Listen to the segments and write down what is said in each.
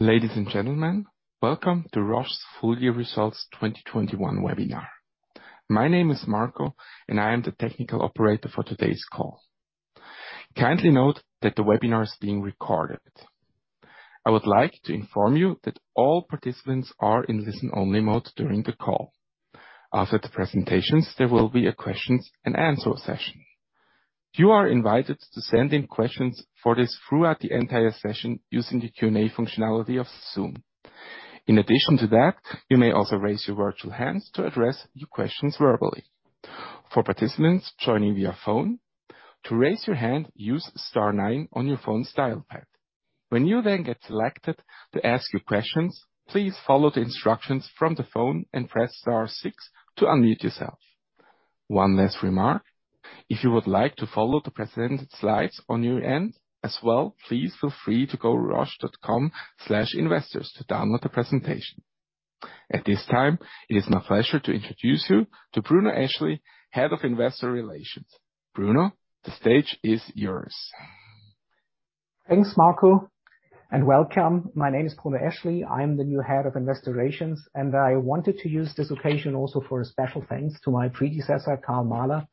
Ladies and gentlemen, welcome to Roche's full year results 2021 webinar. My name is Marco, and I am the technical operator for today's call. Kindly note that the webinar is being recorded. I would like to inform you that all participants are in listen-only mode during the call. After the presentations, there will be a question and answer session. You are invited to send in questions for this throughout the entire session using the Q&A functionality of Zoom. In addition to that, you may also raise your virtual hands to address your questions verbally. For participants joining via phone, to raise your hand, use star nine on your phone's dial pad. When you then get selected to ask your questions, please follow the instructions from the phone and press star six to unmute yourself. One last remark, if you would like to follow the presented slides on your end as well, please feel free to go roche.com/investors to download the presentation. At this time, it is my pleasure to introduce you to Bruno Eschli, Head of Investor Relations. Bruno, the stage is yours. Thanks, Marco, and welcome. My name is Bruno Eschli. I'm the new Head of Investor Relations, and I wanted to use this occasion also for a special thanks to my predecessor, Karl Mahler.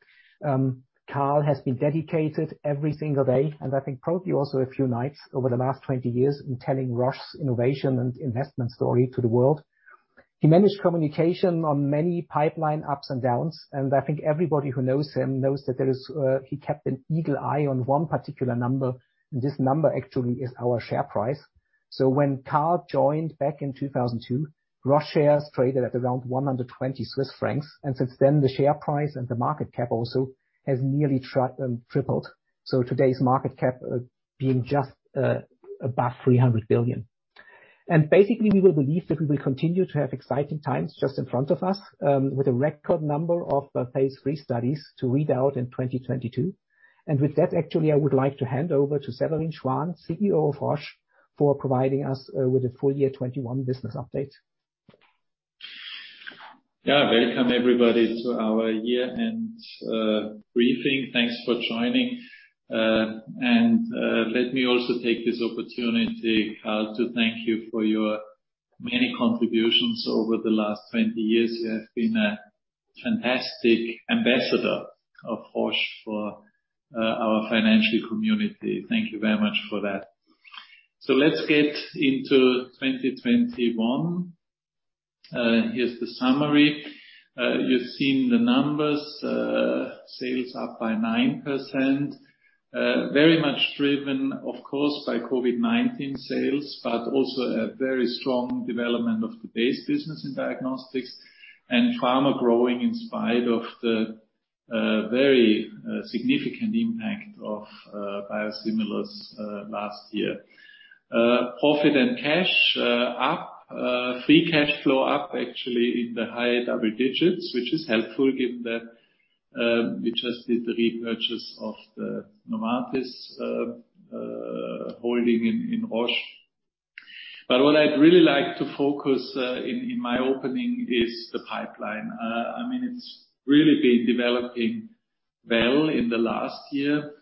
Karl has been dedicated every single day, and I think probably also a few nights over the last 20 years in telling Roche's innovation and investment story to the world. He managed communication on many pipeline ups and downs, and I think everybody who knows him knows that he kept an eagle eye on one particular number, and this number actually is our share price. When Karl joined back in 2002, Roche shares traded at around 120 Swiss francs, and since then, the share price and the market cap also has nearly tripled. Today's market cap being just above 300 billion. Basically, we believe that we will continue to have exciting times just in front of us, with a record number of phase III studies to read out in 2022. With that, actually, I would like to hand over to Severin Schwan, CEO of Roche, for providing us with the full year 2021 business update. Yeah. Welcome everybody to our year-end briefing. Thanks for joining. Let me also take this opportunity to thank you for your many contributions over the last 20 years. You have been a fantastic ambassador of Roche for our financial community. Thank you very much for that. Let's get into 2021. Here's the summary. You've seen the numbers. Sales up by 9%. Very much driven, of course, by COVID-19 sales, but also a very strong development of the base business in diagnostics and pharma growing in spite of the very significant impact of biosimilars last year. Profit and cash up. Free cash flow up actually in the high double digits, which is helpful given that we just did the repurchase of the Novartis holding in Roche. What I'd really like to focus in my opening is the pipeline. I mean, it's really been developing well in the last year.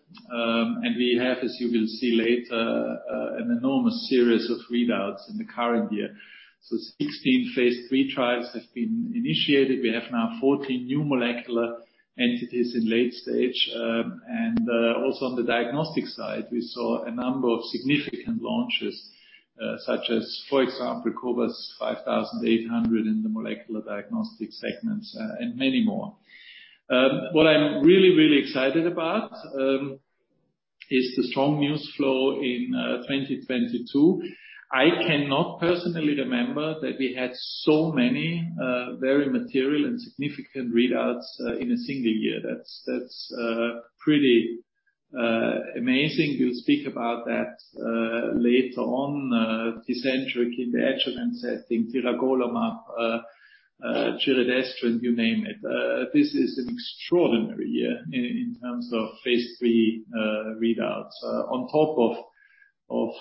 We have, as you will see later, an enormous series of readouts in the current year. 16 phase III trials have been initiated. We have now 14 new molecular entities in late stage. And also on the diagnostic side, we saw a number of significant launches, such as, for example, cobas 5800 in the molecular diagnostic segment, and many more. What I'm really excited about is the strong news flow in 2022. I cannot personally remember that we had so many very material and significant readouts in a single year. That's pretty amazing. We'll speak about that later on. Tecentriq in the adjuvant setting, Tiragolumab, Giredestrant, you name it. This is an extraordinary year in terms of phase III readouts, on top of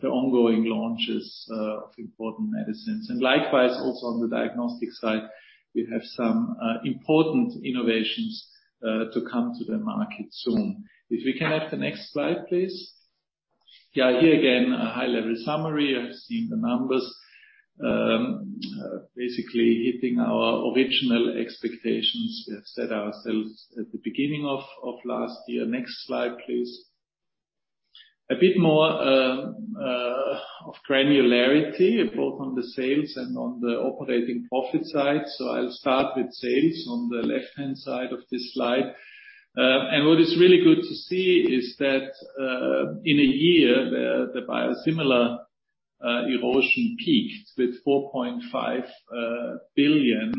the ongoing launches of important medicines. Likewise, also on the diagnostic side, we have some important innovations to come to the market soon. If we can have the next slide, please. Here again, a high-level summary. You have seen the numbers. Basically hitting our original expectations we have set ourselves at the beginning of last year. Next slide, please. A bit more of granularity both on the sales and on the operating profit side. I'll start with sales on the left-hand side of this slide. What is really good to see is that in a year the biosimilar erosion peaked with 4.5 billion.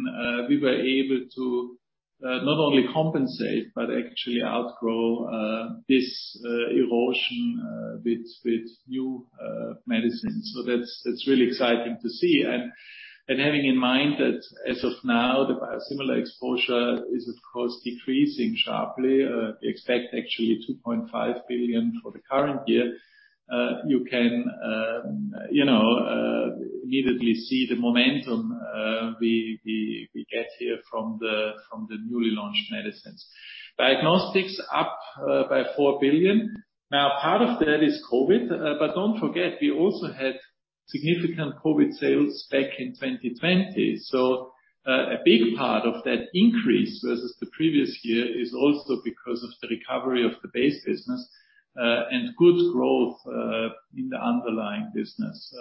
We were able to not only compensate but actually outgrow this erosion with new medicines. That's really exciting to see. Having in mind that as of now the biosimilar exposure is of course decreasing sharply. We expect actually 2.5 billion for the current year. You can, you know, immediately see the momentum we get here from the newly launched medicines. Diagnostics up by 4 billion. Now, part of that is COVID. Don't forget, we also had significant COVID sales back in 2020. A big part of that increase versus the previous year is also because of the recovery of the base business and good growth in the underlying business.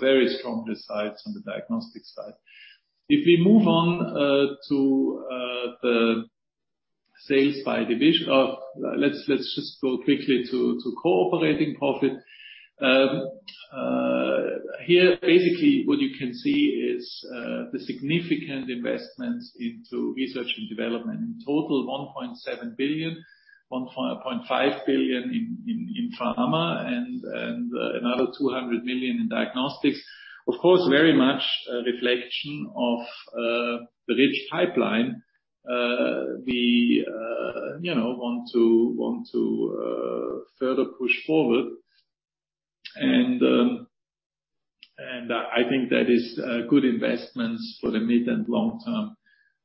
Very strong results on the diagnostics side. If we move on to the sales by division. Or let's just go quickly to operating profit. Here, basically what you can see is the significant investments into research and development. In total, 1.7 billion. 1.5 billion in pharma and another 200 million in diagnostics. Of course, very much a reflection of the rich pipeline we you know want to further push forward. I think that is good investments for the mid and long term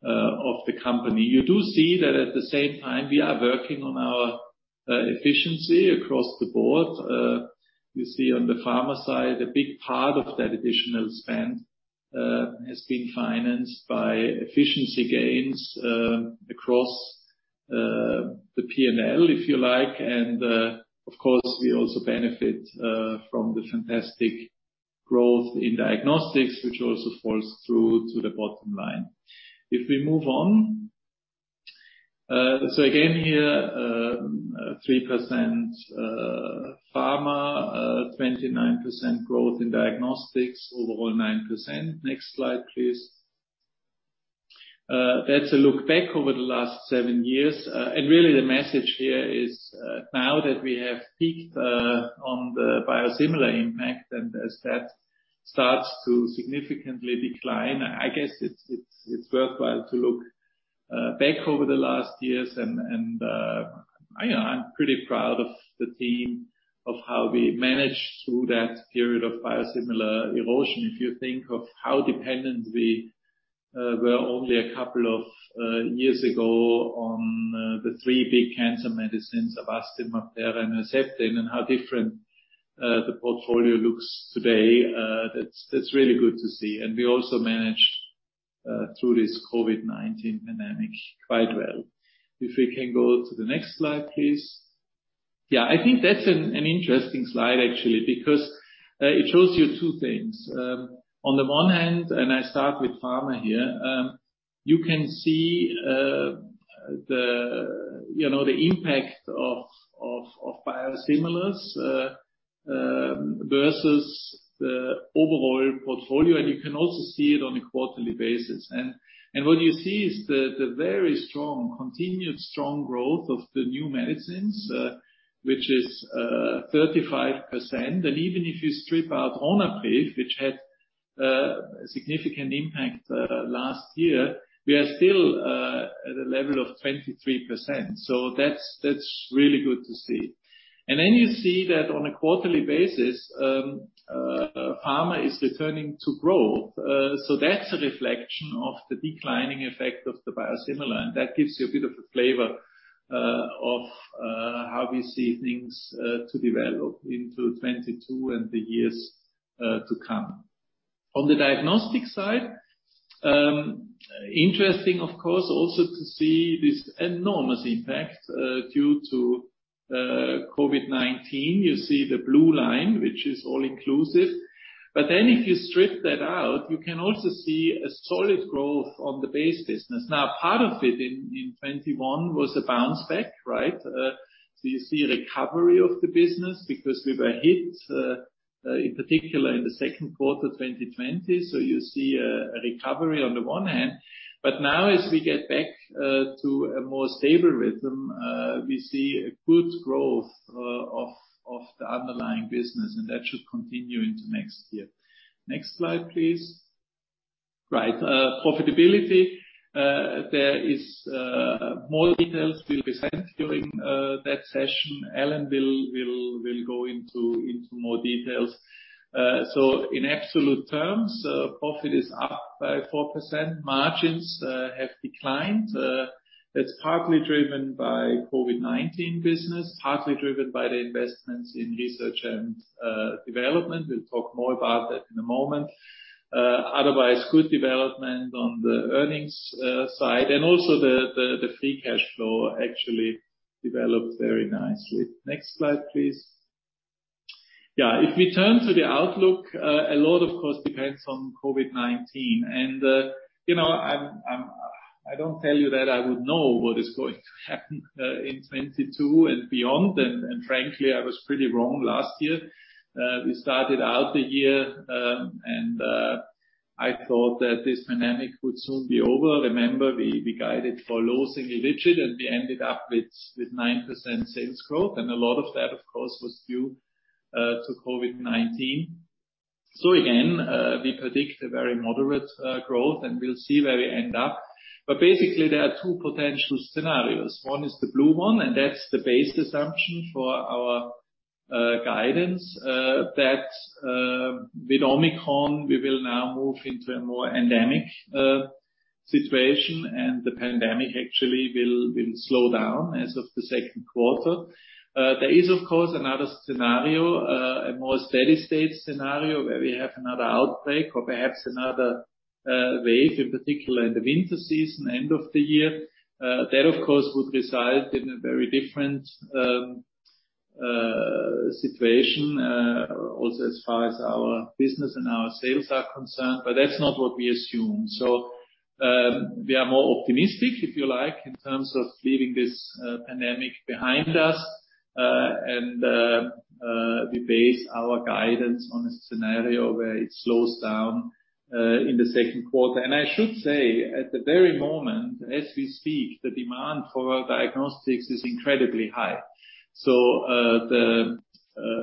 of the company. You do see that at the same time, we are working on our efficiency across the board. You see on the pharma side, a big part of that additional spend has been financed by efficiency gains across the P&L, if you like. Of course, we also benefit from the fantastic growth in diagnostics, which also falls through to the bottom line. If we move on. Again here, 3% pharma, 29% growth in diagnostics, overall 9%. Next slide, please. That's a look back over the last seven years. Really the message here is, now that we have peaked on the biosimilar impact, and as that starts to significantly decline, I guess it's worthwhile to look back over the last years and, I'm pretty proud of the team, of how we managed through that period of biosimilar erosion. If you think of how dependent we were only a couple of years ago on the three big cancer medicines, Avastin, Rituxan, and Herceptin, and how different the portfolio looks today, that's really good to see. We also managed through this COVID-19 pandemic quite well. If we can go to the next slide, please. Yeah. I think that's an interesting slide actually, because it shows you two things. On the one hand, I start with pharma here. You can see, you know, the impact of biosimilars versus the overall portfolio, and you can also see it on a quarterly basis. What you see is the very strong, continued strong growth of the new medicines, which is 35%. Even if you strip out Ronapreve, which had a significant impact last year, we are still at a level of 23%. That's really good to see. Then you see that on a quarterly basis, pharma is returning to growth. That's a reflection of the declining effect of the biosimilar, and that gives you a bit of a flavor of how we see things to develop into 2022 and the years to come. On the diagnostic side, interesting, of course, also to see this enormous impact due to COVID-19. You see the blue line, which is all inclusive. Then if you strip that out, you can also see a solid growth on the base business. Now, part of it in 2021 was a bounce back, right? You see a recovery of the business because we were hit in particular in the second quarter 2020. You see a recovery on the one hand. Now as we get back to a more stable rhythm, we see a good growth of the underlying business, and that should continue into next year. Next slide, please. Right. Profitability. There are more details that will be sent during that session. Alan will go into more details. So in absolute terms, profit is up by 4%. Margins have declined. That's partly driven by COVID-19 business, partly driven by the investments in research and development. We'll talk more about that in a moment. Otherwise, good development on the earnings side, and also the free cash flow actually developed very nicely. Next slide, please. Yeah. If we turn to the outlook, a lot, of course, depends on COVID-19. You know, I don't tell you that I would know what is going to happen in 2022 and beyond. Frankly, I was pretty wrong last year. We started out the year. I thought that this pandemic would soon be over. Remember, we guided for low single-digit, and we ended up with 9% sales growth. A lot of that, of course, was due to COVID-19. Again, we predict a very moderate growth, and we'll see where we end up. Basically, there are two potential scenarios. One is the blue one, and that's the base assumption for our guidance that with Omicron, we will now move into a more endemic situation and the pandemic actually will slow down as of the second quarter. There is of course another scenario, a more steady state scenario, where we have another outbreak or perhaps another wave, in particular in the winter season, end of the year. That of course would result in a very different situation, also as far as our business and our sales are concerned, but that's not what we assume. We are more optimistic, if you like, in terms of leaving this pandemic behind us. We base our guidance on a scenario where it slows down in the second quarter. I should say, at the very moment, as we speak, the demand for our diagnostics is incredibly high.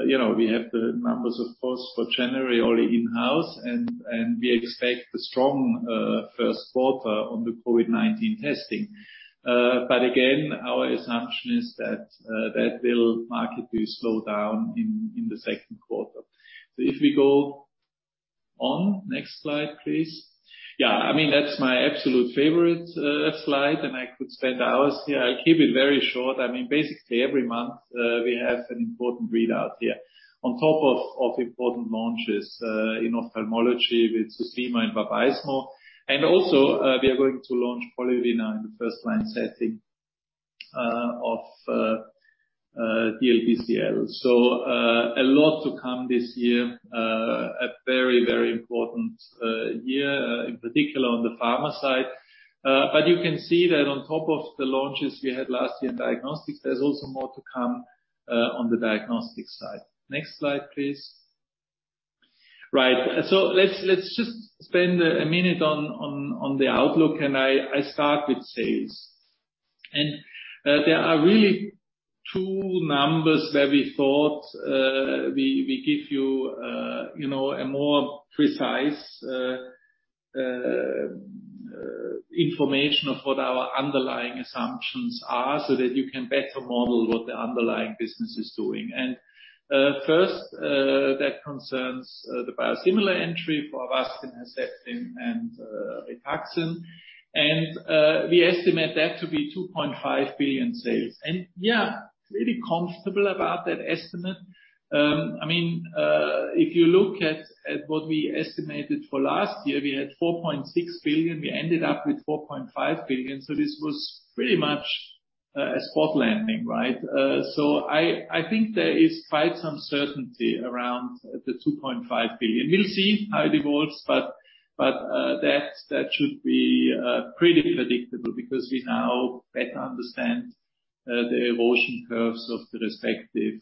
You know, we have the numbers of course for January only in-house and we expect a strong first quarter on the COVID-19 testing. Again, our assumption is that that will markedly slow down in the second quarter. If we go on, next slide, please. I mean, that's my absolute favorite slide, and I could spend hours here. I'll keep it very short. I mean, basically every month, we have an important readout here. On top of important launches in ophthalmology with Susvimo and Vabysmo. Also, we are going to launch Polivy in the first-line setting of DLBCL. A lot to come this year. A very important year, in particular on the pharma side. You can see that on top of the launches we had last year in diagnostics, there's also more to come on the diagnostics side. Next slide, please. Right. Let's just spend a minute on the outlook, and I start with sales. There are really two numbers where we thought we give you know, a more precise information of what our underlying assumptions are, so that you can better model what the underlying business is doing. First, that concerns the biosimilar entry for Avastin, Herceptin, and Rituxan. We estimate that to be 2.5 billion sales. Yeah, pretty comfortable about that estimate. I mean, if you look at what we estimated for last year, we had 4.6 billion. We ended up with 4.5 billion, so this was pretty much a spot landing, right? I think there is quite some certainty around the 2.5 billion. We'll see how it evolves, but that should be pretty predictable because we now better understand the evolution curves of the respective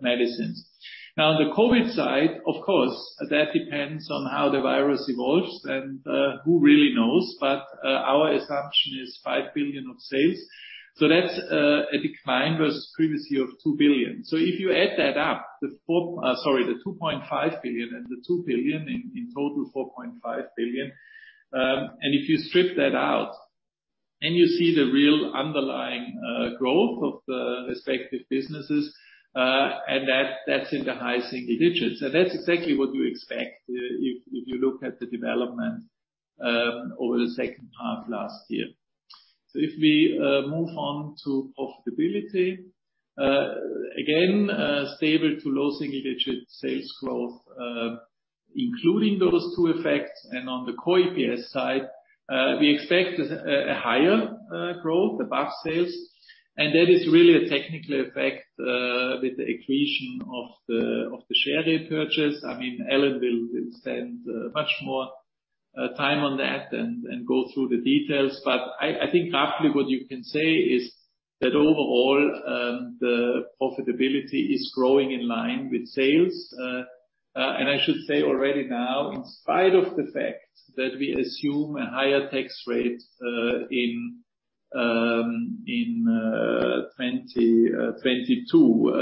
medicines. Now, on the COVID side, of course, that depends on how the virus evolves, and who really knows. Our assumption is 5 billion of sales. That's a decline versus previously of 2 billion. If you add that up, the 2.5 billion and the 2 billion, in total 4.5 billion. If you strip that out, then you see the real underlying growth of the respective businesses, and that's in the high single digits. That's exactly what you expect, if you look at the development over the second half last year. If we move on to profitability. Again, stable to low single-digit sales growth, including those two effects. On the core EPS side, we expect a higher growth above sales. That is really a technical effect with the accretion of the share repurchase. I mean, Alan will spend much more time on that and go through the details. I think roughly what you can say is that overall, the profitability is growing in line with sales. I should say already now, in spite of the fact that we assume a higher tax rate in 2022,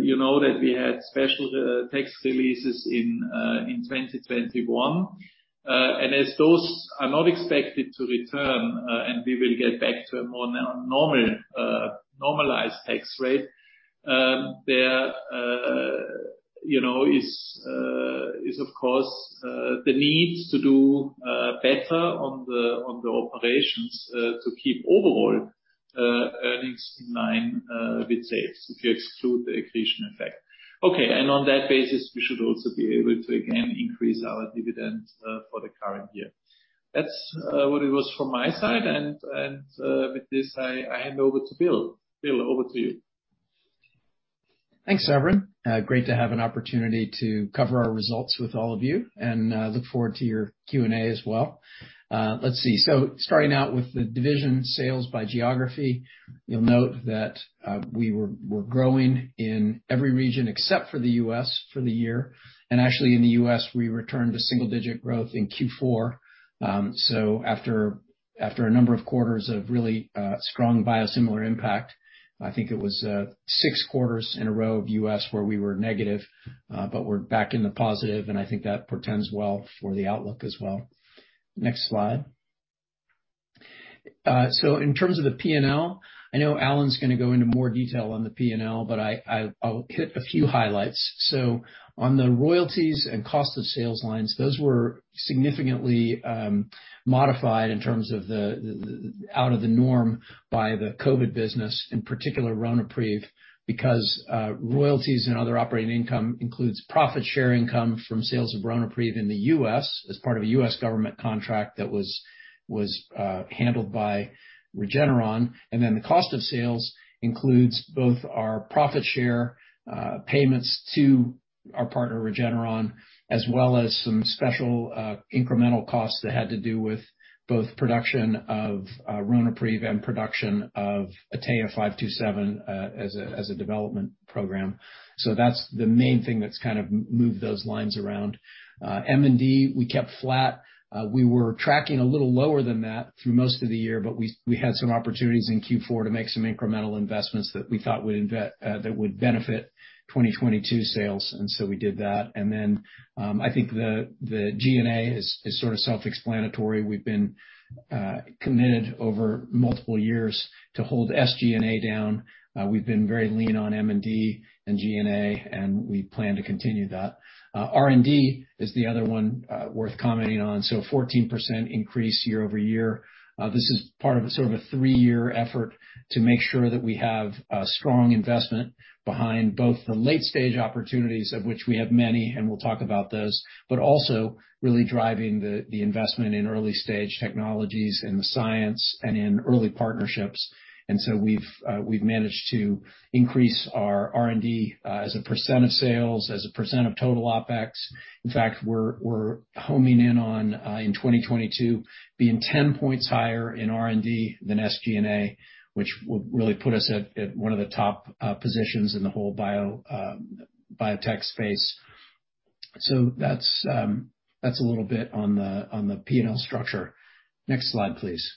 you know that we had special tax releases in 2021. As those are not expected to return, and we will get back to a more normal normalized tax rate, there you know is of course the need to do better on the operations to keep overall earnings in line with sales, if you exclude the accretion effect. Okay. On that basis, we should also be able to again increase our dividend for the current year. That's what it was from my side, and with this, I hand over to Bill. Bill, over to you. Thanks, Severin. Great to have an opportunity to cover our results with all of you, and look forward to your Q&A as well. Let's see. Starting out with the division sales by geography, you'll note that we're growing in every region except for the U.S. for the year. Actually, in the U.S., we returned to single-digit growth in Q4. After a number of quarters of really strong biosimilar impact, I think it was six quarters in a row of U.S. where we were negative. But we're back in the positive, and I think that portends well for the outlook as well. Next slide. In terms of the P&L, I know Alan's gonna go into more detail on the P&L, but I'll hit a few highlights. On the royalties and cost of sales lines, those were significantly modified in terms of the out of the norm by the COVID business, in particular Ronapreve, because royalties and other operating income includes profit-share income from sales of Ronapreve in the U.S. as part of a U.S. government contract that was handled by Regeneron. And then the cost of sales includes both our profit share payments to our partner, Regeneron, as well as some special incremental costs that had to do with both production of Ronapreve and production of Eteplirsen as a development program. That's the main thing that's kind of moved those lines around. M&D, we kept flat. We were tracking a little lower than that through most of the year, but we had some opportunities in Q4 to make some incremental investments that we thought would benefit 2022 sales. We did that. I think the G&A is sort of self-explanatory. We've been committed over multiple years to hold SG&A down. We've been very lean on M&D and G&A, and we plan to continue that. R&D is the other one worth commenting on. 14% increase year-over-year. This is part of sort of a three-year effort to make sure that we have a strong investment behind both the late-stage opportunities, of which we have many, and we'll talk about those, but also really driving the investment in early-stage technologies and the science and in early partnerships. We've managed to increase our R&D as a percent of sales, as a percent of total OPEX. In fact, we're homing in on in 2022 being 10 points higher in R&D than SG&A, which will really put us at one of the top positions in the whole biotech space. That's a little bit on the P&L structure. Next slide, please.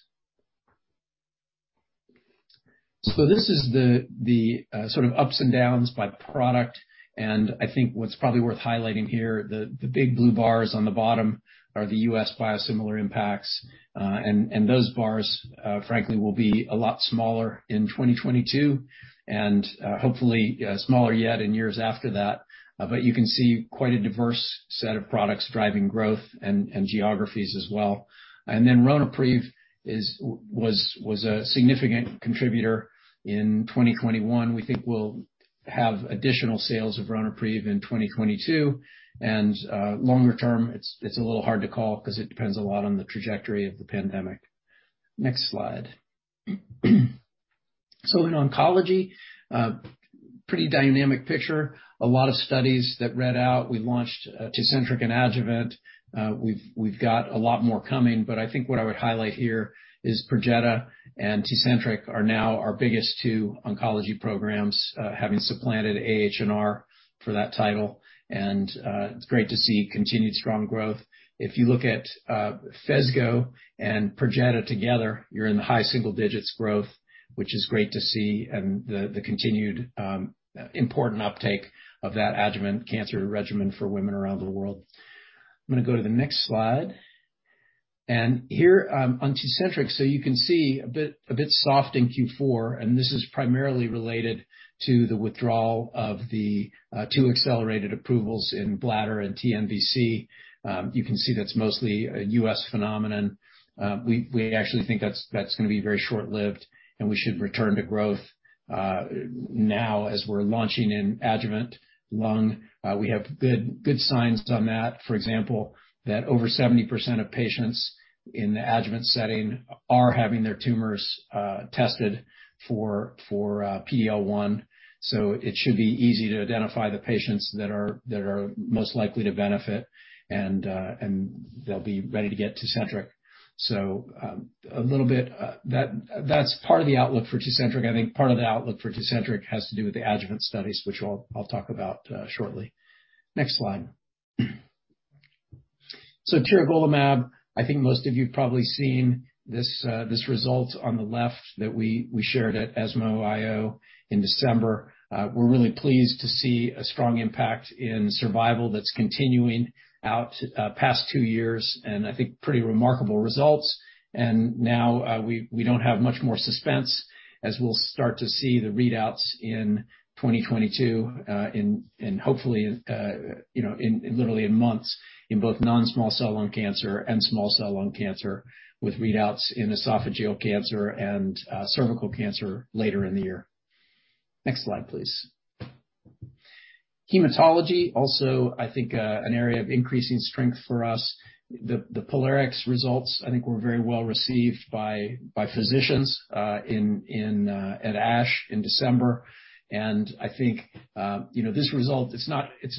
This is the sort of ups and downs by product, and I think what's probably worth highlighting here, the big blue bars on the bottom are the U.S. biosimilar impacts. And those bars, frankly, will be a lot smaller in 2022, and hopefully smaller yet in years after that. You can see quite a diverse set of products driving growth and geographies as well. Ronapreve was a significant contributor in 2021. We think we'll have additional sales of Ronapreve in 2022. Longer term, it's a little hard to call 'cause it depends a lot on the trajectory of the pandemic. Next slide. In oncology, pretty dynamic picture with a lot of studies that read out. We launched Tecentriq and Adjuvant. We've got a lot more coming, but I think what I would highlight here is Perjeta and Tecentriq are now our biggest two oncology programs, having supplanted Avastin for that title. It's great to see continued strong growth. If you look at Phesgo and Perjeta together, you're in the high single digits growth, which is great to see, and the continued important uptake of that adjuvant cancer regimen for women around the world. I'm gonna go to the next slide. Here, on Tecentriq, so you can see a bit soft in Q4, and this is primarily related to the withdrawal of the two accelerated approvals in bladder and TNBC. You can see that's mostly a U.S. phenomenon. We actually think that's gonna be very short-lived, and we should return to growth now as we're launching in adjuvant lung. We have good signs on that, for example, that over 70% of patients in the adjuvant setting are having their tumors tested for PD-L1. It should be easy to identify the patients that are most likely to benefit and they'll be ready to get Tecentriq. That's part of the outlook for Tecentriq. I think part of the outlook for Tecentriq has to do with the adjuvant studies, which I'll talk about shortly. Next slide. Tiragolumab, I think most of you have probably seen this result on the left that we shared at ESMO IO in December. We're really pleased to see a strong impact in survival that's continuing out past two years, and I think pretty remarkable results. Now, we don't have much more suspense as we'll start to see the readouts in 2022, and hopefully, you know, literally in months in both non-small cell lung cancer and small cell lung cancer with readouts in esophageal cancer and cervical cancer later in the year. Next slide, please. Hematology, also I think, an area of increasing strength for us. The POLARIX results I think were very well-received by physicians at ASH in December. I think, you know, this result, it's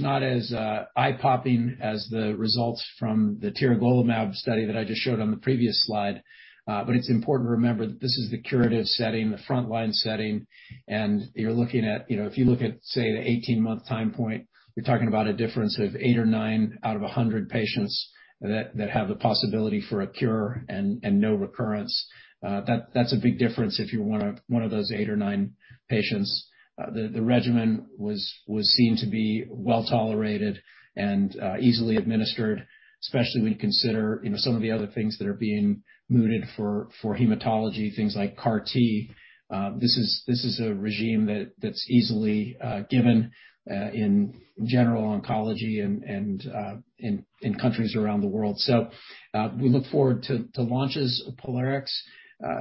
not as eye-popping as the results from the tiragolumab study that I just showed on the previous slide, but it's important to remember that this is the curative setting, the frontline setting. You're looking at, you know, if you look at, say, the 18-month time point, you're talking about a difference of eight or nine out of 100 patients that have the possibility for a cure and no recurrence. That, that's a big difference if you're one of those eight or nine patients. The regimen was seen to be well-tolerated and easily administered. Especially when you consider, you know, some of the other things that are being mooted for hematology, things like CAR T. This is a regimen that's easily given in general oncology and in countries around the world. We look forward to launches of POLARIX,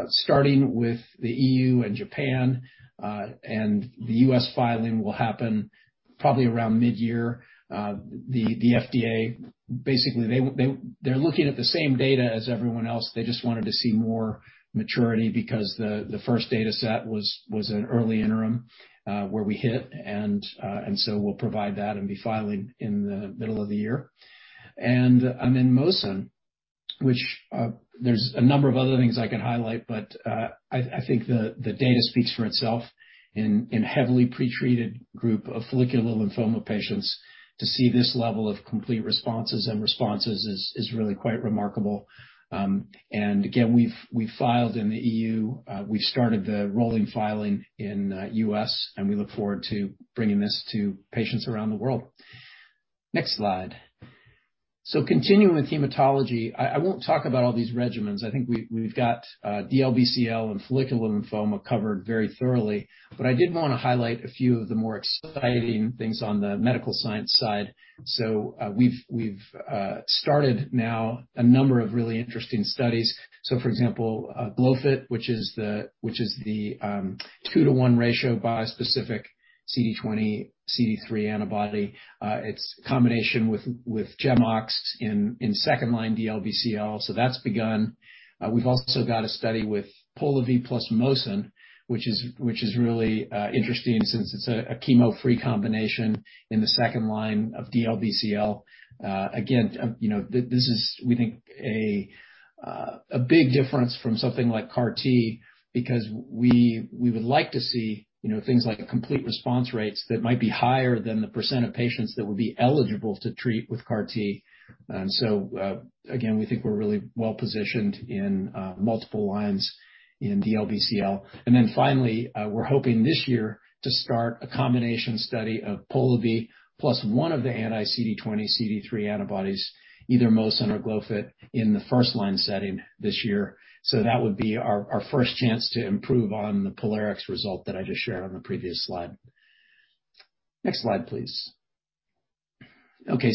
starting with the EU and Japan, and the U.S. filing will happen probably around midyear. The FDA, basically they're looking at the same data as everyone else. They just wanted to see more maturity because the first dataset was an early interim where we hit and so we'll provide that and be filing in the middle of the year. In Mosun, which there's a number of other things I could highlight, but I think the data speaks for itself in heavily pretreated group of follicular lymphoma patients to see this level of complete responses and responses is really quite remarkable. And again, we've filed in the EU, we've started the rolling filing in the U.S. and we look forward to bringing this to patients around the world. Next slide. Continuing with hematology, I won't talk about all these regimens. I think we've got DLBCL and follicular lymphoma covered very thoroughly, but I did wanna highlight a few of the more exciting things on the medical science side. We've started now a number of really interesting studies. For example, Glofitamab, which is the two-to-one ratio bispecific CD20, CD3 antibody. Its combination with GemOx in second-line DLBCL, so that's begun. We've also got a study with Polivy plus Mosunetuzumab, which is really interesting since it's a chemo-free combination in the second-line of DLBCL. Again, you know, this is, we think, a big difference from something like CAR T because we would like to see, you know, things like complete response rates that might be higher than the percent of patients that would be eligible to treat with CAR T. Again, we think we're really well-positioned in multiple lines in DLBCL. Then finally, we're hoping this year to start a combination study of Polivy plus one of the anti-CD20/CD3 antibodies, either Mosunetuzumab or Glofitamab, in the first line setting this year. That would be our first chance to improve on the POLARIX result that I just shared on the previous slide. Next slide, please. Okay.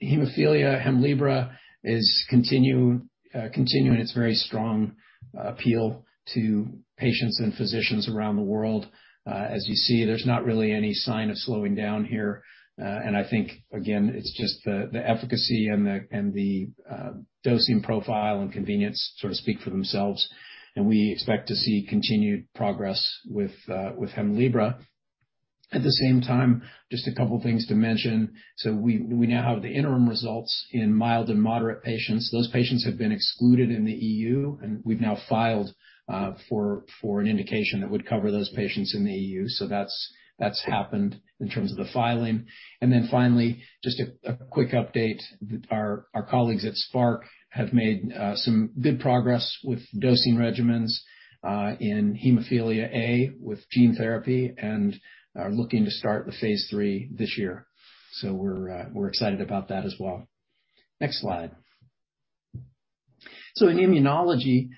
Hemophilia, Hemlibra is continuing its very strong appeal to patients and physicians around the world. As you see, there's not really any sign of slowing down here. I think, again, it's just the efficacy and the dosing profile and convenience sort of speak for themselves, and we expect to see continued progress with Hemlibra. At the same time, just a couple things to mention. We now have the interim results in mild and moderate patients. Those patients have been excluded in the EU, and we've now filed for an indication that would cover those patients in the EU. That's happened in terms of the filing. Then finally, just a quick update that our colleagues at Spark have made some good progress with dosing regimens in hemophilia A with gene therapy and are looking to start the phase III this year. We're excited about that as well. Next slide. In immunology,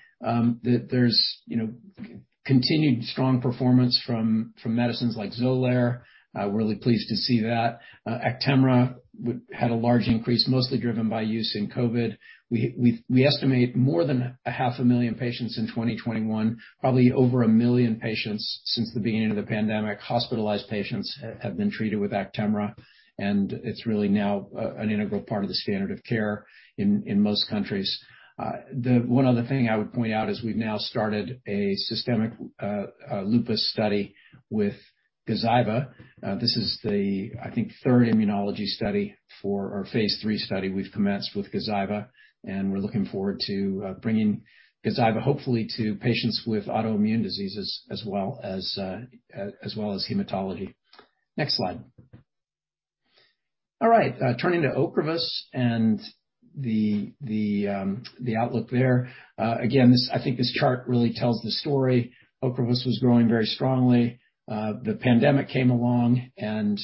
there's, you know, continued strong performance from medicines like Xolair. We're really pleased to see that. Actemra had a large increase, mostly driven by use in COVID. We estimate more than 500,000 patients in 2021, probably over 1 million patients since the beginning of the pandemic, hospitalized patients have been treated with Actemra, and it's really now an integral part of the standard of care in most countries. The one other thing I would point out is we've now started a systemic lupus study with Gazyva. This is the, I think third immunology study for our phase III study we've commenced with Gazyva, and we're looking forward to bringing Gazyva hopefully to patients with autoimmune diseases as well as hematology. Next slide. All right. Turning to Ocrevus and the outlook there. Again, this, I think this chart really tells the story. Ocrevus was growing very strongly. The pandemic came along and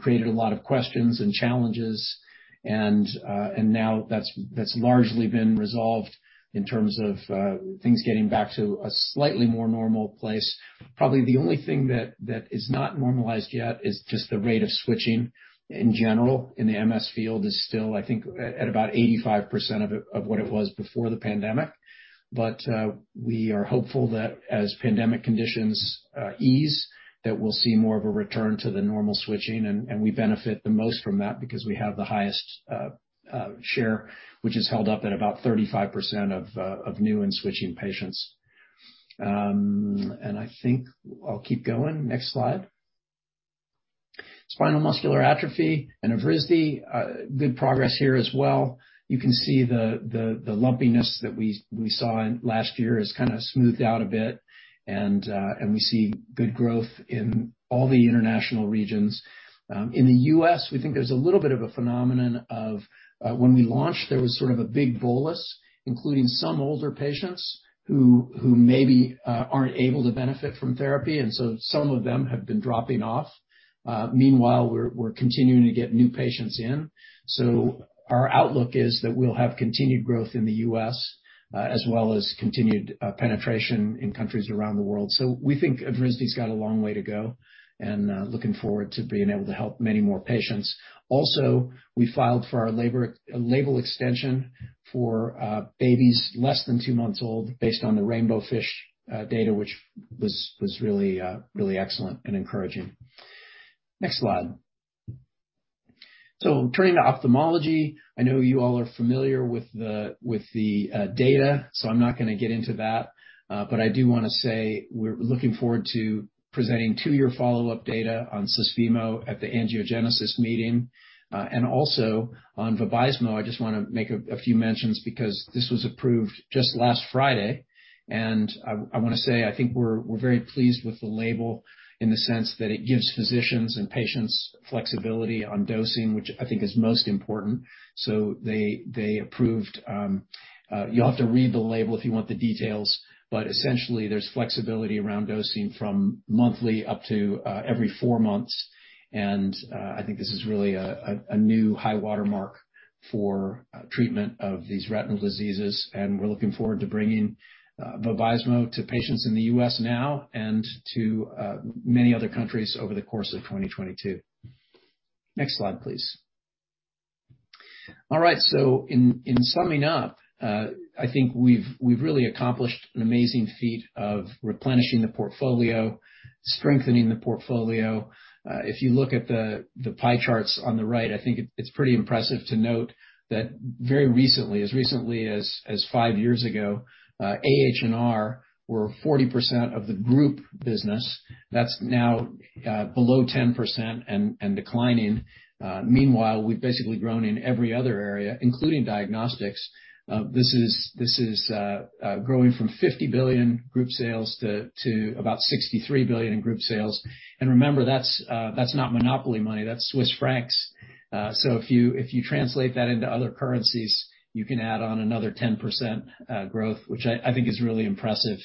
created a lot of questions and challenges and now that's largely been resolved in terms of things getting back to a slightly more normal place. Probably the only thing that is not normalized yet is just the rate of switching in general in the MS field is still, I think at about 85% of what it was before the pandemic. We are hopeful that as pandemic conditions ease, that we'll see more of a return to the normal switching and we benefit the most from that because we have the highest share, which is held up at about 35% of new and switching patients. I think I'll keep going. Next slide. Spinal muscular atrophy and Evrysdi, good progress here as well. You can see the lumpiness that we saw last year has kinda smoothed out a bit and we see good growth in all the international regions. In the U.S., we think there's a little bit of a phenomenon of when we launched, there was sort of a big bolus, including some older patients who maybe aren't able to benefit from therapy, and so some of them have been dropping off. Meanwhile, we're continuing to get new patients in. Our outlook is that we'll have continued growth in the U.S. as well as continued penetration in countries around the world. We think Evrysdi's got a long way to go, and looking forward to being able to help many more patients. Also, we filed for our label extension for babies less than two months old based on the RAINBOWFISH data, which was really excellent and encouraging. Next slide. Turning to ophthalmology. I know you all are familiar with the data, so I'm not gonna get into that. I do wanna say we're looking forward to presenting two-year follow-up data on Susvimo at the angiogenesis meeting, and also on Vabysmo. I just wanna make a few mentions because this was approved just last Friday. I wanna say, I think we're very pleased with the label in the sense that it gives physicians and patients flexibility on dosing, which I think is most important. They approved, you'll have to read the label if you want the details, but essentially, there's flexibility around dosing from monthly up to every four months. I think this is really a new high watermark for treatment of these retinal diseases, and we're looking forward to bringing Vabysmo to patients in the U.S. now and to many other countries over the course of 2022. Next slide, please. All right, in summing up, I think we've really accomplished an amazing feat of replenishing the portfolio, strengthening the portfolio. If you look at the pie charts on the right, I think it's pretty impressive to note that very recently, as recently as five years ago, AHR were 40% of the group business. That's now below 10% and declining. Meanwhile, we've basically grown in every other area, including diagnostics. This is growing from 50 billion group sales to about 63 billion in group sales. Remember, that's not monopoly money, that's Swiss francs. If you translate that into other currencies, you can add on another 10% growth, which I think is really impressive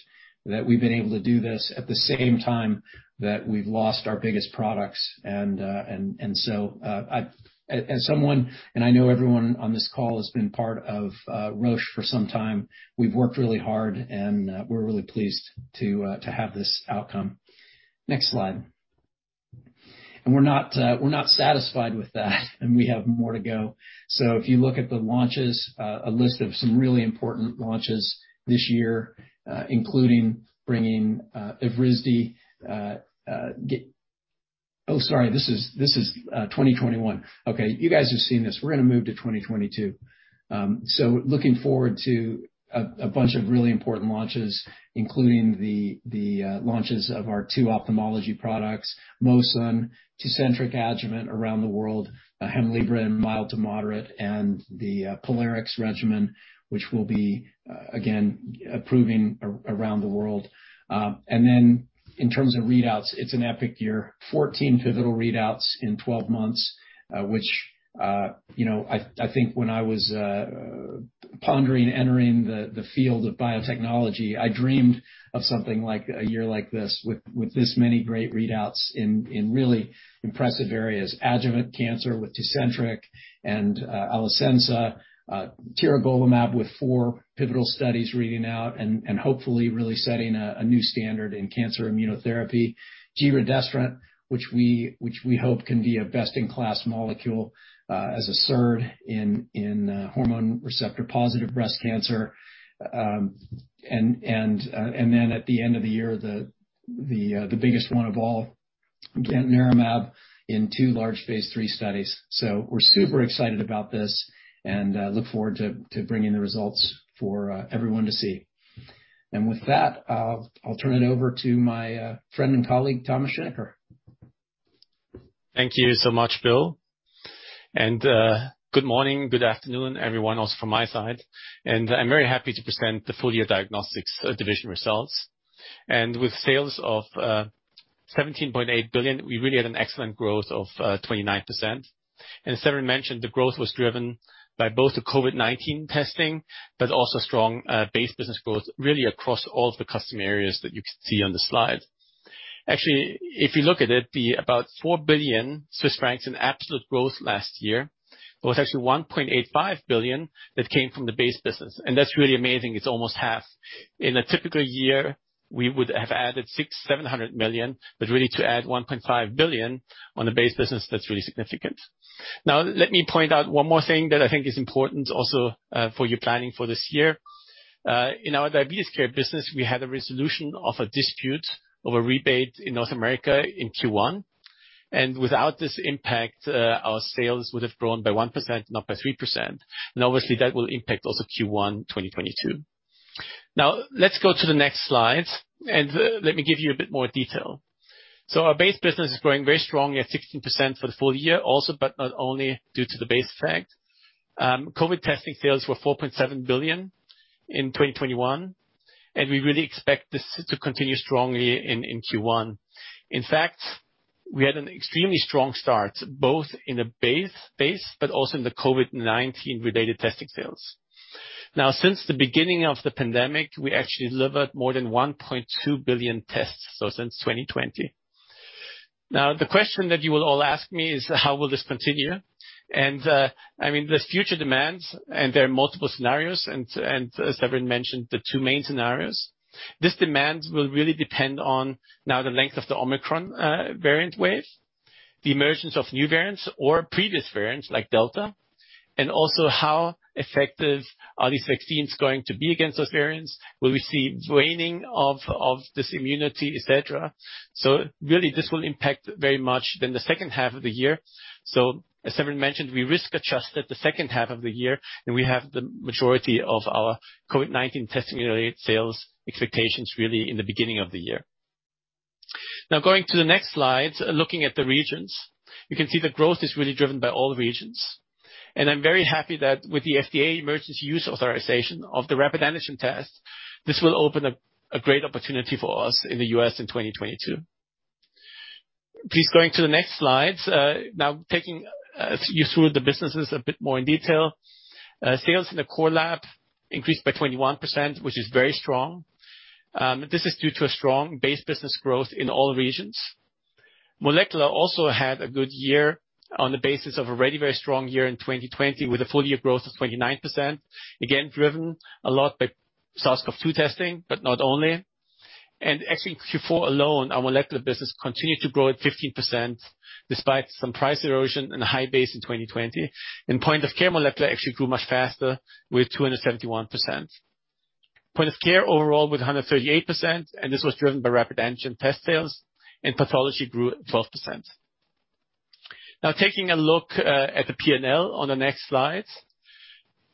that we've been able to do this at the same time that we've lost our biggest products. I as someone and I know everyone on this call has been part of Roche for some time, we've worked really hard, and we're really pleased to have this outcome. Next slide. We're not satisfied with that, and we have more to go. If you look at the launches, a list of some really important launches this year, including bringing Evrysdi. Oh, sorry, this is 2021. Okay, you guys have seen this. We're gonna move to 2022. Looking forward to a bunch of really important launches, including the launches of our two ophthalmology products, Vabysmo, Susvimo, Tecentriq adjuvant around the world, Hemlibra in mild to moderate, and the POLARIX regimen, which we'll again be approving around the world. In terms of readouts, it's an epic year. 14 pivotal readouts in 12 months, which you know, I think when I was pondering entering the field of biotechnology, I dreamed of something like a year like this with this many great readouts in really impressive areas. Adjuvant cancer with Tecentriq and Alecensa, Tiragolumab with four pivotal studies reading out and hopefully really setting a new standard in cancer immunotherapy. Giredestrant, which we hope can be a best-in-class molecule as a SERD in hormone receptor-positive breast cancer. At the end of the year, the biggest one of all, again, Tiragolumab in two large phase III studies. We're super excited about this and look forward to bringing the results for everyone to see. With that, I'll turn it over to my friend and colleague, Thomas Schinecker. Thank you so much, Bill. Good morning, good afternoon, everyone else from my side. I'm very happy to present the full-year Diagnostics division results. With sales of 17.8 billion, we really had an excellent growth of 29%. As Severin mentioned, the growth was driven by both the COVID-19 testing, but also strong base business growth, really across all the customer areas that you can see on the slide. Actually, if you look at it, the about 4 billion Swiss francs in absolute growth last year was actually 1.85 billion that came from the base business. That's really amazing. It's almost half. In a typical year, we would have added 600million, 700 million, but really to add 1.5 billion on the base business, that's really significant. Now let me point out one more thing that I think is important also for your planning for this year. In our diabetes care business, we had a resolution of a dispute over rebate in North America in Q1. Without this impact, our sales would have grown by 1%, not by 3%. Obviously, that will impact also Q1 2022. Now let's go to the next slide, and let me give you a bit more detail. Our base business is growing very strongly at 16% for the full year also, but not only due to the base effect. COVID testing sales were 4.7 billion in 2021, and we really expect this to continue strongly in Q1. In fact, we had an extremely strong start, both in the base, but also in the COVID-19 related testing sales. Now, since the beginning of the pandemic, we actually delivered more than 1.2 billion tests, so since 2020. Now, the question that you will all ask me is, how will this continue? I mean, there's future demands, and there are multiple scenarios, and as Severin mentioned, the two main scenarios. This demand will really depend on now the length of the Omicron variant wave, the emergence of new variants or previous variants like Delta, and also how effective are these vaccines going to be against those variants. Will we see waning of this immunity, et cetera? Really, this will impact very much then the second half of the year. As Severin mentioned, we risk-adjusted the second half of the year, and we have the majority of our COVID-19 testing-related sales expectations really in the beginning of the year. Now going to the next slide, looking at the regions. You can see the growth is really driven by all regions. I'm very happy that with the FDA emergency use authorization of the rapid antigen test, this will open a great opportunity for us in the U.S. in 2022. Please going to the next slide. Now taking you through the businesses a bit more in detail. Sales in the Core Lab increased by 21%, which is very strong. This is due to a strong base business growth in all regions. Molecular also had a good year on the basis of an already very strong year in 2020 with a full year growth of 29%. Again, driven a lot by SARS-CoV-2 testing, but not only. Actually, Q4 alone, our molecular business continued to grow at 15% despite some price erosion and a high base in 2020. In point of care, molecular actually grew much faster with 271%. Point of care overall with 138%, and this was driven by rapid antigen test sales, and pathology grew at 12%. Now taking a look at the P&L on the next slide.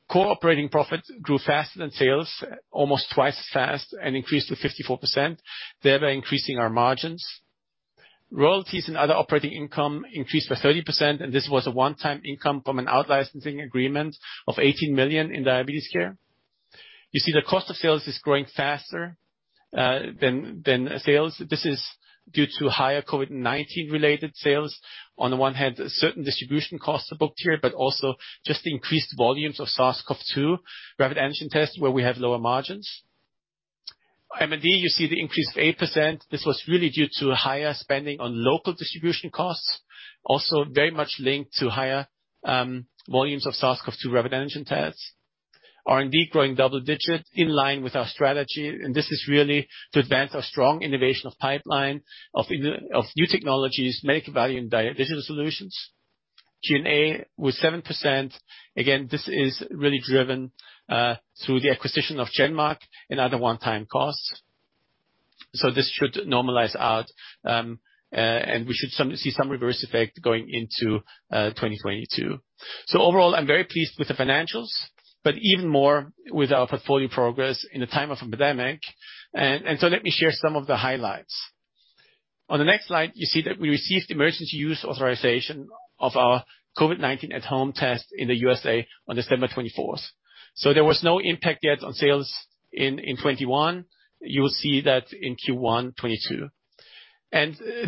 Core operating profit grew faster than sales, almost twice as fast, and increased to 54%, thereby increasing our margins. Royalties and other operating income increased by 30%, and this was a one-time income from an out-licensing agreement of 18 million in diabetes care. You see the cost of sales is growing faster than sales. This is due to higher COVID-19 related sales. On the one hand, certain distribution costs are booked here, but also just the increased volumes of SARS-CoV-2 rapid antigen tests where we have lower margins. R&D, you see the increase of 8%. This was really due to higher spending on local distribution costs, also very much linked to higher volumes of SARS-CoV-2 rapid antigen tests. R&D growing double-digit in line with our strategy, and this is really to advance our strong innovation of pipeline, of new technologies, medical value and digital solutions. G&A with 7%. Again, this is really driven through the acquisition of GenMark and other one-time costs. This should normalize out, and we should see some reverse effect going into 2022. Overall, I'm very pleased with the financials, but even more with our portfolio progress in a time of a pandemic. Let me share some of the highlights. On the next slide, you see that we received emergency use authorization of our COVID-19 at-home test in the U.S.A. on December 24th. There was no impact yet on sales in 2021. You will see that in Q1 2022.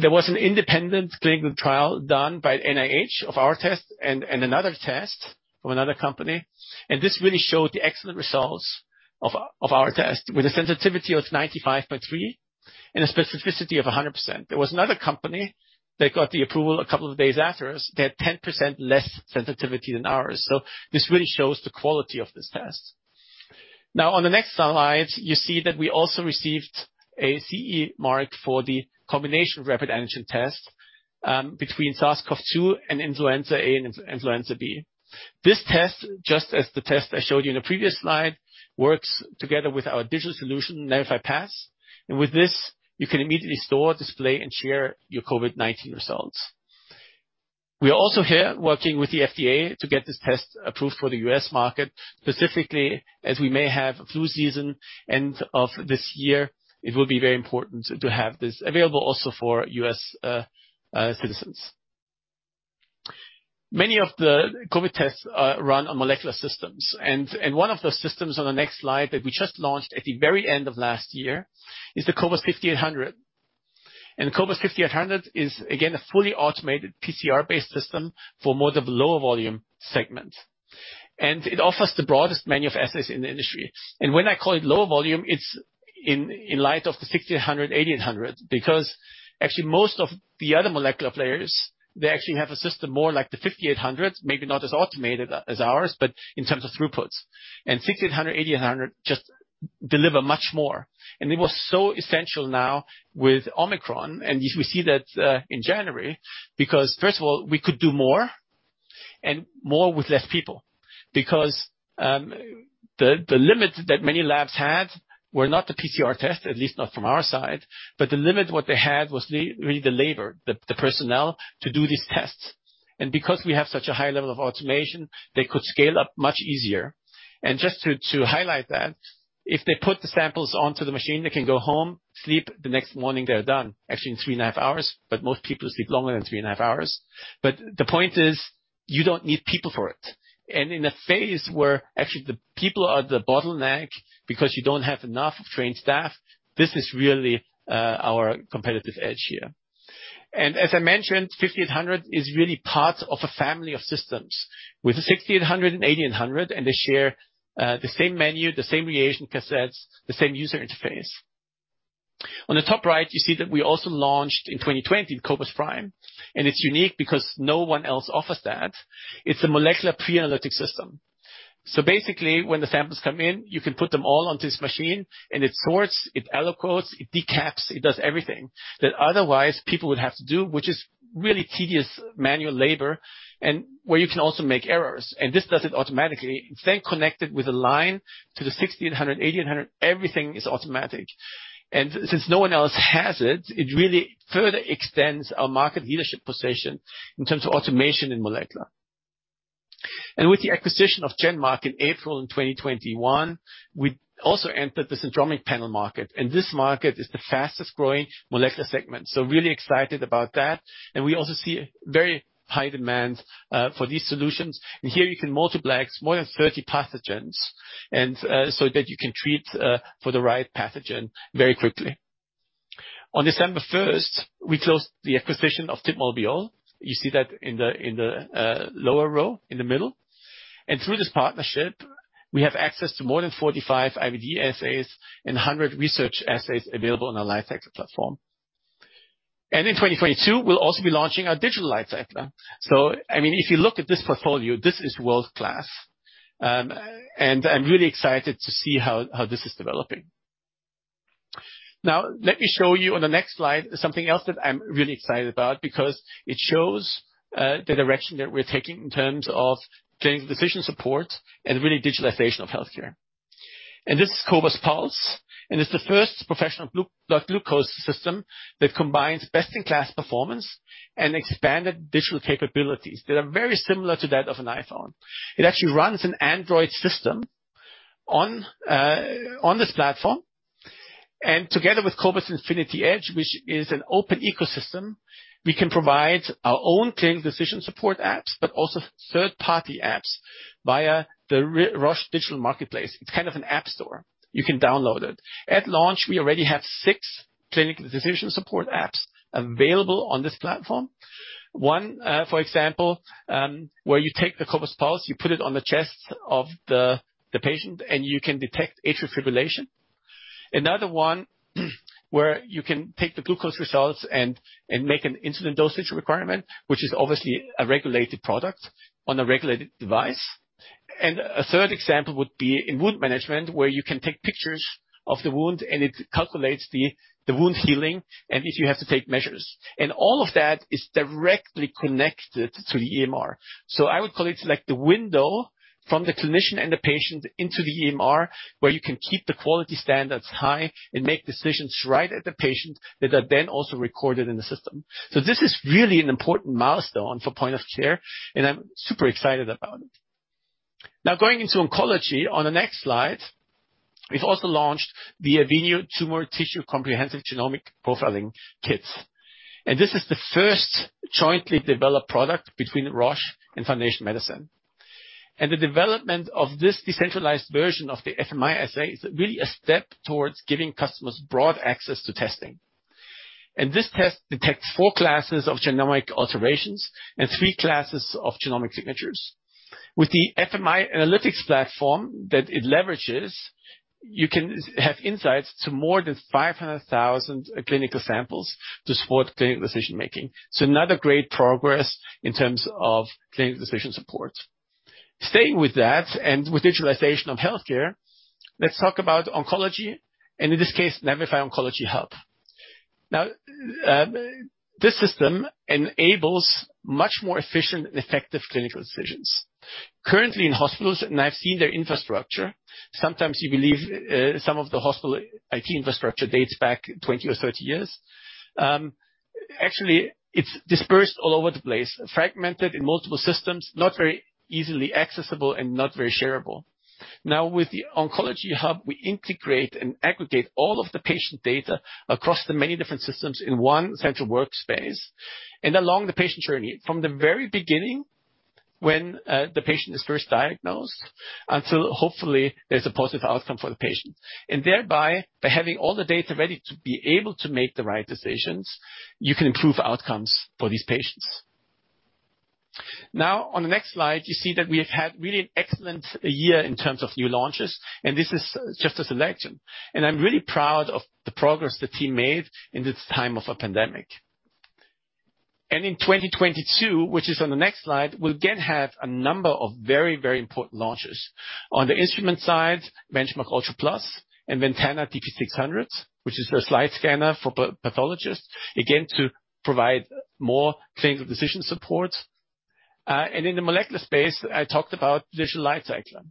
There was an independent clinical trial done by NIH of our test and another test from another company. This really showed the excellent results of our test with a sensitivity of 95.3% and a specificity of 100%. There was another company that got the approval a couple of days after us. They had 10% less sensitivity than ours. This really shows the quality of this test. Now on the next slide, you see that we also received a CE mark for the combination rapid antigen test between SARS-CoV-2 and influenza A and influenza B. This test, just as the test I showed you in the previous slide, works together with our digital solution, navify Pass. With this, you can immediately store, display and share your COVID-19 results. We are also here working with the FDA to get this test approved for the U.S. market. Specifically, as we may have flu season end of this year, it will be very important to have this available also for U.S. citizens. Many of the COVID tests run on molecular systems, and one of the systems on the next slide that we just launched at the very end of last year is the cobas 5800. The cobas 5800 is again a fully automated PCR-based system for more the lower volume segment. It offers the broadest menu of assays in the industry. When I call it low volume, it's in light of the 6800, 8800, because actually most of the other molecular players, they actually have a system more like the 5800, maybe not as automated as ours, but in terms of throughputs. 6800, 8800 just deliver much more. It was so essential now with Omicron, and we see that in January, because first of all, we could do more and more with less people. Because the limit that many labs had were not the PCR test, at least not from our side, but the limit what they had was really the labor, the personnel to do these tests. Because we have such a high level of automation, they could scale up much easier. Just to highlight that, if they put the samples onto the machine, they can go home, sleep, the next morning, they're done. Actually, in three and a half hours, but most people sleep longer than three and a half hours. But the point is, you don't need people for it. In a phase where actually the people are the bottleneck because you don't have enough trained staff, this is really our competitive edge here. As I mentioned, cobas 5800 is really part of a family of systems with the cobas 6800 and cobas 8800, and they share the same menu, the same reagent cassettes, the same user interface. On the top right, you see that we also launched in 2020, cobas prime, and it's unique because no one else offers that. It's a molecular pre-analytic system. So basically, when the samples come in, you can put them all on this machine, and it sorts, it aliquots, it decaps, it does everything that otherwise people would have to do, which is really tedious manual labor and where you can also make errors. This does it automatically. Connect it with a line to the 6800, 8800, everything is automatic. Since no one else has it really further extends our market leadership position in terms of automation in molecular. With the acquisition of GenMark in April 2021, we also entered the syndromic panel market, and this market is the fastest-growing molecular segment. Really excited about that. We also see very high demand for these solutions. Here you can multiplex more than 30 pathogens and so that you can treat for the right pathogen very quickly. On December 1st, we closed the acquisition of TIB Molbiol. You see that in the lower row in the middle. Through this partnership, we have access to more than 45 IVD assays and 100 research assays available on our LightCycler Platform. In 2022, we'll also be launching our Digital LightCycler. I mean, if you look at this portfolio, this is world-class, and I'm really excited to see how this is developing. Now let me show you on the next slide something else that I'm really excited about because it shows the direction that we're taking in terms of getting decision support and really digitalization of healthcare. This is cobas Pulse, and it's the first professional blood glucose system that combines best-in-class performance and expanded digital capabilities that are very similar to that of an iPhone. It actually runs an Android system on this platform. Together with cobas infinity edge, which is an open ecosystem, we can provide our own clinical decision support apps, but also third-party apps via the Roche digital marketplace. It's kind of an app store. You can download it. At launch, we already have six clinical decision support apps available on this platform. One, for example, where you take the cobas Pulse, you put it on the chest of the patient, and you can detect atrial fibrillation. Another one where you can take the glucose results and make an insulin dosage requirement, which is obviously a regulated product on a regulated device. A third example would be in wound management, where you can take pictures of the wound, and it calculates the wound healing and if you have to take measures. All of that is directly connected to the EMR. I would call it like the window from the clinician and the patient into the EMR, where you can keep the quality standards high and make decisions right at the patient that are then also recorded in the system. This is really an important milestone for point of care, and I'm super excited about it. Now, going into oncology on the next slide, we've also launched the AVENIO Tumor Tissue Comprehensive Genomic Profiling kits. This is the first jointly developed product between Roche and Foundation Medicine. The development of this decentralized version of the FMI assay is really a step towards giving customers broad access to testing. This test detects four classes of genomic alterations and three classes of genomic signatures. With the FMI analytics platform that it leverages, you can have insights to more than 500,000 clinical samples to support clinical decision-making. Another great progress in terms of clinical decision support. Staying with that and with digitalization of healthcare, let's talk about oncology, and in this case, NAVIFY Oncology Hub. Now, this system enables much more efficient and effective clinical decisions. Currently, in hospitals, and I've seen their infrastructure, sometimes you believe, some of the hospital IT infrastructure dates back 20 or 30 years. Actually, it's dispersed all over the place, fragmented in multiple systems, not very easily accessible and not very shareable. Now, with the NAVIFY Oncology Hub, we integrate and aggregate all of the patient data across the many different systems in one central workspace and along the patient journey from the very beginning when, the patient is first diagnosed until hopefully there's a positive outcome for the patient. Thereby, by having all the data ready to be able to make the right decisions, you can improve outcomes for these patients. Now on the next slide, you see that we have had really an excellent year in terms of new launches, and this is just a selection. I'm really proud of the progress the team made in this time of a pandemic. In 2022, which is on the next slide, we'll again have a number of very, very important launches. On the instrument side, BenchMark ULTRA PLUS and VENTANA DP 600, which is a slide scanner for pathologists, again, to provide more clinical decision support. In the molecular space, I talked about Digital LightCycler.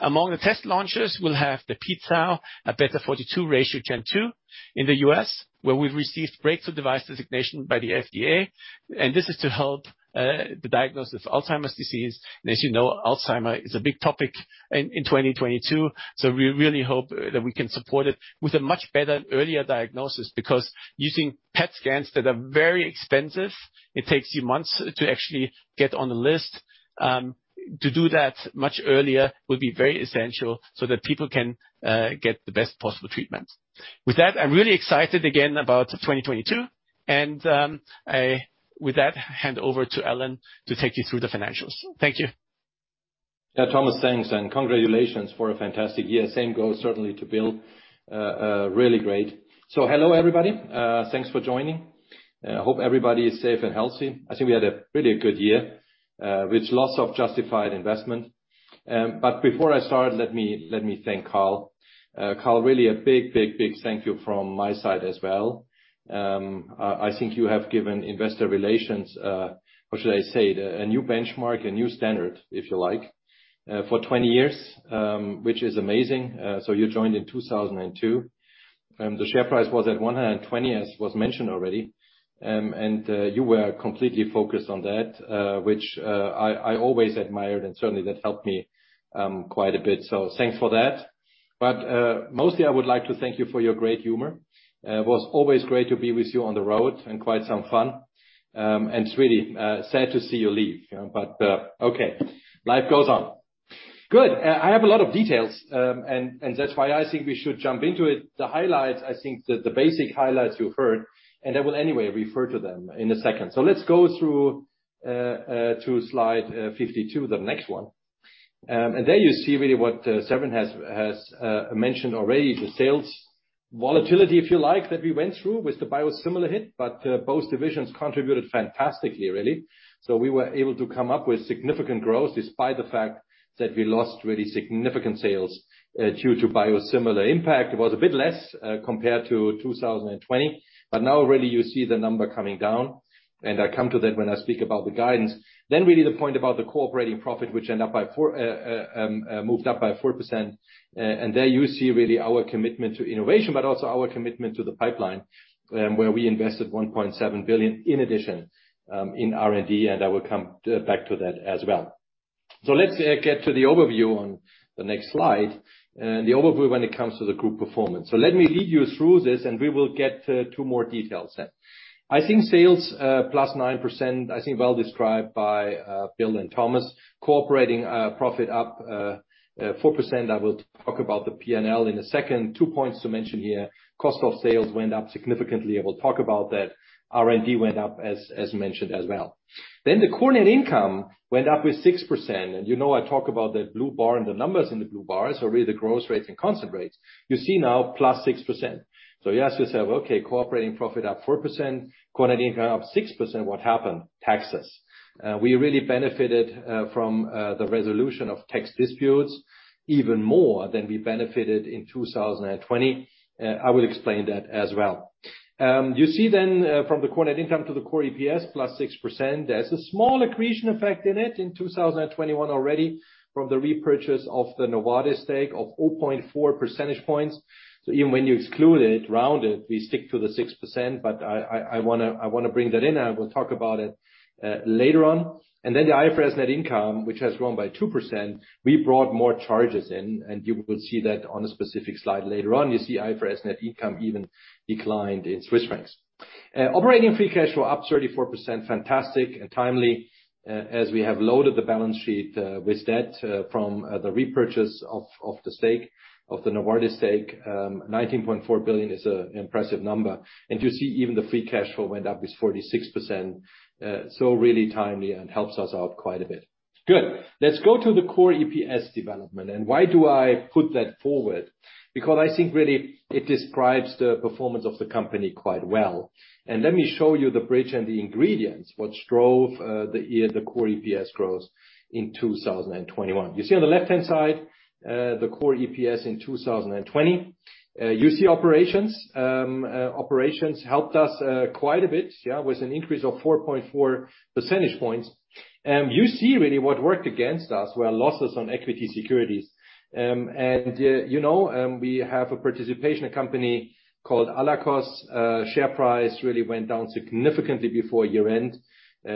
Among the test launches, we'll have the pTau Abeta42 ratio gen 2 in the U.S., where we've received breakthrough device designation by the FDA, and this is to help the diagnosis of Alzheimer's disease. As you know, Alzheimer's is a big topic in 2022, so we really hope that we can support it with a much better earlier diagnosis because using PET scans that are very expensive, it takes you months to actually get on the list to do that much earlier will be very essential so that people can get the best possible treatment. With that, I'm really excited again about 2022, and with that, hand over to Alan to take you through the financials. Thank you. Yeah, Thomas, thanks, and congratulations for a fantastic year. Same goes certainly to Bill. Really great. Hello, everybody. Thanks for joining. I hope everybody is safe and healthy. I think we had a pretty good year with lots of justified investment. Before I start, let me thank Karl. Karl, really a big thank you from my side as well. I think you have given investor relations, or should I say, a new benchmark, a new standard, if you like, for 20 years, which is amazing. You joined in 2002. The share price was at 120, as was mentioned already. You were completely focused on that, which I always admired, and certainly that helped me quite a bit. Thanks for that. Mostly I would like to thank you for your great humor. It was always great to be with you on the road, and quite some fun. And it's really sad to see you leave. Okay, life goes on. Good. I have a lot of details, and that's why I think we should jump into it. The highlights, I think the basic highlights you've heard, and I will anyway refer to them in a second. Let's go through to slide 52, the next one. And there you see really what Severin has mentioned already, the sales volatility, if you like, that we went through with the biosimilar hit, but both divisions contributed fantastically, really. We were able to come up with significant growth despite the fact that we lost really significant sales due to biosimilar impact. It was a bit less compared to 2020, but now really you see the number coming down, and I come to that when I speak about the guidance. Really the point about the core operating profit, which moved up by 4%. There you see really our commitment to innovation, but also our commitment to the pipeline, where we invested 1.7 billion in addition in R&D, and I will come back to that as well. Let's get to the overview on the next slide. The overview when it comes to the group performance. Let me lead you through this and we will get to more details then. I think sales +9%, I think well described by Bill and Thomas. Operating profit up 4%. I will talk about the P&L in a second. Two points to mention here. Cost of sales went up significantly. I will talk about that. R&D went up as mentioned as well. Then the core net income went up with 6%. You know I talk about the blue bar and the numbers in the blue bar, so really the growth rates and constant rates. You see now +6%. You ask yourself, "Okay, operating profit up 4%, core net income up 6%. What happened?" Taxes. We really benefited from the resolution of tax disputes even more than we benefited in 2020. I will explain that as well. You see then from the core net income to the core EPS +6%, there's a small accretion effect in it in 2021 already from the repurchase of the Novartis stake of 0.4 percentage points. Even when you exclude it, round it, we stick to the 6%. I wanna bring that in. I will talk about it later on. The IFRS net income, which has grown by 2%, we brought more charges in, and you will see that on a specific slide later on. You see IFRS net income even declined in Swiss francs. Operating free cash flow up 34%. Fantastic and timely, as we have loaded the balance sheet with debt from the repurchase of the stake, of the Novartis stake. 19.4 billion is a impressive number. You see even the free cash flow went up with 46%. Really timely and helps us out quite a bit. Good. Let's go to the core EPS development. Why do I put that forward? Because I think really it describes the performance of the company quite well. Let me show you the bridge and the ingredients, what drove the year, the core EPS growth in 2021. You see on the left-hand side, the core EPS in 2020. You see operations. Operations helped us quite a bit, yeah, with an increase of 4.4 percentage points. You see really what worked against us were losses on equity securities. You know, we have a participation company called Allakos. Share price really went down significantly before year-end,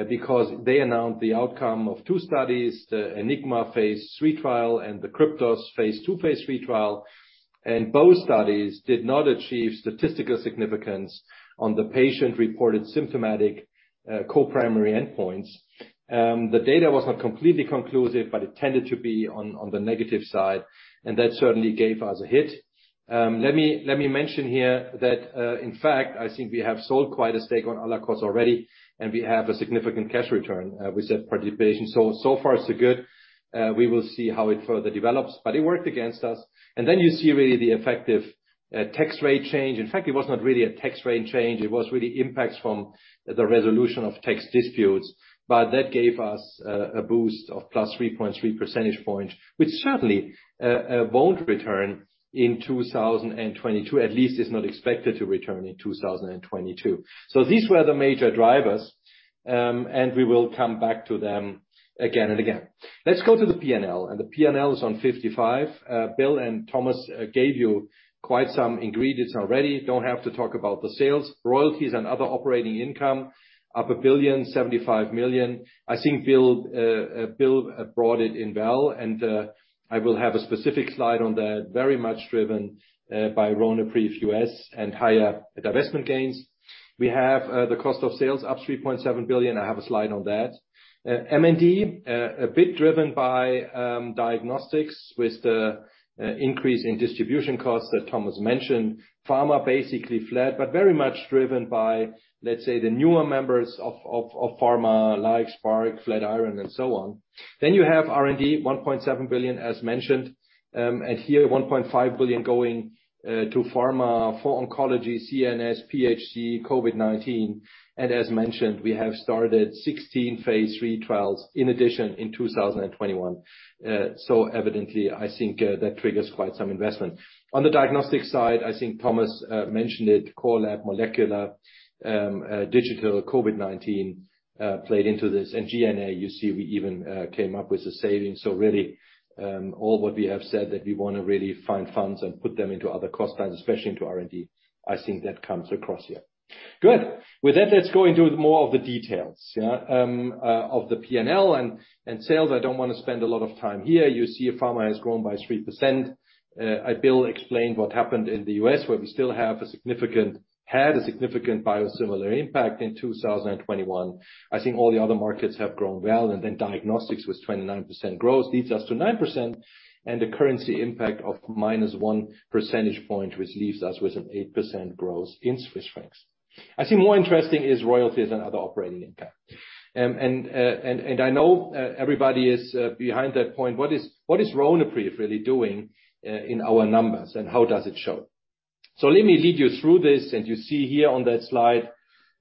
because they announced the outcome of two studies, the ENIGMA phase III trial and the KRYPTOS phase II/III trial. Both studies did not achieve statistical significance on the patient-reported symptomatic co-primary endpoints. The data was not completely conclusive, but it tended to be on the negative side, and that certainly gave us a hit. Let me mention here that in fact, I think we have sold quite a stake on Allakos already, and we have a significant cash return with that participation. So far so good. We will see how it further develops, but it worked against us. Then you see really the effective tax rate change. In fact, it was not really a tax rate change. It was really impacts from the resolution of tax disputes. That gave us a boost of +3.3 percentage points, which certainly won't return in 2022, at least it is not expected to return in 2022. These were the major drivers. We will come back to them again and again. Let's go to the P&L, the P&L is on 55. Bill and Thomas gave you quite some ingredients already. Don't have to talk about the sales. Royalties and other operating income, up 1.075 billion. I think Bill brought it in well, and I will have a specific slide on that, very much driven by Ronapreve U.S. and higher divestment gains. We have the cost of sales up 3.7 billion. I have a slide on that. M&D a bit driven by diagnostics with the increase in distribution costs that Thomas mentioned. Pharma basically flat, but very much driven by, let's say, the newer members of pharma like Spark, Flatiron and so on. Then you have R&D, 1.7 billion as mentioned. Here 1.5 billion going to pharma for oncology, CNS, pRED, COVID-19. As mentioned, we have started 16 phase III trials in addition in 2021. Evidently, I think that triggers quite some investment. On the diagnostic side, I think Thomas mentioned it, Core Lab, molecular, digital, COVID-19 played into this. G&A, you see we even came up with a saving. Really, all what we have said that we wanna really find funds and put them into other cost lines, especially into R&D. I think that comes across here. Good. With that, let's go into more of the details of the P&L and sales. I don't wanna spend a lot of time here. You see pharma has grown by 3%. Bill explained what happened in the U.S., where we still had a significant biosimilar impact in 2021. I think all the other markets have grown well, and then diagnostics with 29% growth leads us to 9%, and the currency impact of -1 percentage point, which leaves us with an 8% growth in Swiss francs. I think more interesting is royalties and other operating impact. I know everybody is behind that point. What is Ronapreve really doing in our numbers, and how does it show? Let me lead you through this. You see here on that slide,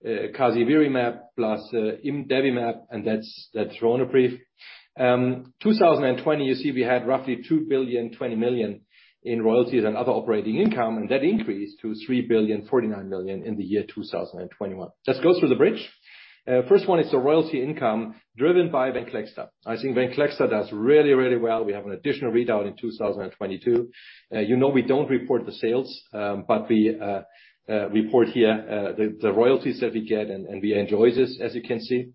casirivimab plus imdevimab, and that's Ronapreve. 2020, you see we had roughly 2.02 billion in royalties and other operating income, and that increased to 3.049 billion in the year 2021. Let's go through the bridge. First one is the royalty income driven by Venclexta. I think Venclexta does really, really well. We have an additional readout in 2022. You know, we don't report the sales, but we report here the royalties that we get, and we enjoy this, as you can see.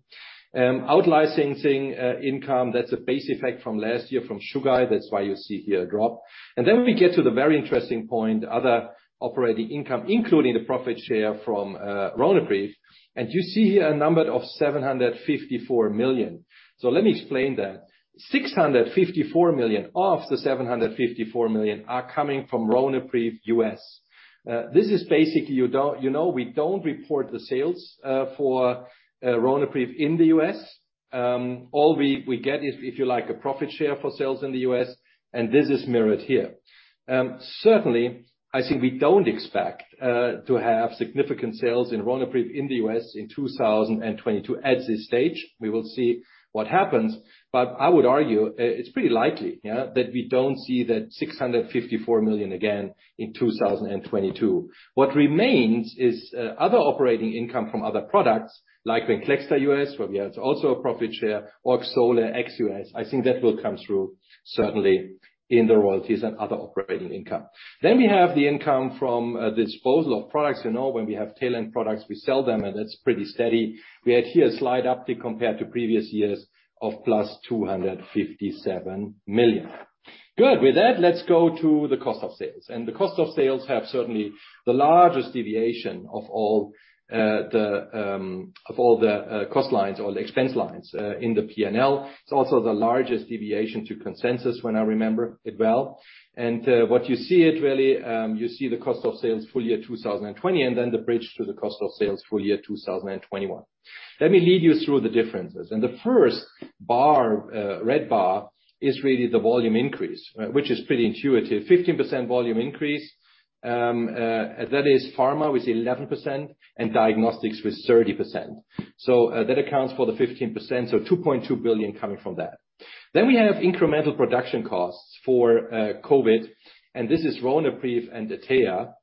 Out-licensing income, that's a base effect from last year from Chugai, that's why you see here a drop. We get to the very interesting point, other operating income, including the profit share from Ronapreve. You see here a number of 754 million. Let me explain that. 654 million of the 754 million are coming from Ronapreve U.S. This is basically you know we don't report the sales for Ronapreve in the U.S. All we get is, if you like, a profit share for sales in the U.S., and this is mirrored here. Certainly, I think we don't expect to have significant sales in Ronapreve in the U.S. in 2022 at this stage. We will see what happens. I would argue it's pretty likely, yeah, that we don't see that 654 million again in 2022. What remains is other operating income from other products like Venclexta U.S., where we have also a profit share, or Xolair ex-U.S. I think that will come through certainly in the royalties and other operating income. Then we have the income from disposal of products. You know, when we have tail end products, we sell them, and that's pretty steady. We had here a slide up compared to previous years of +257 million. Good. With that, let's go to the cost of sales. The cost of sales has certainly the largest deviation of all the cost lines or the expense lines in the P&L. It's also the largest deviation to consensus when I remember it well. What you really see is the cost of sales full year 2020, and then the bridge to the cost of sales full year 2021. Let me lead you through the differences. The first bar, the red bar is really the volume increase, which is pretty intuitive. 15% volume increase, that is pharma with 11% and diagnostics with 30%. That accounts for the 15%, 2.2 billion coming from that. We have incremental production costs for COVID, and this is Ronapreve and Atea.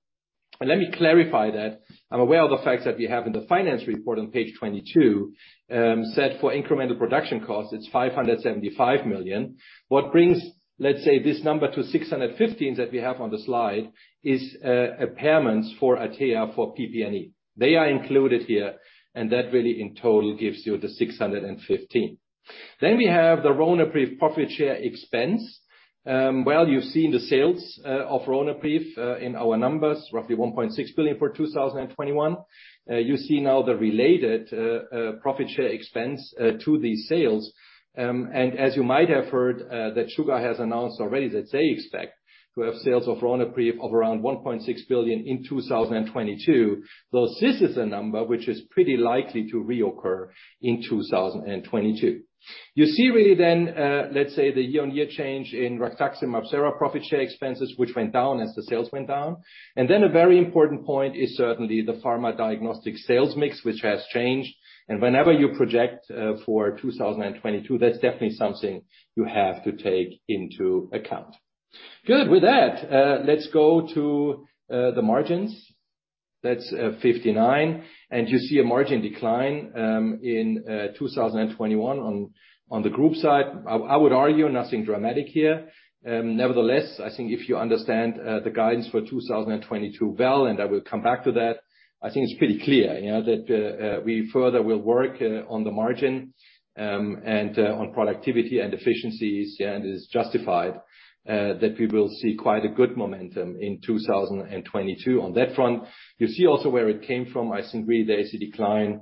Let me clarify that. I'm aware of the fact that we have in the finance report on page 22 said for incremental production costs, it's 575 million. What brings, let's say, this number to 615 million that we have on the slide is payments for Atea for PP&E. They are included here, and that really in total gives you the 615 million. We have the Ronapreve profit share expense. You've seen the sales of Ronapreve in our numbers, roughly 1.6 billion for 2021. You see now the related profit share expense to these sales. As you might have heard, Chugai has announced already that they expect to have sales of Ronapreve of around 1.6 billion in 2022. This is a number which is pretty likely to reoccur in 2022. You see really then, let's say, the year-on-year change in Ronapreve profit share expenses, which went down as the sales went down. Then a very important point is certainly the Pharma Diagnostics sales mix, which has changed. Whenever you project for 2022, that's definitely something you have to take into account. Good. With that, let's go to the margins. That's 59%, and you see a margin decline in 2021 on the group side. I would argue nothing dramatic here. Nevertheless, I think if you understand the guidance for 2022 well, and I will come back to that, I think it's pretty clear, you know, that we further will work on the margin, and on productivity and efficiencies, and is justified that we will see quite a good momentum in 2022 on that front. You see also where it came from. I think really there is a decline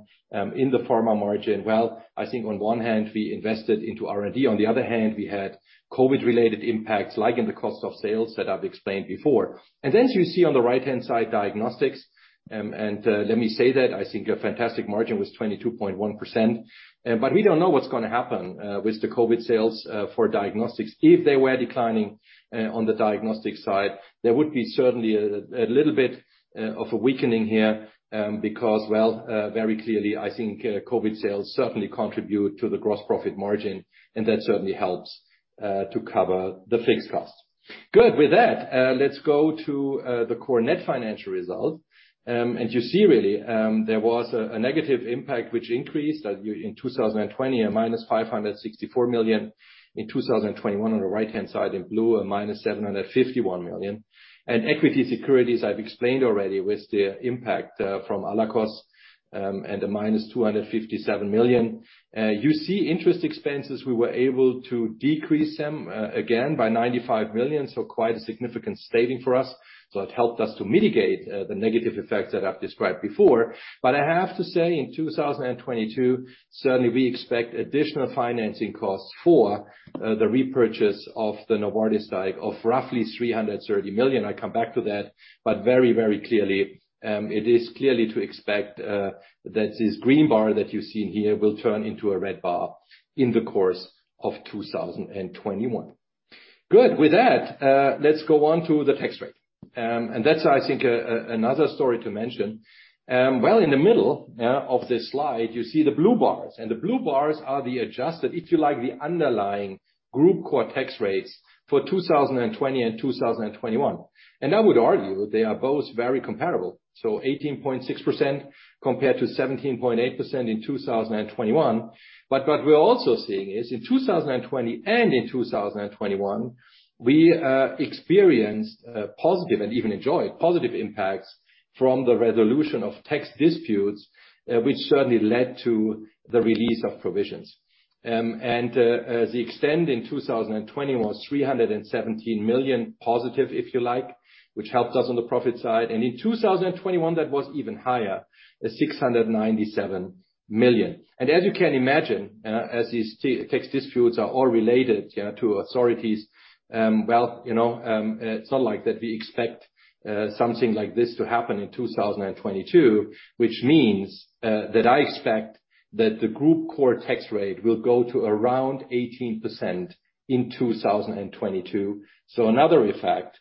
in the pharma margin. Well, I think on one hand, we invested into R&D. On the other hand, we had COVID-related impacts, like in the cost of sales that I've explained before. As you see on the right-hand side, diagnostics, and let me say that I think a fantastic margin was 22.1%. We don't know what's gonna happen with the COVID sales for diagnostics. If they were declining on the diagnostics side, there would be certainly a little bit of a weakening here, because very clearly, I think, COVID sales certainly contribute to the gross profit margin, and that certainly helps to cover the fixed costs. Good. With that, let's go to the core net financial result. You see really, there was a negative impact which increased in 2020, a -564 million. In 2021 on the right-hand side in blue, a -751 million. Equity securities, I've explained already, with the impact from Allakos, and a -257 million. You see interest expenses, we were able to decrease them again by 95 million, so quite a significant saving for us. It helped us to mitigate the negative effects that I've described before. I have to say, in 2022, certainly we expect additional financing costs for the repurchase of the Novartis stake of roughly 330 million. I come back to that. Very clearly, it is clearly to expect that this green bar that you see in here will turn into a red bar in the course of 2021. Good. With that, let's go on to the tax rate. That's, I think, another story to mention. Well, in the middle of this slide, you see the blue bars, and the blue bars are the adjusted, if you like, the underlying group core tax rates for 2020 and 2021. I would argue they are both very comparable, so 18.6% compared to 17.8% in 2021. What we're also seeing is in 2020 and in 2021, we experienced positive and even enjoyed positive impacts from the resolution of tax disputes, which certainly led to the release of provisions. The extent in 2020 was 317 million positive, if you like, which helped us on the profit side. In 2021, that was even higher, 697 million. As you can imagine, as these tax disputes are all related, you know, to authorities, it's not like that we expect something like this to happen in 2022, which means that I expect that the group core tax rate will go to around 18% in 2022. Another effect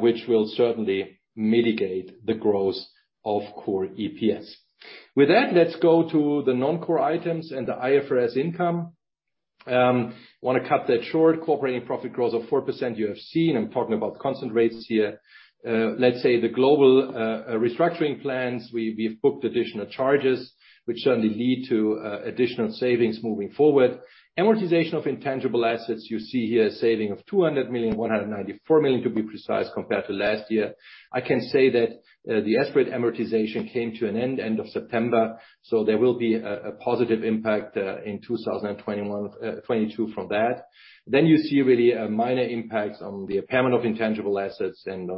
which will certainly mitigate the growth of core EPS. With that, let's go to the non-core items and the IFRS income. Wanna cut that short. Corporate profit growth of 4% you have seen. I'm talking about constant rates here. Let's say the global restructuring plans, we've booked additional charges which certainly lead to additional savings moving forward. Amortization of intangible assets, you see here a saving of 200 million, 194 million to be precise, compared to last year. I can say that, the Esbriet amortization came to an end of September, so there will be a positive impact in 2021, 2022 from that. Then you see really a minor impact on the impairment of intangible assets and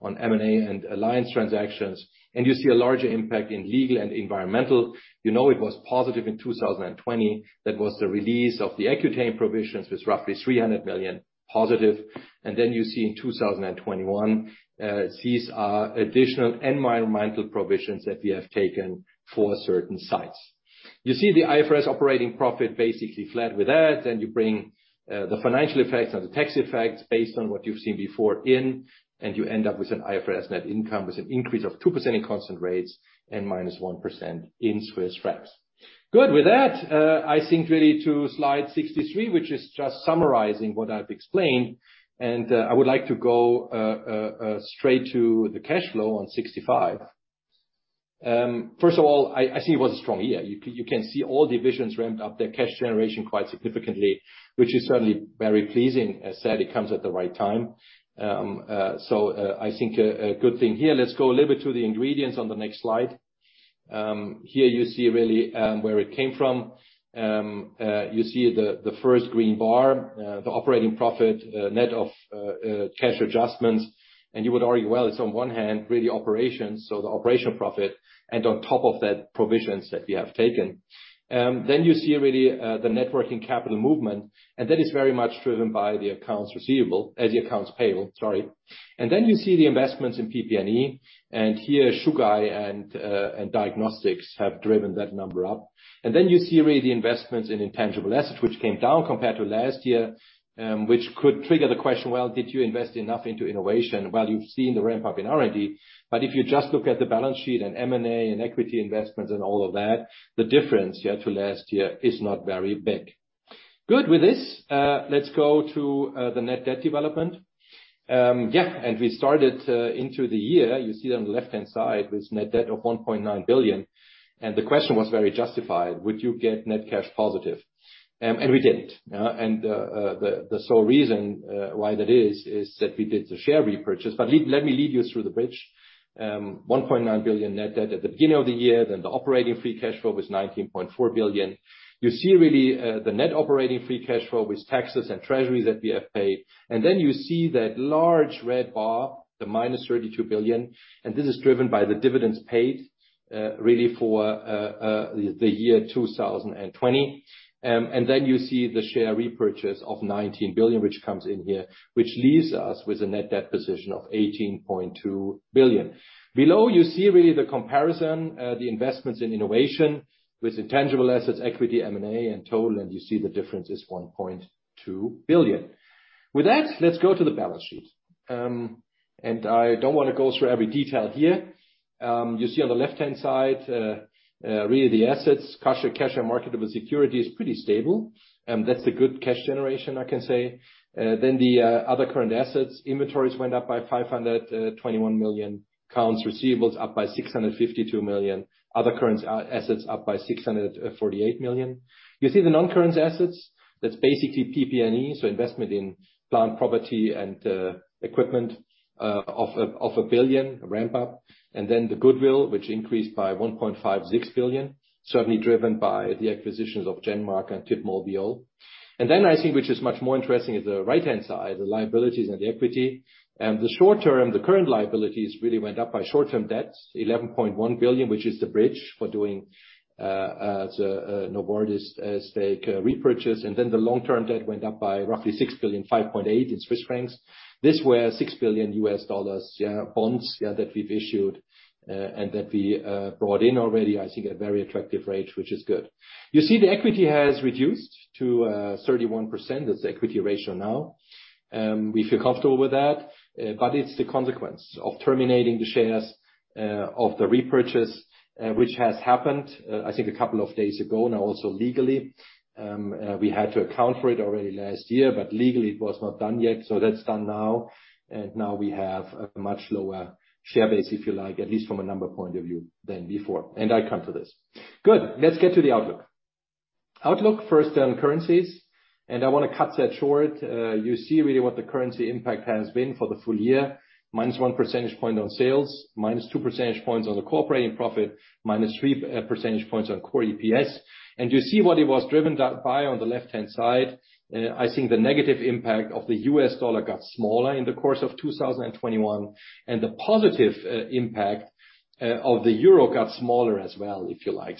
on M&A and alliance transactions, and you see a larger impact in legal and environmental. You know, it was positive in 2020. That was the release of the Accutane provisions with roughly 300 million positive. You see in 2021, these are additional environmental provisions that we have taken for certain sites. You see the IFRS operating profit basically flat with that. You bring the financial effects and the tax effects based on what you've seen before in and you end up with an IFRS net income with an increase of 2% in constant rates and -1% in Swiss francs. Good. With that, I think really to slide 63, which is just summarizing what I've explained, and I would like to go straight to the cash flow on 65. First of all, I think it was a strong year. You can see all divisions ramped up their cash generation quite significantly, which is certainly very pleasing. As said, it comes at the right time. I think a good thing here. Let's go a little bit to the ingredients on the next slide. Here you see really where it came from. You see the first green bar, the operating profit net of cash adjustments. You would argue, well, it's on one hand really operations, so the operational profit, and on top of that, provisions that we have taken. Then you see really the net working capital movement, and that is very much driven by the accounts receivable, the accounts payable, sorry. Then you see the investments in PP&E, and here Chugai and Diagnostics have driven that number up. Then you see really investments in intangible assets, which came down compared to last year, which could trigger the question, Well, did you invest enough into innovation? Well, you've seen the ramp-up in R&D. If you just look at the balance sheet and M&A and equity investments and all of that, the difference, yeah, to last year is not very big. Good. With this, let's go to the net debt development. We started into the year, you see on the left-hand side, with net debt of 1.9 billion. The question was very justified, would you get net cash positive? We didn't. The sole reason why that is that we did the share repurchase. Let me lead you through the bridge. 1.9 billion net debt at the beginning of the year, then the operating free cash flow was 19.4 billion. You see really the net operating free cash flow with taxes and treasuries that we have paid. Then you see that large red bar, the -32 billion, and this is driven by the dividends paid, really for the year 2020. You see the share repurchase of 19 billion, which comes in here, which leaves us with a net debt position of 18.2 billion. Below, you see really the comparison, the investments in innovation with intangible assets, equity, M&A and total, and you see the difference is 1.2 billion. With that, let's go to the balance sheet. I don't wanna go through every detail here. You see on the left-hand side, really the assets, cash and marketable security is pretty stable. That's the good cash generation I can say. Other current assets, inventories went up by 521 million. Accounts receivables up by 652 million. Other current assets up by 648 million. You see the non-current assets, that's basically PP&E, so investment in plant, property and equipment of a 1 billion ramp up. The goodwill, which increased by 1.56 billion, certainly driven by the acquisitions of GenMark Diagnostics and TIB Molbiol. I think, which is much more interesting, is the right-hand side, the liabilities and the equity. Current liabilities really went up by short-term debt, 11.1 billion, which is the bridge for doing the Novartis stake repurchase. Long-term debt went up by roughly $6 billion, 5.8 in Swiss francs. This was $6 billion, yeah, bonds, yeah, that we've issued, and that we brought in already, I think at a very attractive rate, which is good. You see the equity has reduced to 31% as equity ratio now. We feel comfortable with that. But it's the consequence of terminating the share repurchase, which has happened, I think a couple of days ago now also legally. We had to account for it already last year, but legally it was not done yet. That's done now, and now we have a much lower share base, if you like, at least from a number point of view than before. I account for this. Good. Let's get to the outlook. Outlook, first on currencies, and I wanna cut that short. You see really what the currency impact has been for the full year, -1 percentage point on sales, -2 percentage points on the operating profit,-3 percentage points on core EPS. You see what it was driven by on the left-hand side. I think the negative impact of the U.S. dollar got smaller in the course of 2021, and the positive impact of the euro got smaller as well, if you like.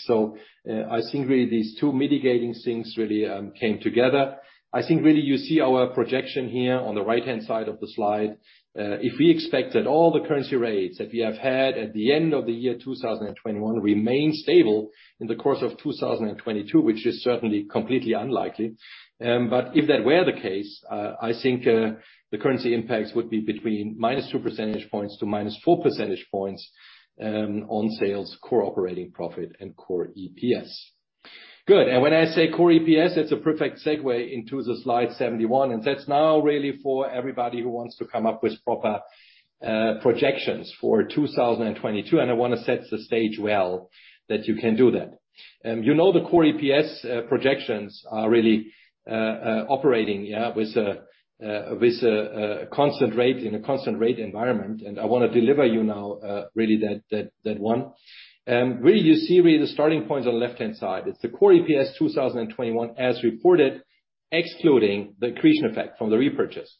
I think really these two mitigating things really came together. I think really you see our projection here on the right-hand side of the slide. If we expect that all the currency rates that we have had at the end of the year 2021 remain stable in the course of 2022, which is certainly completely unlikely. If that were the case, I think the currency impacts would be between -2 percentage points to -4 percentage points on sales, core operating profit and core EPS. Good. When I say core EPS, that's a perfect segue into the slide 71, and that's now really for everybody who wants to come up with proper projections for 2022, and I wanna set the stage well that you can do that. You know the core EPS projections are really operating with a constant rate in a constant rate environment, and I wanna deliver you now really that one. You see really the starting points on the left-hand side. It's the core EPS 2021 as reported, excluding the accretion effect from the repurchase.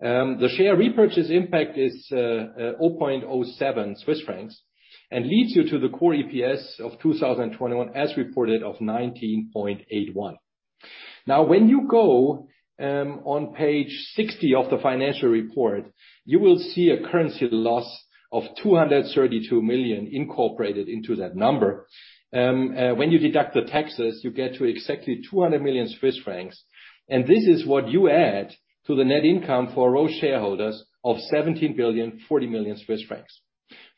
The share repurchase impact is 0.07 Swiss francs and leads you to the core EPS of 2021 as reported of 19.81. Now when you go on page 60 of the financial report, you will see a currency loss of 232 million incorporated into that number. When you deduct the taxes, you get to exactly 200 million Swiss francs, and this is what you add to the net income for all shareholders of 17.04 billion.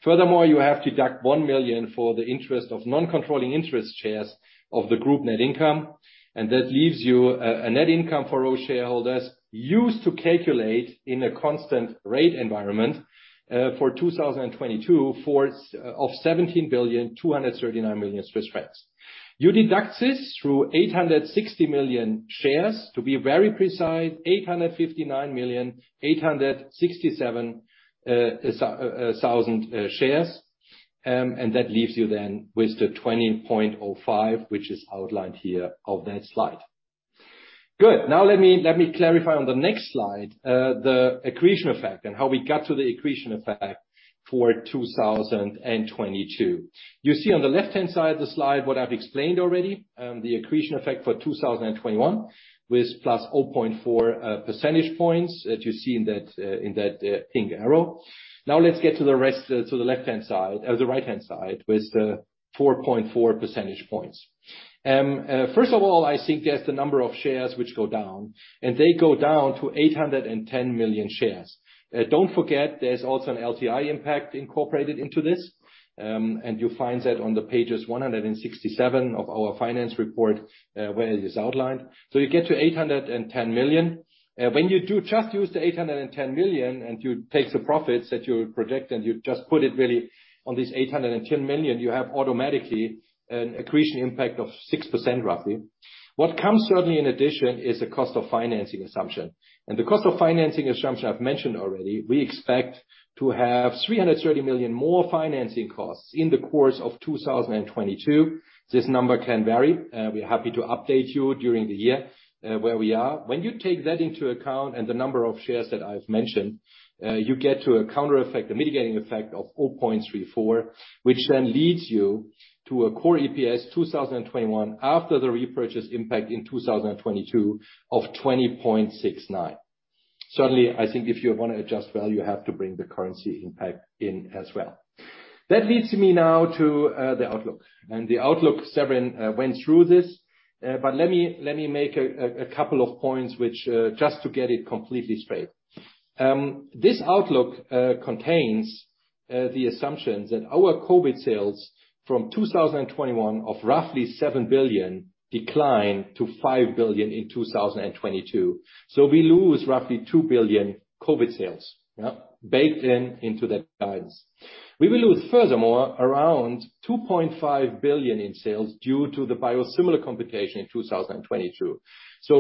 Furthermore, you have to deduct 1 million for the interest of non-controlling interest shares of the group net income, and that leaves you a net income for all shareholders used to calculate in a constant rate environment, for 2022 of 17.239 billion. You deduct this through 860 million shares, to be very precise, 859,867,000 shares. That leaves you then with the 20.05 which is outlined here on that slide. Good. Now let me clarify on the next slide, the accretion effect and how we got to the accretion effect for 2022. You see on the left-hand side of the slide what I've explained already, the accretion effect for 2021 with +0.4 percentage points that you see in that pink arrow. Now let's get to the rest, to the right-hand side with the 4.4 percentage points. First of all, I think there's the number of shares which go down, and they go down to 810 million shares. Don't forget there's also an LTI impact incorporated into this, and you'll find that on the pages 167 of our finance report, where it is outlined. You get to 810 million. When you do just use the 810 million, and you take the profits that you predict, and you just put it really on this 810 million, you have automatically an accretion impact of 6% roughly. What comes certainly in addition is the cost of financing assumption. The cost of financing assumption I've mentioned already. We expect to have 330 million more financing costs in the course of 2022. This number can vary. We're happy to update you during the year, where we are. When you take that into account and the number of shares that I've mentioned, you get to a counter effect, a mitigating effect of 0.34, which then leads you to a core EPS 2021 after the repurchase impact in 2022 of 20.69. Certainly, I think if you wanna adjust well, you have to bring the currency impact in as well. That leads me now to the outlook. The outlook, Severin, went through this, but let me make a couple of points which just to get it completely straight. This outlook contains the assumptions that our COVID sales from 2021 of roughly 7 billion declined to 5 billion in 2022. We lose roughly 2 billion COVID sales, yeah, baked into that guidance. We will lose furthermore around 2.5 billion in sales due to the biosimilar competition in 2022.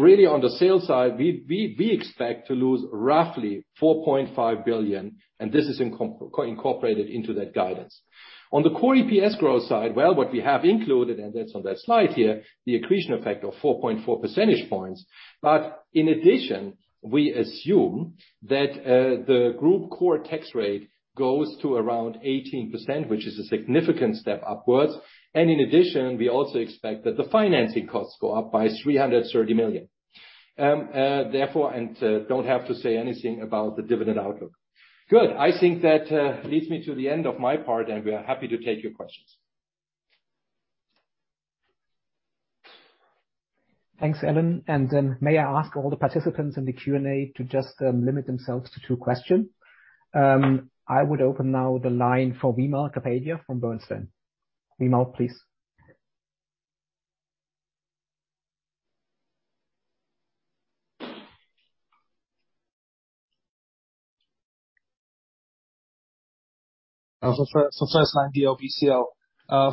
Really, on the sales side, we expect to lose roughly 4.5 billion, and this is incorporated into that guidance. On the core EPS growth side, well, what we have included, and that's on that slide here, the accretion effect of 4.4 percentage points. In addition, we assume that the group core tax rate goes to around 18%, which is a significant step upwards. In addition, we also expect that the financing costs go up by 330 million. Therefore, don't have to say anything about the dividend outlook. Good. I think that leads me to the end of my part, and we are happy to take your questions. Thanks, Alan. May I ask all the participants in the Q&A to just limit themselves to two questions? I would open the line for Wimal Kapadia from Bernstein. Wimal, please. First on DLBCL,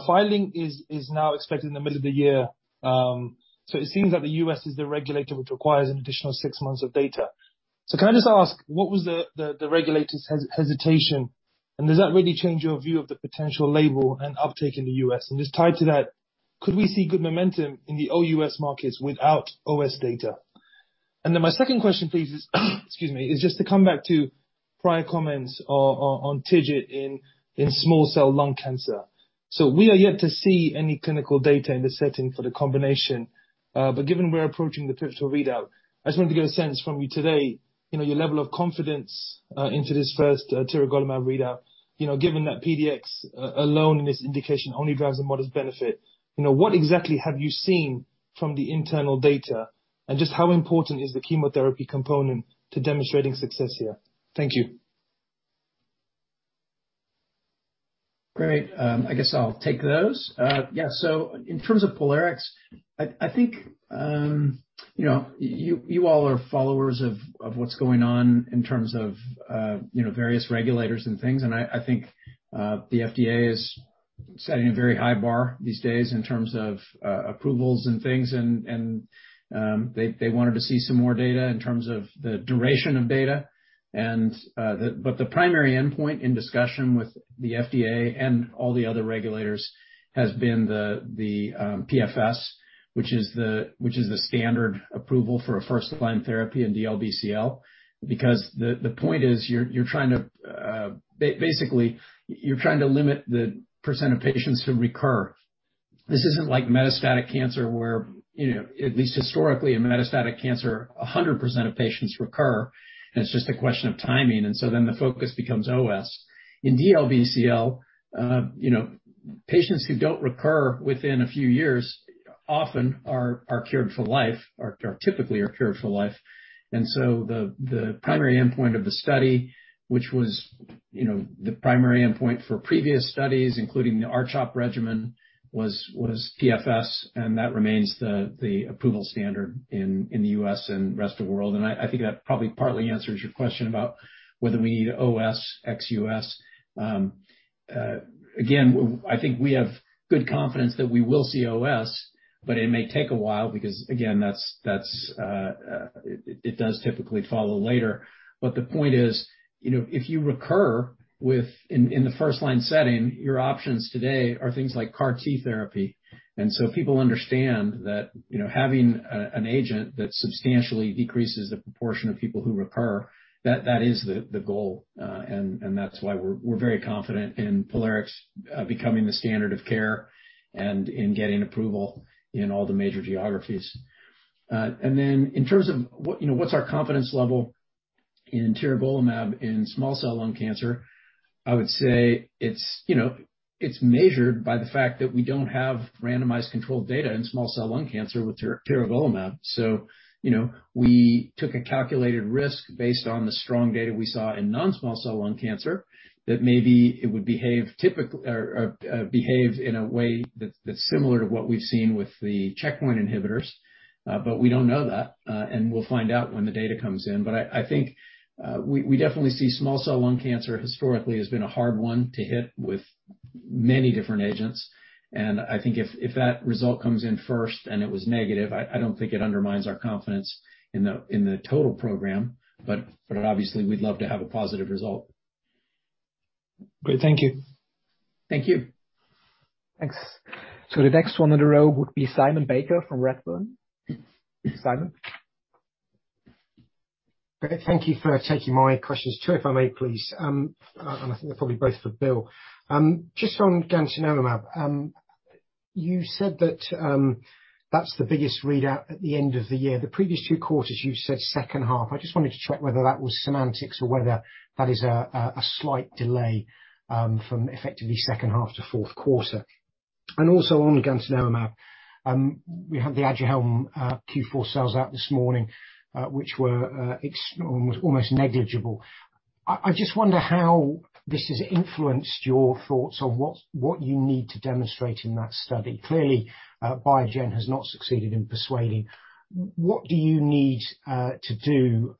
filing is now expected in the middle of the year. It seems that the U.S. is the regulator which requires an additional six months of data. Can I just ask, what was the regulator's hesitation, and does that really change your view of the potential label and uptake in the U.S.? Just tied to that, could we see good momentum in the OUS markets without OS data? My second question please is, excuse me, just to come back to prior comments on TIGIT in small cell lung cancer. We are yet to see any clinical data in the setting for the combination. Given we're approaching the pivotal readout, I just wanted to get a sense from you today, you know, your level of confidence into this first Tiragolumab readout. You know, given that PD-1 alone in this indication only drives a modest benefit. You know, what exactly have you seen from the internal data, and just how important is the chemotherapy component to demonstrating success here? Thank you. Great. I guess I'll take those. Yeah. In terms of POLARIX, I think you all are followers of what's going on in terms of various regulators and things, and I think the FDA is setting a very high bar these days in terms of approvals and things, and they wanted to see some more data in terms of the duration of data. But the primary endpoint in discussion with the FDA and all the other regulators has been the PFS, which is the standard approval for a first-line therapy in DLBCL. Because the point is, you're trying to basically limit the percent of patients who recur. This isn't like metastatic cancer where, you know, at least historically, in metastatic cancer, 100% of patients recur, and it's just a question of timing, and so then the focus becomes OS. In DLBCL, you know, patients who don't recur within a few years often are cured for life. The primary endpoint of the study, which was, you know, the primary endpoint for previous studies, including the R-CHOP regimen, was PFS, and that remains the approval standard in the U.S. and rest of the world. I think that probably partly answers your question about whether we need OS ex-U.S. I think we have good confidence that we will see OS. It may take a while because again, that's it does typically follow later. The point is, you know, if you recur in the first line setting, your options today are things like CAR T therapy. People understand that, you know, having an agent that substantially decreases the proportion of people who recur, that is the goal. That's why we're very confident in POLARIX becoming the standard of care and in getting approval in all the major geographies. In terms of what's our confidence level in Tiragolumab in small cell lung cancer, I would say it's, you know, it's measured by the fact that we don't have randomized controlled data in small cell lung cancer with Tiragolumab. You know, we took a calculated risk based on the strong data we saw in non-small cell lung cancer that maybe it would behave in a way that's similar to what we've seen with the checkpoint inhibitors. We don't know that, and we'll find out when the data comes in. I think we definitely see small cell lung cancer historically has been a hard one to hit with many different agents. I think if that result comes in first and it was negative, I don't think it undermines our confidence in the total program. Obviously we'd love to have a positive result. Great. Thank you. Thank you. Thanks. The next one in the row would be Simon Baker from Redburn. Simon? Thank you for taking my questions. Two, if I may please. I think they're probably both for Bill. Just on Gantenerumab. You said that that's the biggest readout at the end of the year. The previous two quarters, you've said second half. I just wanted to check whether that was semantics or whether that is a slight delay from effectively second half to fourth quarter. Also on gantenerumab, we had the Aduhelm Q4 sales out this morning, which were almost negligible. I just wonder how this has influenced your thoughts on what you need to demonstrate in that study. Clearly, Biogen has not succeeded in persuading. What do you need to do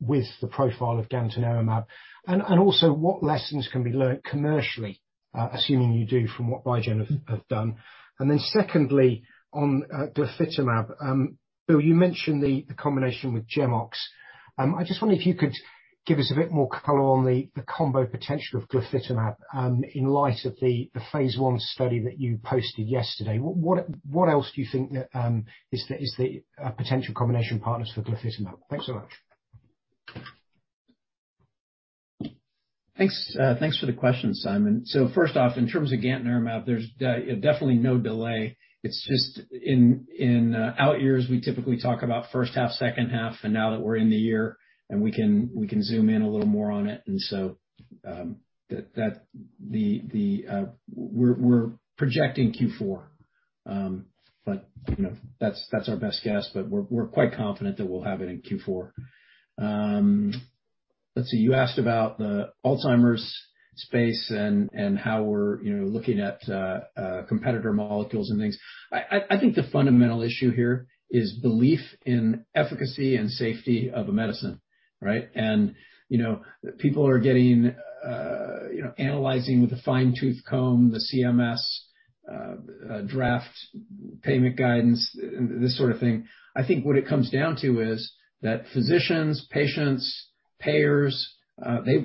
with the profile of gantenerumab? Also what lessons can be learnt commercially, assuming you do from what Biogen have done? Secondly, on Glofitamab. Bill, you mentioned the combination with GemOx. I just wonder if you could give us a bit more color on the combo potential of Glofitamab in light of the phase I study that you posted yesterday. What else do you think that is the potential combination partners for Glofitamab? Thanks so much. Thanks for the question, Simon. First off, in terms of gantenerumab, there's definitely no delay. It's just in out years, we typically talk about first half, second half, and now that we're in the year and we can zoom in a little more on it. That the we're projecting Q4. But you know, that's our best guess, but we're quite confident that we'll have it in Q4. Let's see. You asked about the Alzheimer's space and how we're you know looking at competitor molecules and things. I think the fundamental issue here is belief in efficacy and safety of a medicine, right? You know, people are getting you know analyzing with a fine-tooth comb the CMS draft payment guidance, this sort of thing. I think what it comes down to is that physicians, patients, payers,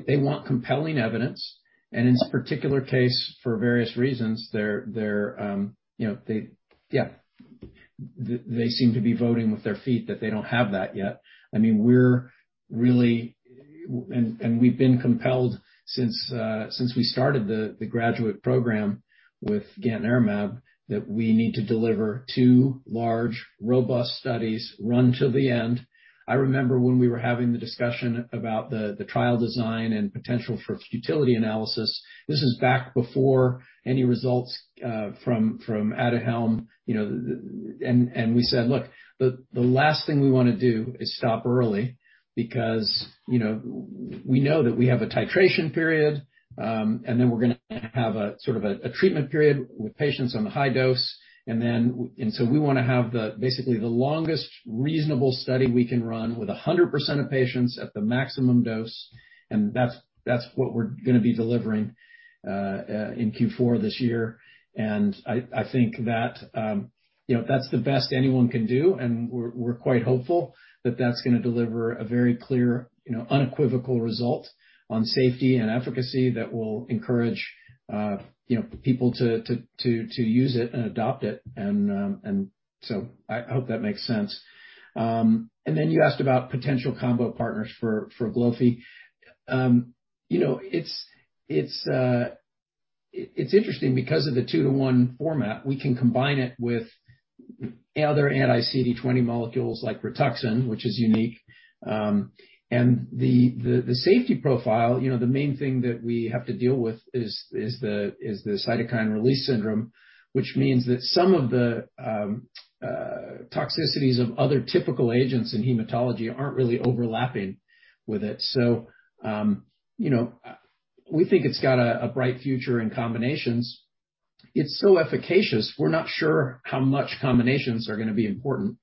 they want compelling evidence. In this particular case, for various reasons, they're they seem to be voting with their feet that they don't have that yet. I mean, we've been compelled since we started the GRADUATE program with gantenerumab that we need to deliver two large, robust studies run till the end. I remember when we were having the discussion about the trial design and potential for futility analysis. This is back before any results from Aduhelm, you know, and we said, "Look, the last thing we wanna do is stop early because, you know, we know that we have a titration period, and then we're gonna have a sort of a treatment period with patients on the high dose. And then and so we wanna have basically the longest reasonable study we can run with 100% of patients at the maximum dose, and that's what we're gonna be delivering in Q4 this year." I think that, you know, that's the best anyone can do, and we're quite hopeful that that's gonna deliver a very clear, you know, unequivocal result on safety and efficacy that will encourage, you know, people to use it and adopt it. I hope that makes sense. You asked about potential combo partners for Glofitamab. You know, it's interesting because of the two-to-one format, we can combine it with other anti-CD20 molecules like Rituxan, which is unique. The safety profile, you know, the main thing that we have to deal with is the cytokine release syndrome, which means that some of the toxicities of other typical agents in hematology aren't really overlapping with it. We think it's got a bright future in combinations. It's so efficacious, we're not sure how much combinations are gonna be important.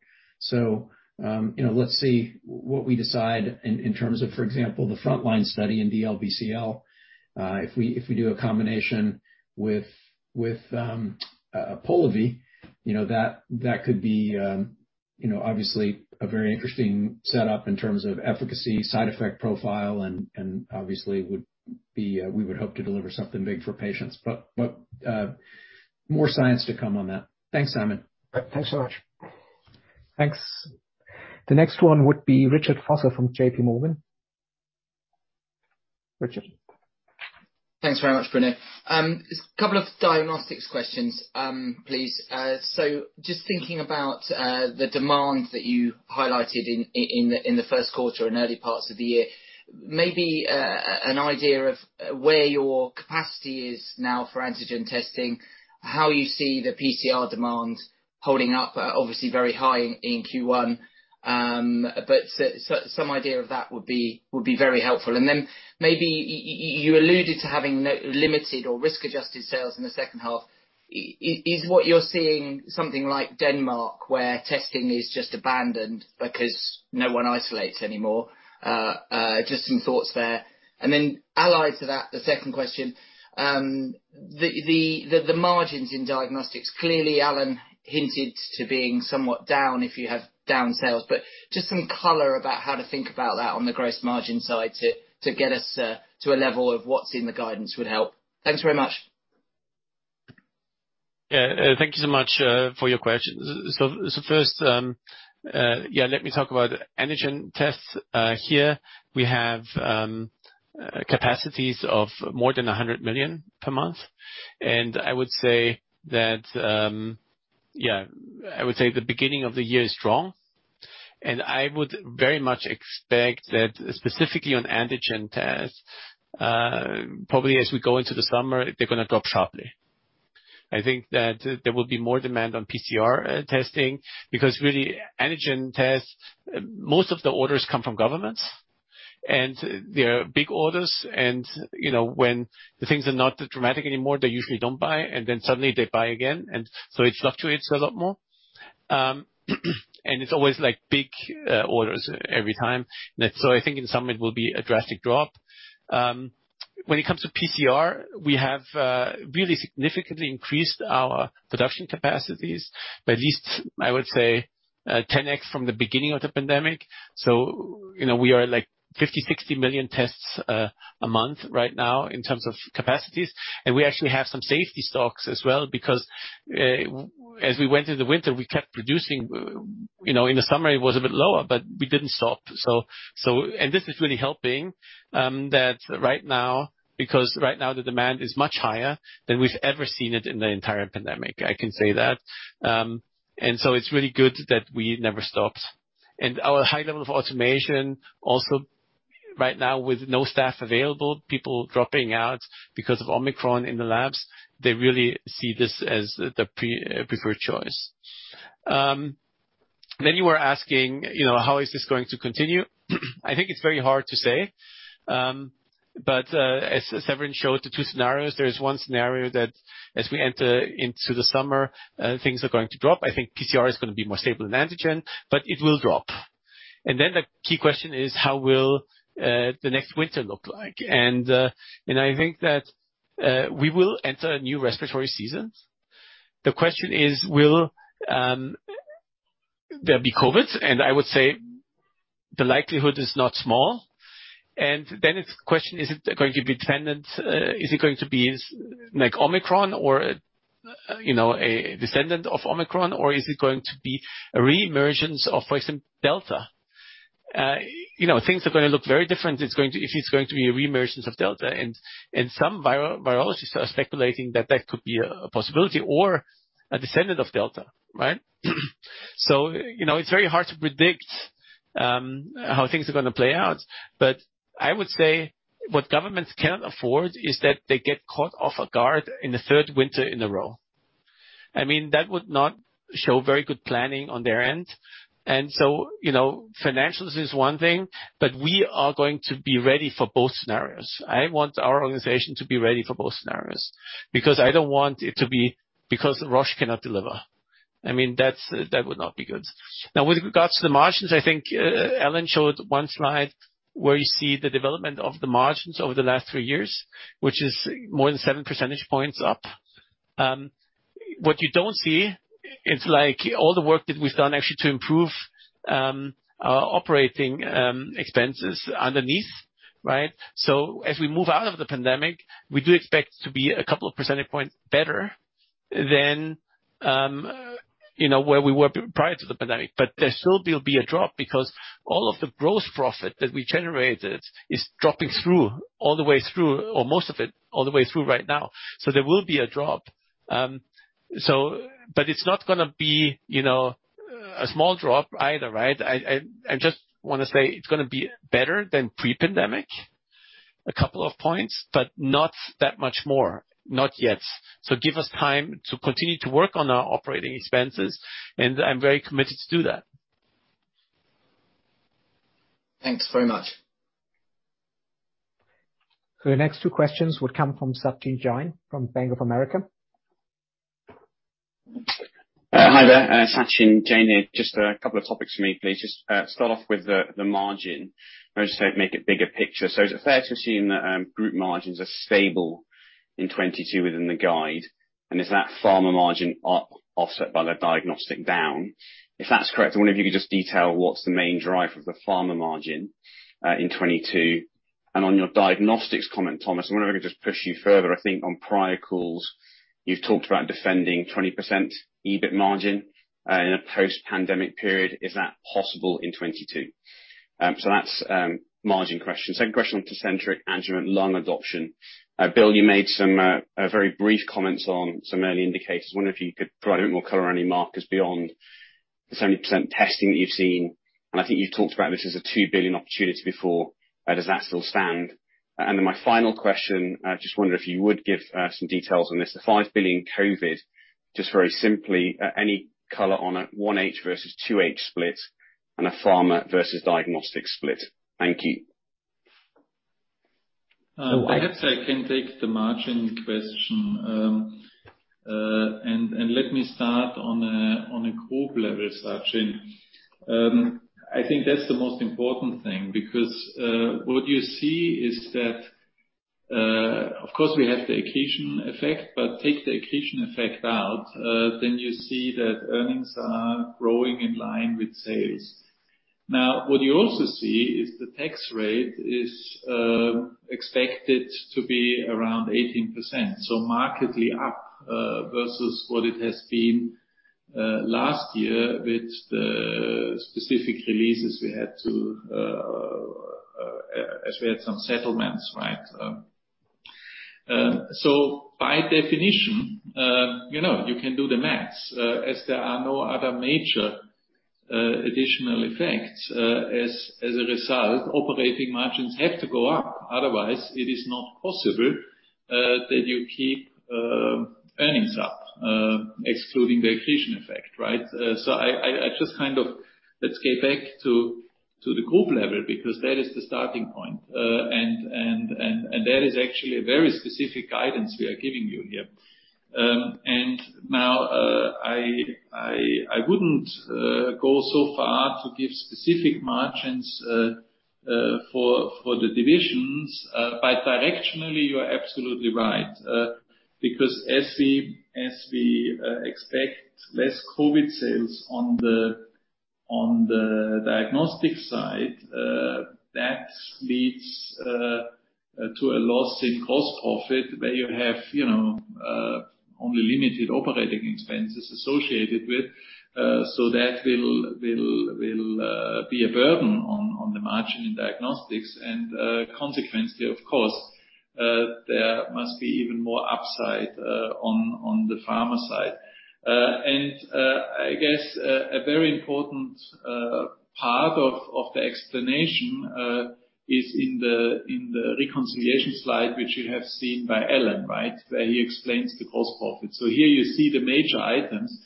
You know, let's see what we decide in terms of, for example, the frontline study in DLBCL. If we do a combination with Polivy, you know, that could be, you know, obviously a very interesting setup in terms of efficacy, side effect profile and obviously we would hope to deliver something big for patients, but more science to come on that. Thanks, Simon. Thanks so much. Thanks. The next one would be Richard Vosser from JPMorgan. Richard? Thanks very much, Bruno. Just a couple of diagnostics questions, please. Just thinking about the demand that you highlighted in the first quarter and early parts of the year, maybe an idea of where your capacity is now for antigen testing, how you see the PCR demand holding up, obviously very high in Q1. Some idea of that would be very helpful. Maybe you alluded to having no limited or risk-adjusted sales in the second half. Is what you're seeing something like Denmark, where testing is just abandoned because no one isolates anymore? Just some thoughts there. Allied to that, the second question, the margins in diagnostics. Clearly, Alan hinted to being somewhat down if you have down sales, but just some color about how to think about that on the gross margin side to get us to a level of what's in the guidance would help. Thanks very much. Thank you so much for your question. First, let me talk about antigen tests. Here we have capacities of more than 100 million per month. I would say the beginning of the year is strong. I would very much expect that specifically on antigen tests, probably as we go into the summer, they're going to drop sharply. I think that there will be more demand on PCR testing, because really antigen tests, most of the orders come from governments, and they are big orders. You know, when the things are not dramatic anymore, they usually don't buy, and then suddenly they buy again. It fluctuates a lot more. It's always like big orders every time. I think in summer it will be a drastic drop. When it comes to PCR, we have really significantly increased our production capacities by at least, I would say, 10x from the beginning of the pandemic. You know, we are like 50 million, 60 million tests a month right now in terms of capacities. And we actually have some safety stocks as well, because as we went through the winter, we kept producing. You know, in the summer it was a bit lower, but we didn't stop. And this is really helping that right now, because right now the demand is much higher than we've ever seen it in the entire pandemic, I can say that. It's really good that we never stopped. Our high level of automation also right now, with no staff available, people dropping out because of Omicron in the labs, they really see this as the preferred choice. Then you were asking, you know, how is this going to continue? I think it's very hard to say. But as Severin showed the two scenarios, there is one scenario that as we enter into the summer, things are going to drop. I think PCR is going to be more stable than antigen, but it will drop. Then the key question is, how will the next winter look like? And I think that we will enter a new respiratory season. The question is, will there be COVID? And I would say the likelihood is not small. The question is it going to be dependent, is it going to be like Omicron or, you know, a descendant of Omicron? Or is it going to be reemergence of, for instance, Delta? You know, things are gonna look very different. If it's going to be reemergence of Delta, and some virologists are speculating that that could be a possibility or a descendant of Delta, right? You know, it's very hard to predict how things are gonna play out. But I would say what governments cannot afford is that they get caught off guard in the third winter in a row. I mean, that would not show very good planning on their end. You know, financials is one thing, but we are going to be ready for both scenarios. I want our organization to be ready for both scenarios because I don't want it to be that Roche cannot deliver. I mean, that would not be good. Now, with regards to the margins, I think Alan showed one slide where you see the development of the margins over the last three years, which is more than 7 percentage points up. What you don't see is like all the work that we've done actually to improve our operating expenses underneath, right? As we move out of the pandemic, we do expect to be a couple of percentage points better than you know where we were prior to the pandemic. There still will be a drop because all of the gross profit that we generated is dropping through, all the way through, or most of it all the way through right now. There will be a drop. But it's not gonna be, you know, a small drop either, right? I just wanna say it's gonna be better than pre-pandemic, a couple of points, but not that much more. Not yet. Give us time to continue to work on our operating expenses, and I'm very committed to do that. Thanks very much. The next two questions would come from Sachin Jain from Bank of America. Hi there. Sachin Jain here. Just a couple of topics for me, please. Just start off with the margin. I would just say make it bigger picture. Is it fair to assume that group margins are stable in 2022 within the guide? And is that pharma margin offset by the diagnostics down? If that's correct, I wonder if you could just detail what's the main driver of the pharma margin in 2022. On your diagnostics comment, Thomas, I wonder if I could just push you further. I think on prior calls, you've talked about defending 20% EBIT margin in a post-pandemic period. Is that possible in 2022? So that's the margin question. Second question on Tecentriq adjuvant lung adoption. Bill, you made some very brief comments on some early indicators. Wondering if you could provide a bit more color on any markers beyond the 70% testing that you've seen. I think you've talked about this as a 2 billion opportunity before. Does that still stand? Then my final question, I wonder if you would give some details on this. The 5 billion COVID, just very simply, any color on a 1H versus 2H split and a pharma versus diagnostic split. Thank you. Perhaps I can take the margin question. Let me start on a group level, Sachin. I think that's the most important thing because what you see is that of course we have the accretion effect, but take the accretion effect out, then you see that earnings are growing in line with sales. Now, what you also see is the tax rate is expected to be around 18%, so markedly up versus what it has been last year with the specific releases we had, as we had some settlements, right? By definition, you know, you can do the math. As there are no other major additional effects, as a result, operating margins have to go up. Otherwise, it is not possible that you keep earnings up, excluding the accretion effect, right? Let's get back to the group level because that is the starting point. That is actually a very specific guidance we are giving you here. Now, I wouldn't go so far to give specific margins for the divisions, but directionally you are absolutely right. Because as we expect less COVID sales on the diagnostic side, that leads to a loss in gross profit where you have, you know, only limited operating expenses associated with, so that will be a burden on the margin in Diagnostics. Consequently of course, there must be even more upside on the pharma side. I guess a very important part of the explanation is in the reconciliation slide which you have seen by Alan, right? Where he explains the cost/profit. Here you see the major items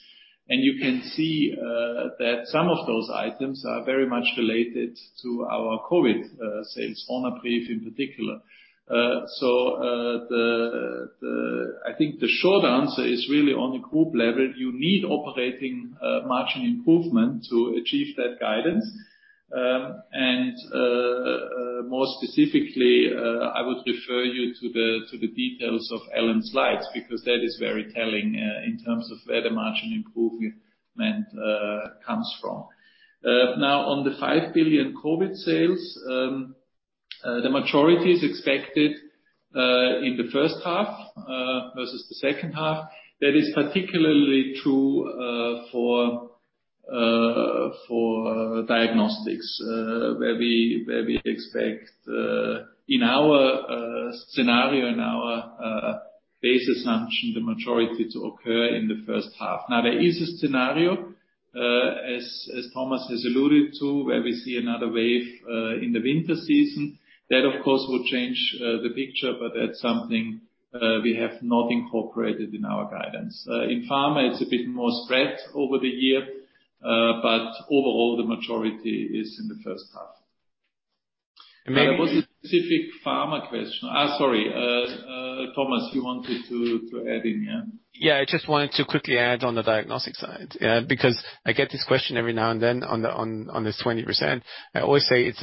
and you can see that some of those items are very much related to our COVID sales, one in particular. The short answer is really on the group level you need operating margin improvement to achieve that guidance. More specifically, I would refer you to the details of Alan's slides because that is very telling in terms of where the margin improvement comes from. Now on the 5 billion COVID sales, the majority is expected in the first half versus the second half. That is particularly true for diagnostics, where we expect in our scenario, our base assumption, the majority to occur in the first half. Now there is a scenario, as Thomas has alluded to, where we see another wave in the winter season. That of course will change the picture, but that's something we have not incorporated in our guidance. In pharma it's a bit more spread over the year, but overall the majority is in the first half. And maybe- There was a specific pharma question. Sorry. Thomas, you wanted to add in. Yeah. I just wanted to quickly add on the diagnostic side, because I get this question every now and then on this 20%. I always say it's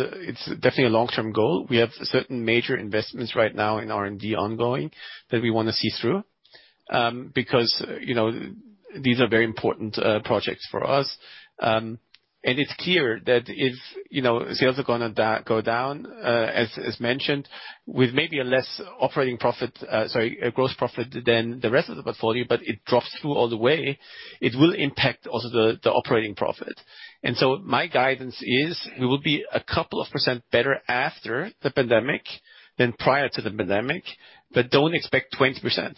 definitely a long-term goal. We have certain major investments right now in R&D ongoing that we wanna see through, because, you know, these are very important projects for us. And it's clear that if, you know, sales are gonna go down, as mentioned with maybe a less operating profit, sorry, a gross profit than the rest of the portfolio but it drops through all the way, it will impact also the operating profit. My guidance is we will be a couple of percent better after the pandemic than prior to the pandemic, but don't expect 20%.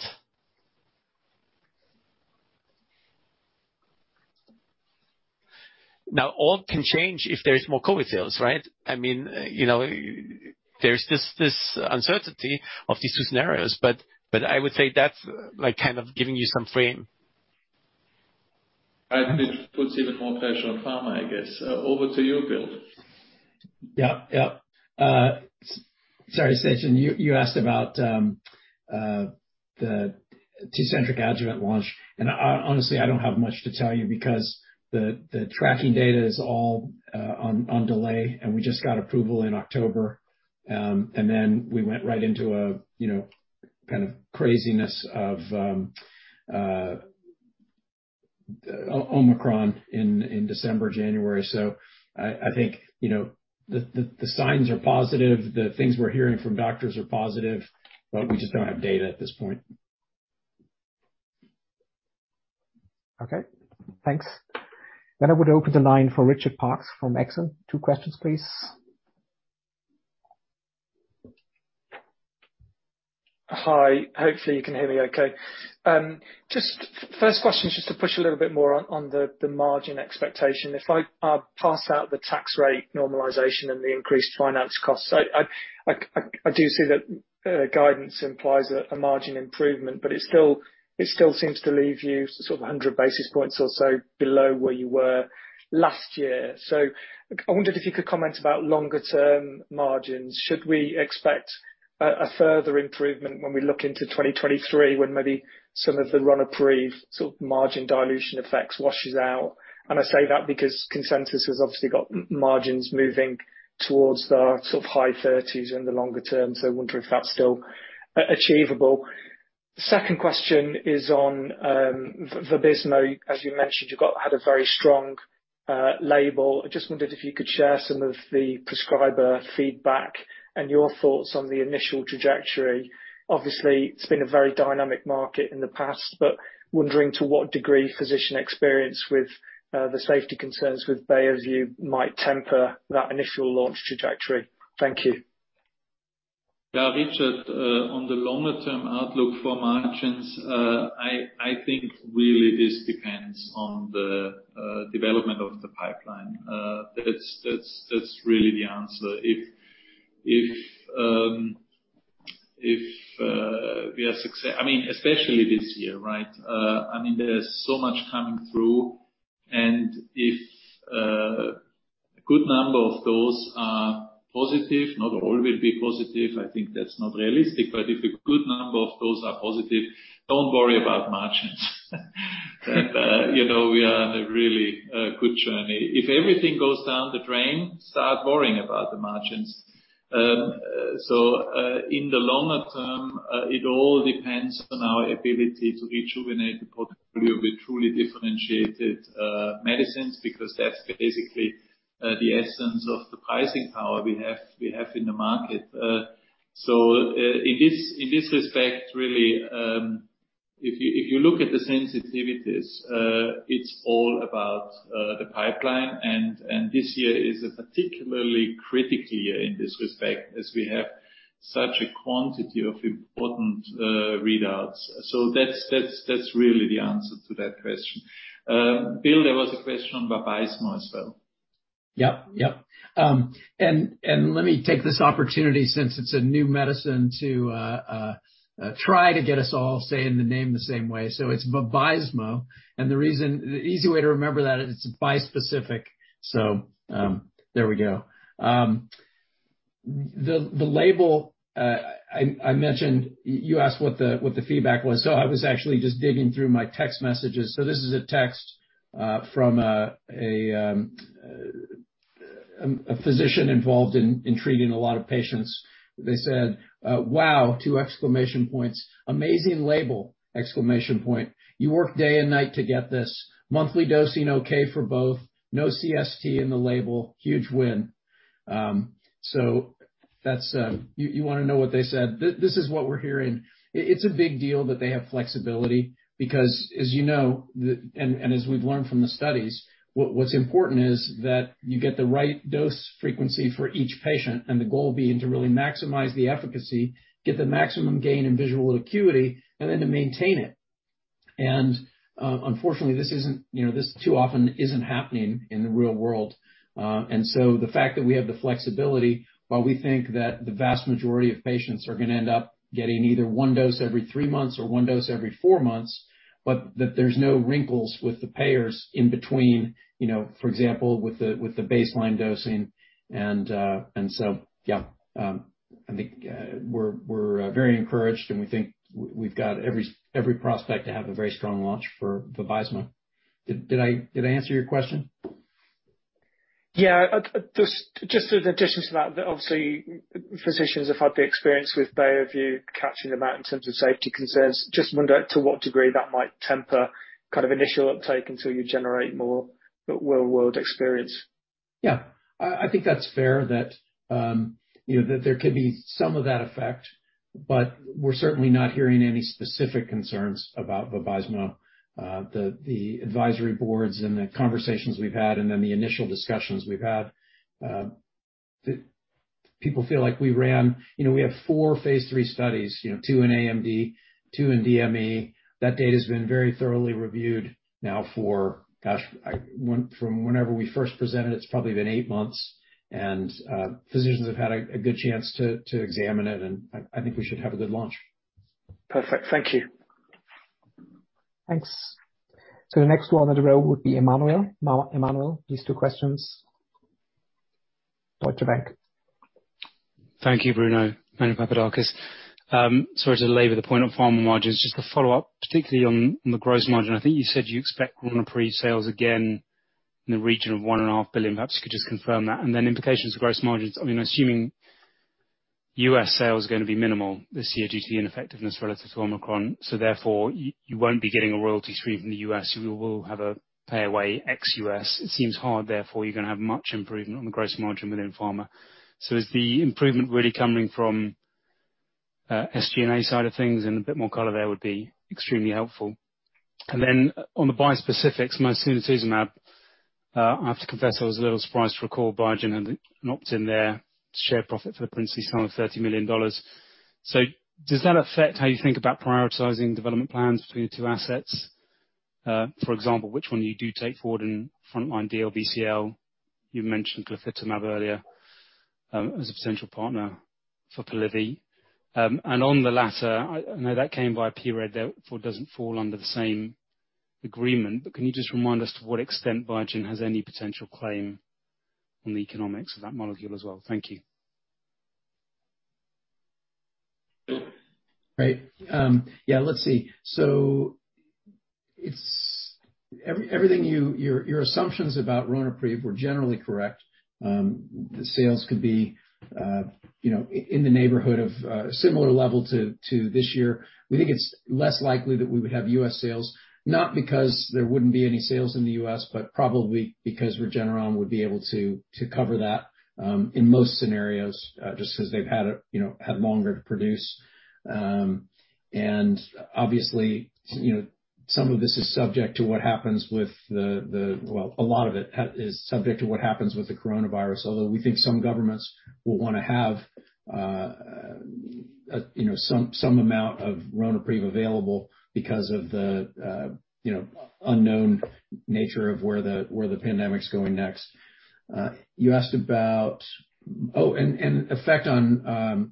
Now all can change if there is more COVID sales, right? I mean, you know, there's this uncertainty of these two scenarios but I would say that's like kind of giving you some frame. Right. It puts even more pressure on pharma I guess. Over to you, Bill. Sorry, Sachin, you asked about the Tecentriq adjuvant launch and honestly I don't have much to tell you because the tracking data is all on delay and we just got approval in October. Then we went right into a you know kind of craziness of Omicron in December, January. I think, you know, the signs are positive. The things we're hearing from doctors are positive, but we just don't have data at this point. Okay, thanks. I would open the line for Richard Parkes from Exane. Two questions, please. Hi. Hopefully you can hear me okay. Just first question is just to push a little bit more on the margin expectation. If I parse out the tax rate normalization and the increased finance costs, I do see that guidance implies a margin improvement, but it still seems to leave you sort of 100 basis points or so below where you were last year. I wondered if you could comment about longer-term margins. Should we expect a further improvement when we look into 2023, when maybe some of the Ruxience sort of margin dilution effects washes out? I say that because consensus has obviously got margins moving towards the sort of high 30s% in the longer term. I wonder if that's still achievable. Second question is on Vabysmo. As you mentioned, you've had a very strong label. I just wondered if you could share some of the prescriber feedback and your thoughts on the initial trajectory. Obviously, it's been a very dynamic market in the past, but wondering to what degree physician experience with the safety concerns with Byooviz might temper that initial launch trajectory. Thank you. Yeah, Richard, on the longer term outlook for margins, I think really this depends on the development of the pipeline. That's really the answer. I mean, especially this year, right? I mean, there is so much coming through, and if a good number of those are positive, not all will be positive, I think that's not realistic. But if a good number of those are positive, don't worry about margins. You know, we are on a really good journey. If everything goes down the drain, start worrying about the margins. In the longer term, it all depends on our ability to rejuvenate the portfolio with truly differentiated medicines, because that's basically the essence of the pricing power we have in the market. In this respect, really, if you look at the sensitivities, it's all about the pipeline. This year is a particularly critical year in this respect, as we have such a quantity of important readouts. That's really the answer to that question. Bill, there was a question on Vabysmo as well. Let me take this opportunity since it's a new medicine to try to get us all saying the name the same way. It's Vabysmo. The reason, the easy way to remember that is it's bispecific. There we go. The label I mentioned. You asked what the feedback was. I was actually just digging through my text messages. This is a text from a physician involved in treating a lot of patients. They said, "Wow." Two exclamation points. "Amazing label." Exclamation point. "You worked day and night to get this. Monthly dosing okay for both. No CRS in the label. Huge win." That's what they said. You wanna know what they said. This is what we're hearing. It's a big deal that they have flexibility because, as you know, as we've learned from the studies, what's important is that you get the right dose frequency for each patient, and the goal being to really maximize the efficacy, get the maximum gain in visual acuity, and then to maintain it. Unfortunately, this isn't, you know, this too often isn't happening in the real world. The fact that we have the flexibility, while we think that the vast majority of patients are gonna end up getting either one dose every three months or one dose every four months, but that there's no wrinkles with the payers in between, you know, for example, with the baseline dosing. Yeah. I think we're very encouraged, and we think we've got every prospect to have a very strong launch for Vabysmo. Did I answer your question? Yeah. Just in addition to that, obviously physicians have had the experience with Byooviz, catching them out in terms of safety concerns. Just wondered to what degree that might temper kind of initial uptake until you generate more real world experience? Yeah. I think that's fair that, you know, that there could be some of that effect, but we're certainly not hearing any specific concerns about Vabysmo. The advisory boards and the conversations we've had and then the initial discussions we've had, people feel like we ran. You know, we have four phase III studies, you know, two in AMD, two in DME. That data has been very thoroughly reviewed now, from whenever we first presented, it's probably been eight months. Physicians have had a good chance to examine it, and I think we should have a good launch. Perfect. Thank you. Thanks. The next one on the row would be Emmanuel. Emmanuel, these two questions. Deutsche Bank. Thank you, Bruno. Emmanuel Papadakis. Sorry to labor the point on pharma margins. Just to follow up, particularly on the gross margin, I think you said you expect Ronapreve sales again in the region of 1.5 billion. Perhaps you could just confirm that. Implications for gross margins, I mean, assuming U.S. sales are going to be minimal this year due to the ineffectiveness relative to Omicron. Therefore, you won't be getting a royalty stream from the U.S. You will have a pay away ex-U.S. It seems hard, therefore, you're gonna have much improvement on the gross margin within pharma. Is the improvement really coming from SG&A side of things? A bit more color there would be extremely helpful. On the bispecifics, Mosunetuzumab, I have to confess, I was a little surprised to recall Biogen had an opt-in there to share profit for the princely sum of $30 million. Does that affect how you think about prioritizing development plans between the two assets? For example, which one you do take forward in frontline DLBCL. You mentioned Glofitamab earlier, as a potential partner for Polivy. On the latter, I know that came by pRED, therefore doesn't fall under the same agreement. Can you just remind us to what extent Biogen has any potential claim on the economics of that molecule as well? Thank you. Right. Everything your assumptions about Ronapreve were generally correct. The sales could be in the neighborhood of similar level to this year. We think it's less likely that we would have U.S. sales, not because there wouldn't be any sales in the U.S., but probably because Regeneron would be able to cover that in most scenarios, just because they've had longer to produce. Some of this is subject to what happens with the coronavirus. Although we think some governments will wanna have some amount of Ronapreve available because of the unknown nature of where the pandemic's going next. You asked about... Oh, an effect on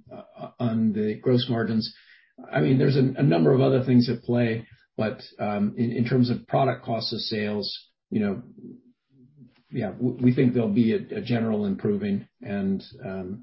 the gross margins. I mean, there's a number of other things at play, but in terms of product cost of sales, you know, yeah, we think there'll be a general improving and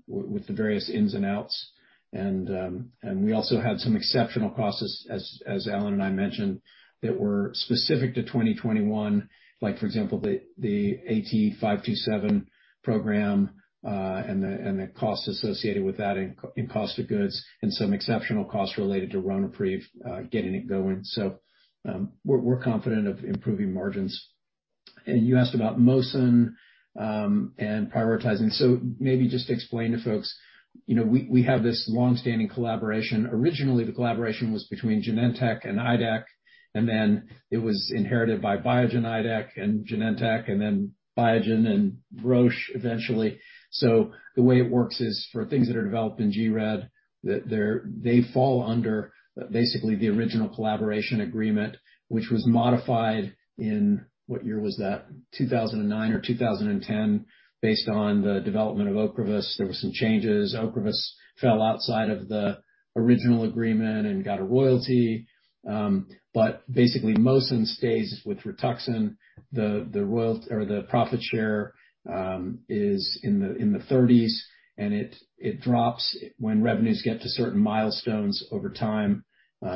with the various ins and outs. We also had some exceptional costs as Alan and I mentioned, that were specific to 2021. Like, for example, the AT-527 program and the costs associated with that in cost of goods and some exceptional costs related to Ronapreve getting it going. We're confident of improving margins. You asked about Mosun and prioritizing. Maybe just to explain to folks, you know, we have this long-standing collaboration. Originally, the collaboration was between Genentech and IDEC, and then it was inherited by Biogen, IDEC and Genentech, and then Biogen and Roche eventually. The way it works is for things that are developed in GRE, they fall under basically the original collaboration agreement, which was modified in... What year was that? 2009 or 2010, based on the development of Ocrevus. There were some changes. Ocrevus fell outside of the original agreement and got a royalty. But basically, Mosunetuzumab stays with Rituxan. The royalty or the profit share is in the thirties, and it drops when revenues get to certain milestones over time. They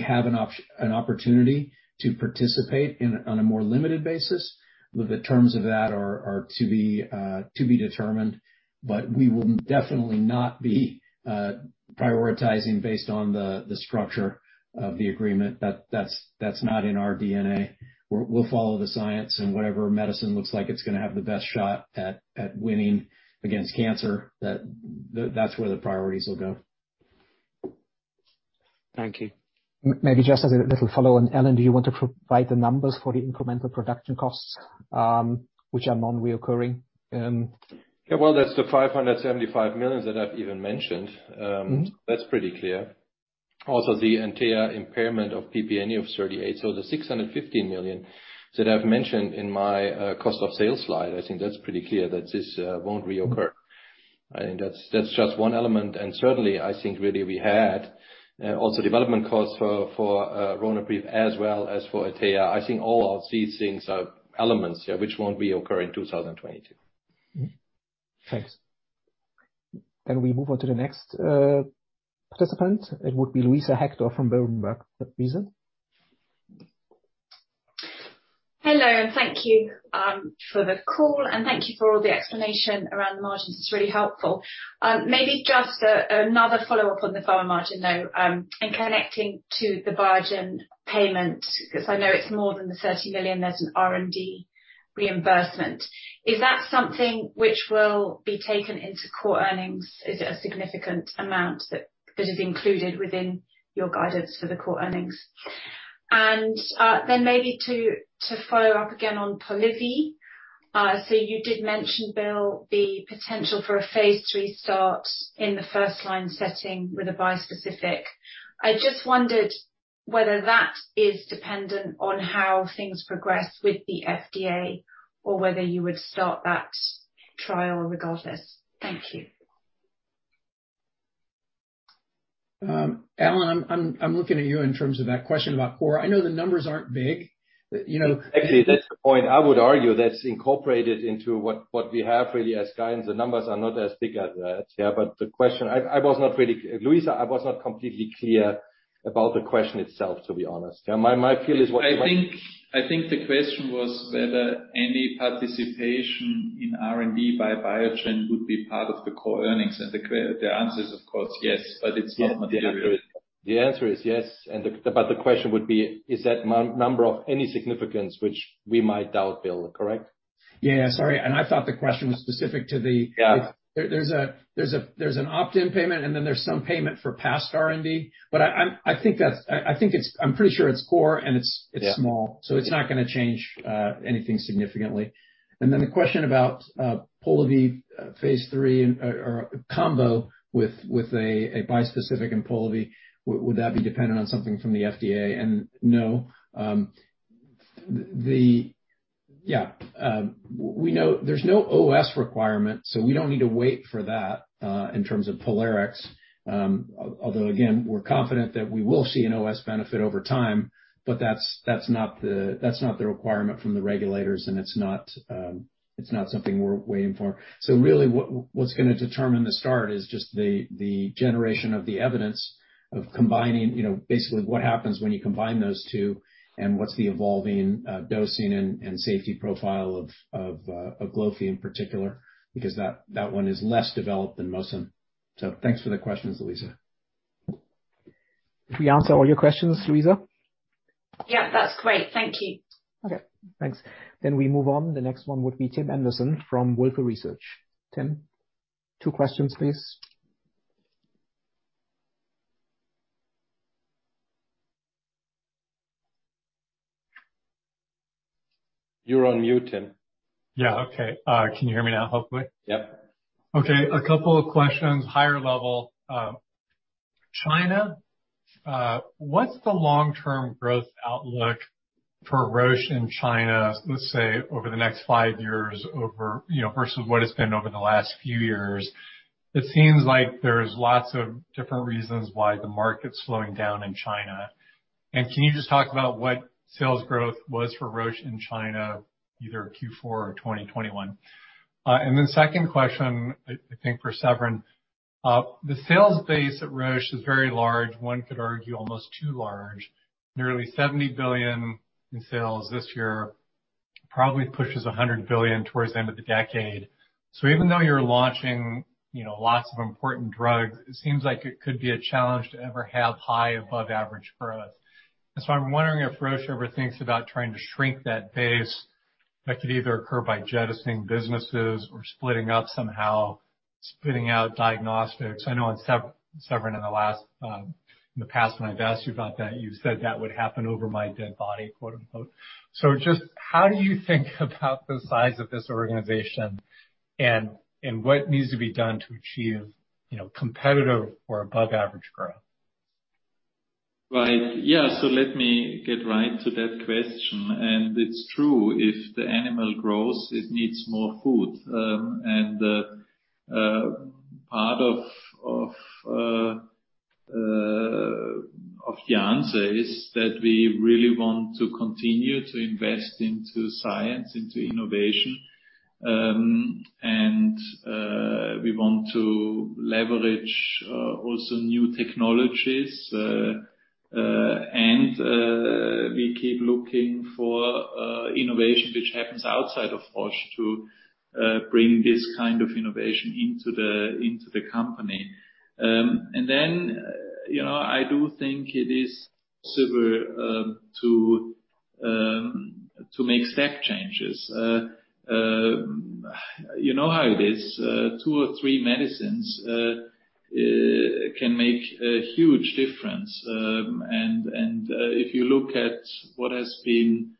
have an opportunity to participate on a more limited basis, but the terms of that are to be determined. We will definitely not be prioritizing based on the structure of the agreement. That's not in our DNA. We'll follow the science and whatever medicine looks like it's gonna have the best shot at winning against cancer. That's where the priorities will go. Thank you. Maybe just as a little follow on. Alan, do you want to provide the numbers for the incremental production costs, which are non-recurring? Yeah. Well, that's the 575 million that I've even mentioned. That's pretty clear. Also, the Atea impairment of PP&E of 38 million. The 650 million that I've mentioned in my cost of sales slide, I think that's pretty clear that this won't reoccur. I think that's just one element. Certainly, I think really we had also development costs for Ronapreve as well as for Atea. I think all of these things are elements, yeah, which won't reoccur in 2022. Thanks. Can we move on to the next participant? It would be Luisa Hector from Berenberg. Luisa. Hello, and thank you for the call, and thank you for all the explanation around the margins. It's really helpful. Maybe just another follow-up on the Pharma margin, though, and connecting to the Biogen payment, 'cause I know it's more than the 30 million. There's an R&D reimbursement. Is that something which will be taken into core earnings? Is it a significant amount that is included within your guidance for the core earnings? Then maybe to follow up again on Polivy. So you did mention, Bill, the potential for a phase III start in the first-line setting with a bispecific. I just wondered whether that is dependent on how things progress with the FDA or whether you would start that trial regardless. Thank you. Alan, I'm looking at you in terms of that question about core. I know the numbers aren't big. You know. Actually, that's the point. I would argue that's incorporated into what we have really as guidance. The numbers are not as big as that. Yeah. The question. I was not really, Luisa, I was not completely clear about the question itself, to be honest. Yeah, my feel is what I think the question was whether any participation in R&D by Biogen would be part of the core earnings. The answer is, of course, yes, but it's not material. The answer is yes, but the question would be, is that number of any significance which we might doubt, Bill, correct? Yeah, sorry. I thought the question was specific to the- Yeah. There's an opt-in payment, and then there's some payment for past R&D. I'm pretty sure it's core, and it's small. Yeah. It's not gonna change anything significantly. The question about Polivy phase III or combo with a bispecific in Polivy, would that be dependent on something from the FDA? No, we know there's no OS requirement, so we don't need to wait for that in terms of POLARIX. Although again, we're confident that we will see an OS benefit over time, but that's not the requirement from the regulators, and it's not something we're waiting for. Really, what's gonna determine the start is just the generation of the evidence of combining, you know, basically what happens when you combine those two and what's the evolving dosing and safety profile of Glofitamab in particular, because that one is less developed than Mosunetuzumab. Thanks for the questions, Luisa. Did we answer all your questions, Luisa? Yeah, that's great. Thank you. Okay, thanks. We move on. The next one would be Tim Anderson from Wolfe Research. Tim, two questions, please. You're on mute, Tim. Yeah. Okay. Can you hear me now, hopefully? Yep. Okay. A couple of questions, high-level. China, what's the long-term growth outlook for Roche in China, let's say over the next five years versus what it's been over the last few years? It seems like there's lots of different reasons why the market's slowing down in China. Can you just talk about what sales growth was for Roche in China, either Q4 or 2021? And then second question, I think for Severin. The sales base at Roche is very large, one could argue almost too large. Nearly 70 billion in sales this year, probably pushes 100 billion towards the end of the decade. Even though you're launching, you know, lots of important drugs, it seems like it could be a challenge to ever have high above average growth. I'm wondering if Roche ever thinks about trying to shrink that base. That could either occur by jettisoning businesses or splitting up somehow, splitting out diagnostics. I know, Severin, in the past, when I've asked you about that, you said that would happen over my dead body, quote-unquote. Just how do you think about the size of this organization, and what needs to be done to achieve, you know, competitive or above average growth? Right. Yeah. Let me get right to that question. It's true, if the animal grows, it needs more food. Part of the answer is that we really want to continue to invest into science, into innovation. We want to leverage also new technologies. We keep looking for innovation which happens outside of Roche to bring this kind of innovation into the company. You know, I do think it is super to make step changes. You know how it is, two or three medicines can make a huge difference. If you look at what has been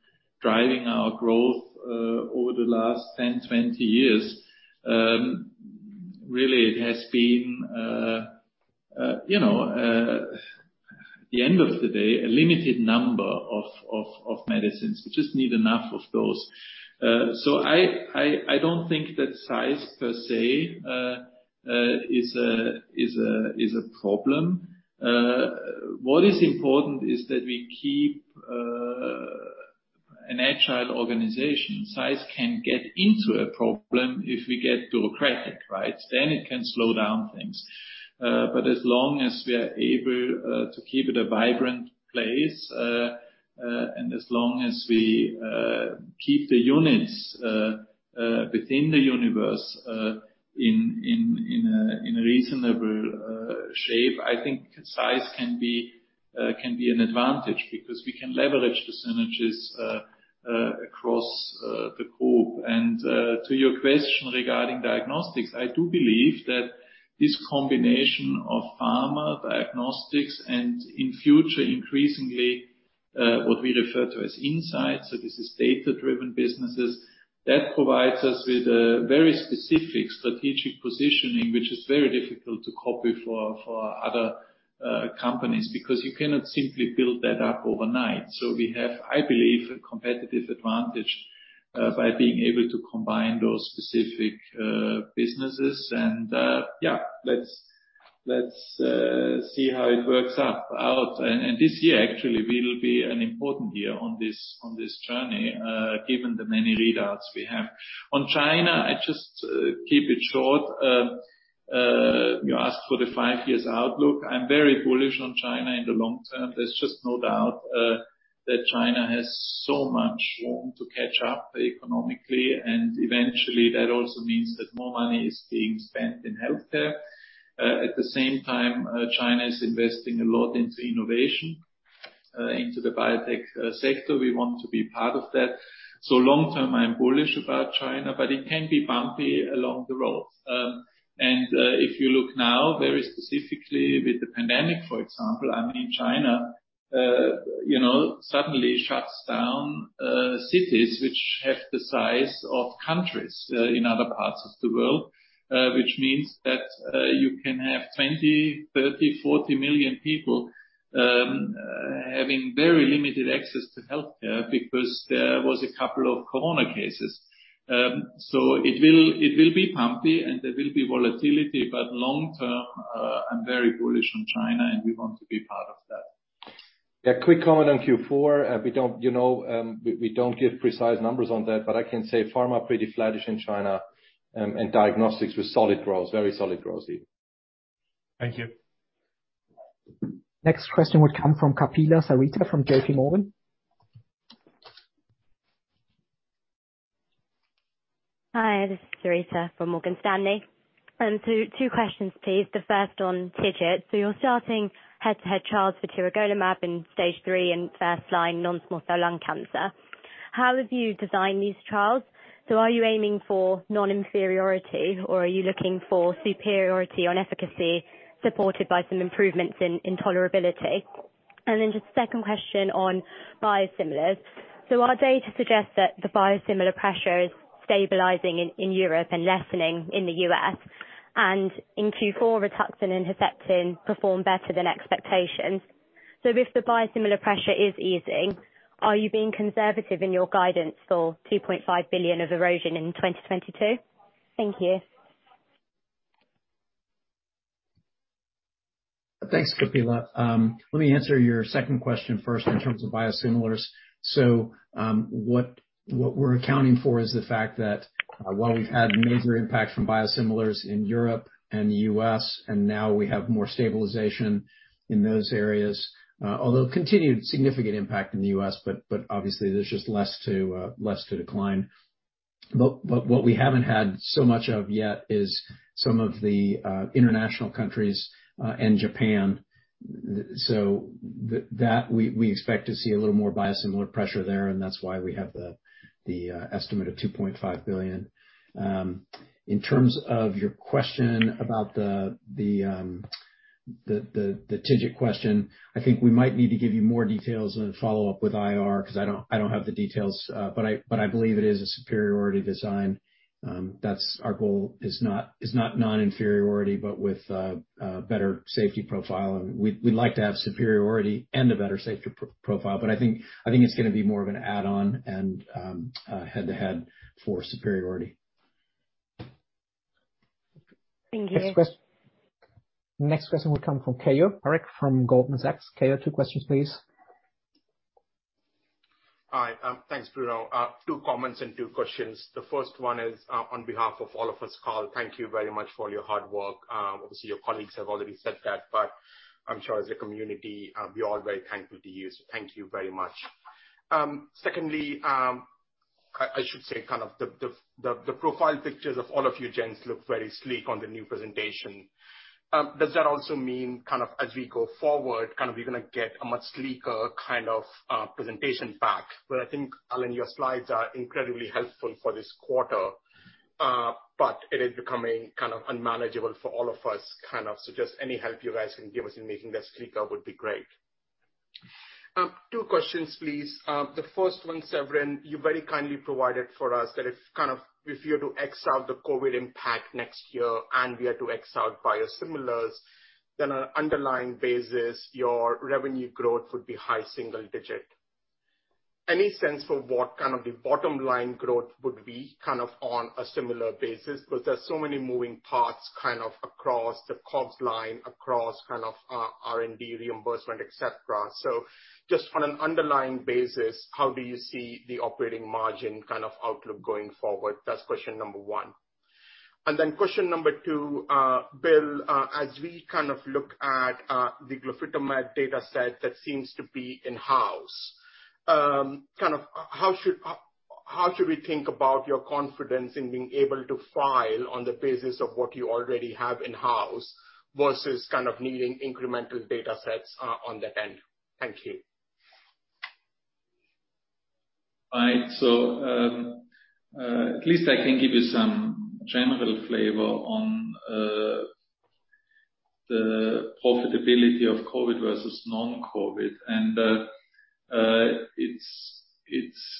driving our growth over the last 10, 20 years, really it has been you know at the end of the day a limited number of medicines. We just need enough of those. I don't think that size per se is a problem. What is important is that we keep an agile organization. Size can get into a problem if we get bureaucratic, right? It can slow down things. As long as we are able to keep it a vibrant place, and as long as we keep the units within the universe in a reasonable shape, I think size can be an advantage because we can leverage the synergies across the group. To your question regarding Diagnostics, I do believe that this combination of Pharma, Diagnostics, and in future, increasingly, what we refer to as insights, so this is data-driven businesses, that provides us with a very specific strategic positioning, which is very difficult to copy for other companies, because you cannot simply build that up overnight. We have, I believe, a competitive advantage by being able to combine those specific businesses. Yeah, let's see how it works out. This year actually will be an important year on this journey, given the many readouts we have. On China, I just keep it short. You asked for the five-year outlook. I'm very bullish on China in the long term. There's just no doubt that China has so much room to catch up economically, and eventually that also means that more money is being spent in healthcare. At the same time, China is investing a lot into innovation, into the biotech sector. We want to be part of that. Long term, I'm bullish about China, but it can be bumpy along the road. If you look now very specifically with the pandemic, for example, I mean, China, you know, suddenly shuts down cities which have the size of countries in other parts of the world. Which means that you can have 20, 30, 40 million people having very limited access to healthcare because there was a couple of COVID cases. It will be bumpy and there will be volatility, but long term, I'm very bullish on China, and we want to be part of that. A quick comment on Q4. We don't give precise numbers on that, you know, but I can say Pharma pretty flattish in China, and Diagnostics with solid growth, very solid growth. Thank you. Next question would come from Sarita Kapila from Morgan Stanley. Hi, this is Sarita from Morgan Stanley. Two questions, please. The first on TIGIT. You're starting head-to-head trials for Tiragolumab in phase III in first-line non-small cell lung cancer. How have you designed these trials? Are you aiming for non-inferiority, or are you looking for superiority on efficacy supported by some improvements in tolerability? Then just second question on biosimilars. Our data suggests that the biosimilar pressure is stabilizing in Europe and lessening in the U.S., and in Q4, Rituxan and Herceptin performed better than expectations. If the biosimilar pressure is easing, are you being conservative in your guidance for 2.5 billion of erosion in 2022? Thank you. Thanks, Kapila. Let me answer your second question first in terms of biosimilars. What we're accounting for is the fact that while we've had major impact from biosimilars in Europe and the U.S., and now we have more stabilization in those areas, although continued significant impact in the U.S., but obviously there's just less to decline. What we haven't had so much of yet is some of the international countries and Japan. That we expect to see a little more biosimilar pressure there, and that's why we have the estimate of 2.5 billion. In terms of your question about the TIGIT question, I think we might need to give you more details and follow up with IR, 'cause I don't have the details. I believe it is a superiority design. That's our goal. It is not non-inferiority, but with better safety profile. We'd like to have superiority and a better safety profile. I think it's gonna be more of an add-on and head-to-head for superiority. Thank you. Next question will come from Keyur Parekh from Goldman Sachs. Keyur, two questions please. Hi, thanks Bruno. Two comments and two questions. The first one is, on behalf of all of us calling, thank you very much for all your hard work. Obviously your colleagues have already said that, but I'm sure as a community, we are very thankful to you. Thank you very much. Secondly, I should say kind of the profile pictures of all of you gents look very sleek on the new presentation. Does that also mean kind of as we go forward, kind of we're gonna get a much sleeker kind of presentation back? But I think, Alan, your slides are incredibly helpful for this quarter, but it is becoming kind of unmanageable for all of us, kind of. Just any help you guys can give us in making that sleeker would be great. Two questions please. The first one, Severin, you very kindly provided for us that if kind of, if you were to X out the COVID impact next year and we are to X out biosimilars, then on an underlying basis, your revenue growth would be high single digit. Any sense for what kind of the bottom line growth would be kind of on a similar basis? But there's so many moving parts kind of across the COGS line, across kind of, R&D reimbursement, et cetera. So just on an underlying basis, how do you see the operating margin kind of outlook going forward? That's question number one. Question number two, Bill, as we kind of look at the Glofitamab data set that seems to be in-house, kind of how should we think about your confidence in being able to file on the basis of what you already have in-house versus kind of needing incremental data sets on that end? Thank you. All right. At least I can give you some general flavor on the profitability of COVID versus non-COVID. It's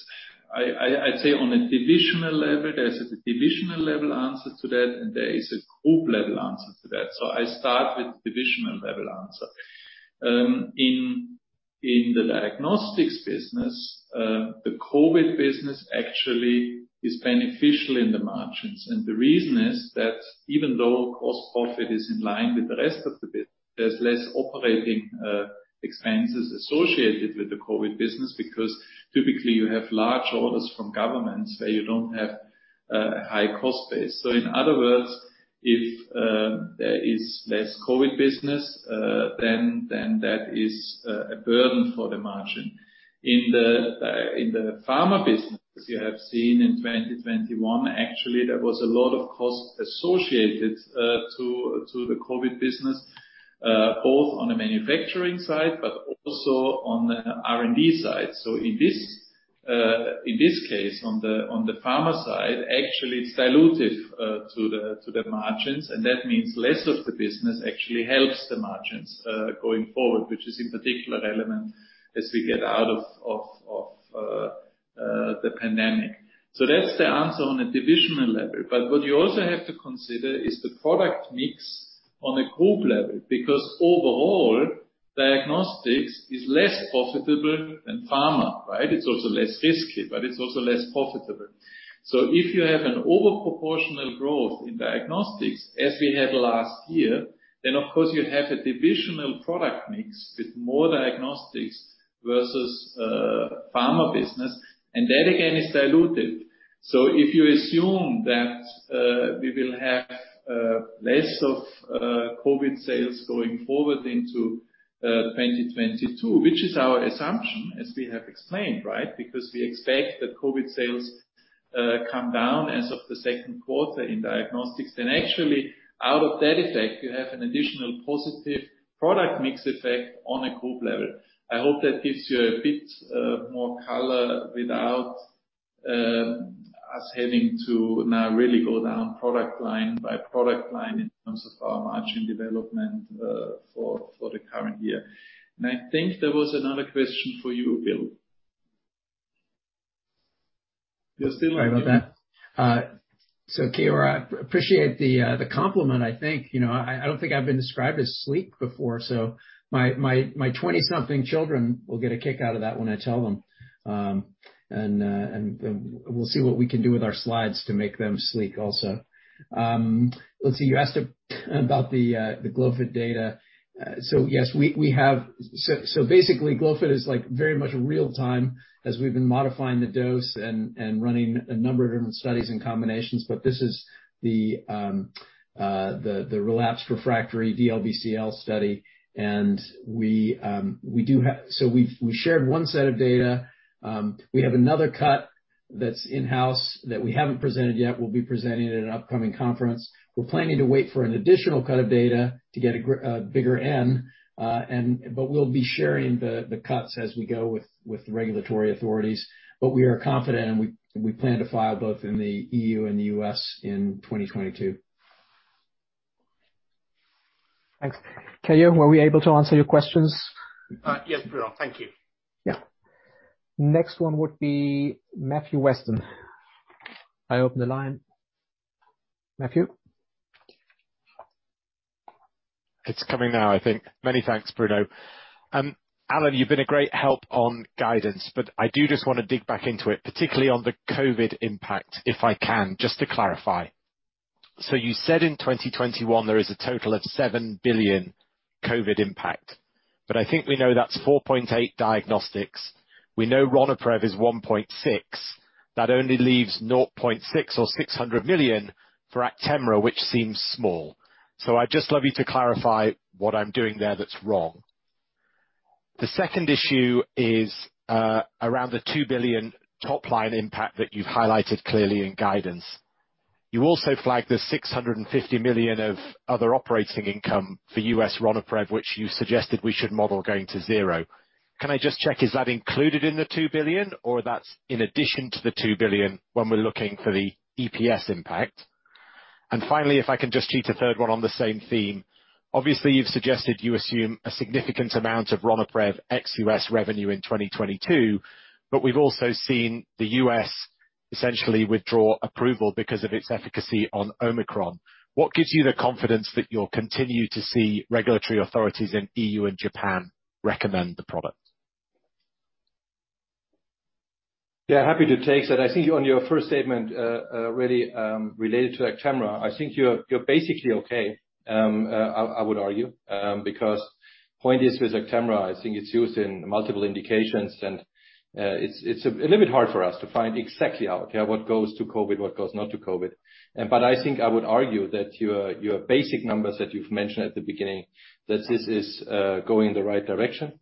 on a divisional level, there's a divisional level answer to that and there is a group level answer to that. I start with the divisional level answer. In the diagnostics business, the COVID business actually is beneficial in the margins. The reason is that even though gross profit is in line with the rest of the business, there's less operating expenses associated with the COVID business because typically you have large orders from governments where you don't have high cost base. In other words, if there is less COVID business, then that is a burden for the margin. In the pharma business, you have seen in 2021, actually there was a lot of costs associated to the COVID business, both on the manufacturing side, but also on the R&D side. In this case, on the pharma side, actually it's dilutive to the margins, and that means less of the business actually helps the margins going forward, which is in particular relevant as we get out of the pandemic. That's the answer on a divisional level. What you also have to consider is the product mix on a group level, because overall, Diagnostics is less profitable than Pharma, right? It's also less risky, but it's also less profitable. If you have an over proportional growth in diagnostics, as we had last year, then of course you have a divisional product mix with more diagnostics versus pharma business, and that again is diluted. If you assume that we will have less of COVID sales going forward into 2022, which is our assumption, as we have explained, right? Because we expect that COVID sales come down as of the second quarter in diagnostics, then actually, out of that effect, you have an additional positive product mix effect on a group level. I hope that gives you a bit more color without us having to now really go down product line by product line in terms of our margin development for the current year. I think there was another question for you, Bill. You're still- Sorry about that. Keyur, I appreciate the compliment, I think. You know, I don't think I've been described as sleek before, so my 20-something children will get a kick out of that when I tell them. We'll see what we can do with our slides to make them sleek also. Let's see, you asked about the Glofitamab data. Yes, we have. Basically, Glofitamab is like very much real-time as we've been modifying the dose and running a number of different studies and combinations. This is the relapsed refractory DLBCL study. We do have. We've shared one set of data. We have another cut that's in-house that we haven't presented yet. We'll be presenting it at an upcoming conference. We're planning to wait for an additional cut of data to get a bigger N. We'll be sharing the cuts as we go with regulatory authorities. We are confident, and we plan to file both in the EU and the U.S. in 2022. Thanks. Keyur, were we able to answer your questions? Yes, Bruno. Thank you. Yeah. Next one would be Matthew Weston. I open the line. Matthew? It's coming now, I think. Many thanks, Bruno. Alan, you've been a great help on guidance, but I do just wanna dig back into it, particularly on the COVID impact, if I can, just to clarify. You said in 2021 there is a total of 7 billion COVID impact, but I think we know that's 4.8 billion diagnostics. We know Ronapreve is 1.6 billion. That only leaves 0.6 or 600 million for Actemra, which seems small. I'd just love you to clarify what I'm doing there that's wrong. The second issue is around the 2 billion top-line impact that you've highlighted clearly in guidance. You also flagged the 650 million of other operating income for U.S. Ronapreve, which you suggested we should model going to zero. Can I just check, is that included in the 2 billion, or that's in addition to the 2 billion when we're looking for the EPS impact? Finally, if I can just cheat a third one on the same theme. Obviously, you've suggested you assume a significant amount of Ronapreve ex-U.S. revenue in 2022, but we've also seen the U.S. essentially withdraw approval because of its efficacy on Omicron. What gives you the confidence that you'll continue to see regulatory authorities in EU and Japan recommend the product? Yeah, happy to take that. I think on your first statement, really, related to Actemra, I think you're basically okay, I would argue. Point is with Actemra, I think it's used in multiple indications and, it's a little bit hard for us to find exactly out, yeah, what goes to COVID, what goes not to COVID. I think I would argue that your basic numbers that you've mentioned at the beginning, that this is going in the right direction.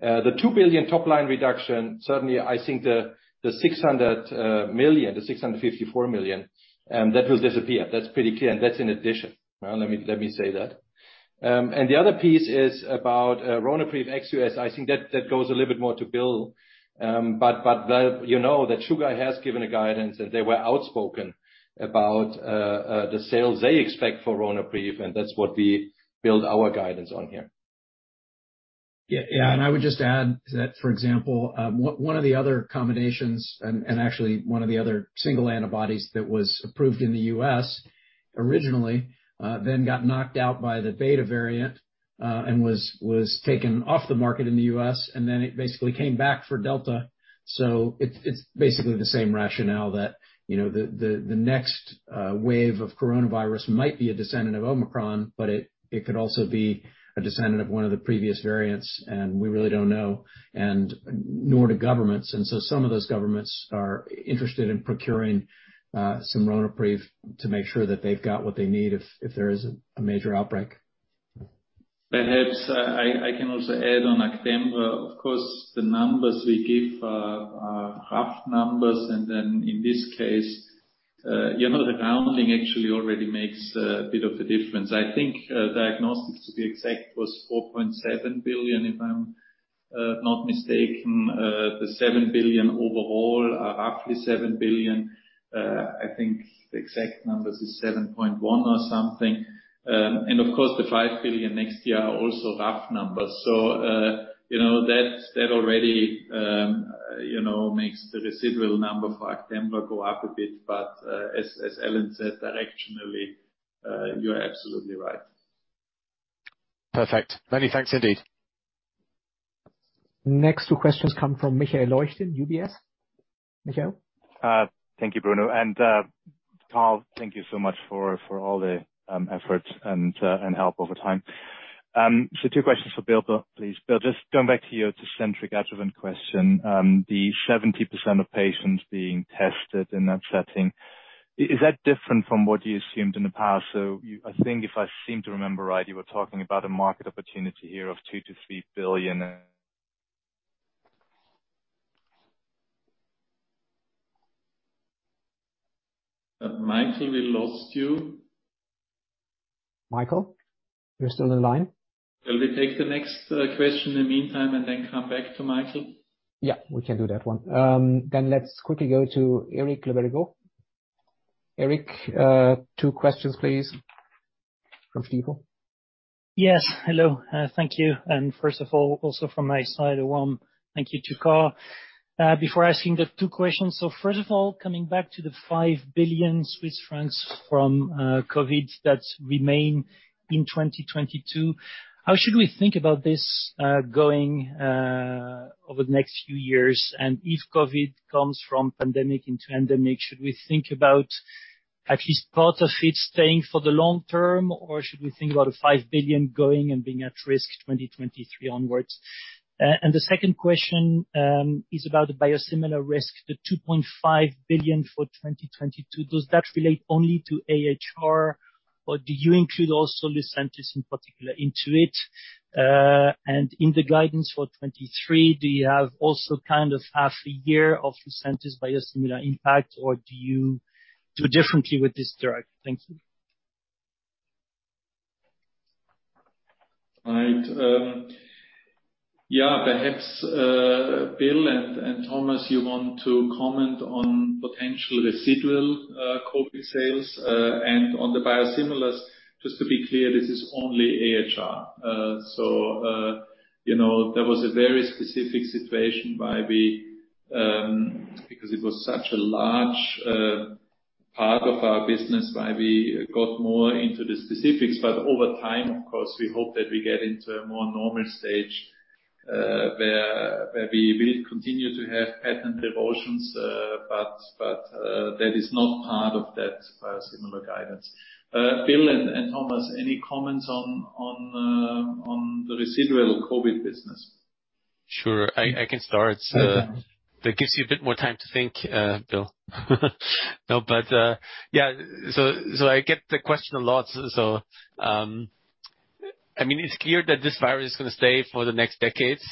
The 2 billion top-line reduction, certainly I think the 600 million, the 654 million, that will disappear. That's pretty clear, and that's in addition. Let me say that. The other piece is about Ronapreve ex-U.S. I think that goes a little bit more to Bill. You know that Chugai has given a guidance, and they were outspoken about the sales they expect for Ronapreve, and that's what we build our guidance on here. Yeah. Yeah, I would just add that, for example, one of the other combinations and actually one of the other single antibodies that was approved in the U.S. originally, then got knocked out by the Beta variant, and was taken off the market in the U.S., and then it basically came back for Delta. It's basically the same rationale that, you know, the next wave of coronavirus might be a descendant of Omicron, but it could also be a descendant of one of the previous variants, and we really don't know, and nor do governments. Some of those governments are interested in procuring some Ronapreve to make sure that they've got what they need if there is a major outbreak. Perhaps I can also add on Actemra. Of course, the numbers we give are rough numbers, and then in this case, you know, the rounding actually already makes a bit of a difference. I think diagnostics, to be exact, was 4.7 billion, if I'm not mistaken. The seven billion overall are roughly 7 billion. I think the exact number is 7.1 billion or something. And of course, the 5 billion next year are also rough numbers. You know, that already makes the residual number for Actemra go up a bit. As Alan said, directionally, you're absolutely right. Perfect. Many thanks indeed. Next two questions come from Michael Leuchten, UBS. Michael? Thank you, Bruno. Karl, thank you so much for all the efforts and help over time. two questions for Bill though, please. Bill, just going back to your Tecentriq adjuvant question. The 70% of patients being tested in that setting, is that different from what you assumed in the past? I think if I seem to remember right, you were talking about a market opportunity here of 2 billion-3 billion. Michael, we lost you. Michael, you're still in line? Shall we take the next question in the meantime and then come back to Michael? Yeah, we can do that one. Let's quickly go to Eric Le Berrigaud. Eric, two questions please. Yes, hello. Thank you. First of all, also from my side, a warm thank you to Karl. Before asking the two questions. First of all, coming back to the 5 billion Swiss francs from COVID that remain in 2022, how should we think about this going over the next few years? If COVID comes from pandemic into endemic, should we think about at least part of it staying for the long term, or should we think about the 5 billion going and being at risk 2023 onwards? The second question is about the biosimilar risk, the 2.5 billion for 2022. Does that relate only to AHR, or do you include also Lucentis in particular into it? In the guidance for 2023, do you have also kind of half a year of Lucentis biosimilar impact, or do you do differently with this drug? Thank you. All right. Yeah, perhaps Bill and Thomas, you want to comment on potential residual COVID sales and on the biosimilars. Just to be clear, this is only AHR. So, you know, there was a very specific situation why we, because it was such a large part of our business, why we got more into the specifics. But over time, of course, we hope that we get into a more normal stage, where we will continue to have patent protections, but that is not part of that biosimilar guidance. Bill and Thomas, any comments on the residual COVID business? Sure. I can start. Okay. That gives you a bit more time to think, Bill. No, but yeah. I get the question a lot, so. I mean, it's clear that this virus is gonna stay for the next decades.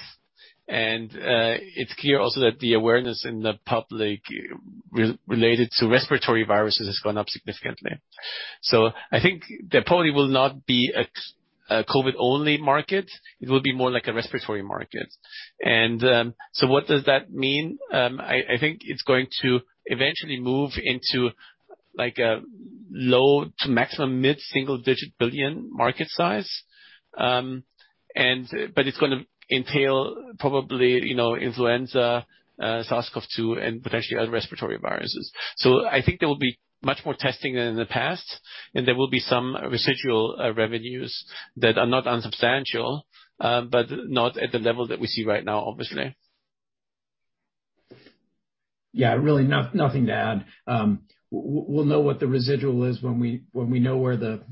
It's clear also that the awareness in the public related to respiratory viruses has gone up significantly. I think there probably will not be a COVID-only market. It will be more like a respiratory market. What does that mean? I think it's going to eventually move into like a low to maximum mid-single digit billion market size. It's gonna entail probably, you know, influenza, SARS-CoV-2, and potentially other respiratory viruses. I think there will be much more testing than in the past, and there will be some residual revenues that are not unsubstantial, but not at the level that we see right now, obviously. Yeah, really nothing to add. We'll know what the residual is when we know where the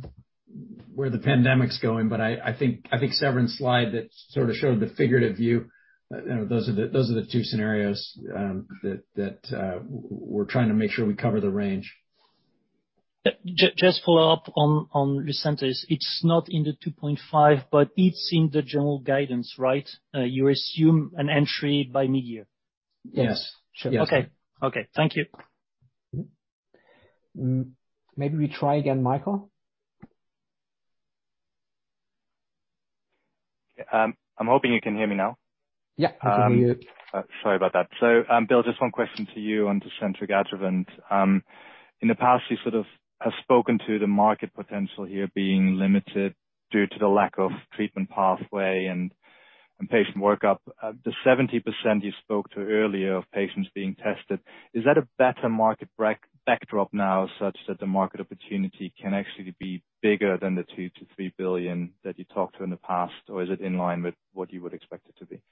pandemic's going. I think Severin's slide that sort of showed the figurative view, you know, those are the two scenarios that we're trying to make sure we cover the range. Just follow up on Lucentis. It's not in the 2.5, but it's in the general guidance, right? You assume an entry by mid-year? Yes. Yes. Okay. Okay, thank you. Maybe we try again, Michael. I'm hoping you can hear me now. Yeah, I can hear you. Sorry about that. Bill, just one question to you on Tecentriq adjuvant. In the past, you sort of have spoken to the market potential here being limited due to the lack of treatment pathway and patient workup. The 70% you spoke to earlier of patients being tested, is that a better market backdrop now, such that the market opportunity can actually be bigger than the 2 billion-3 billion that you talked to in the past? Or is it in line with what you would expect it to be?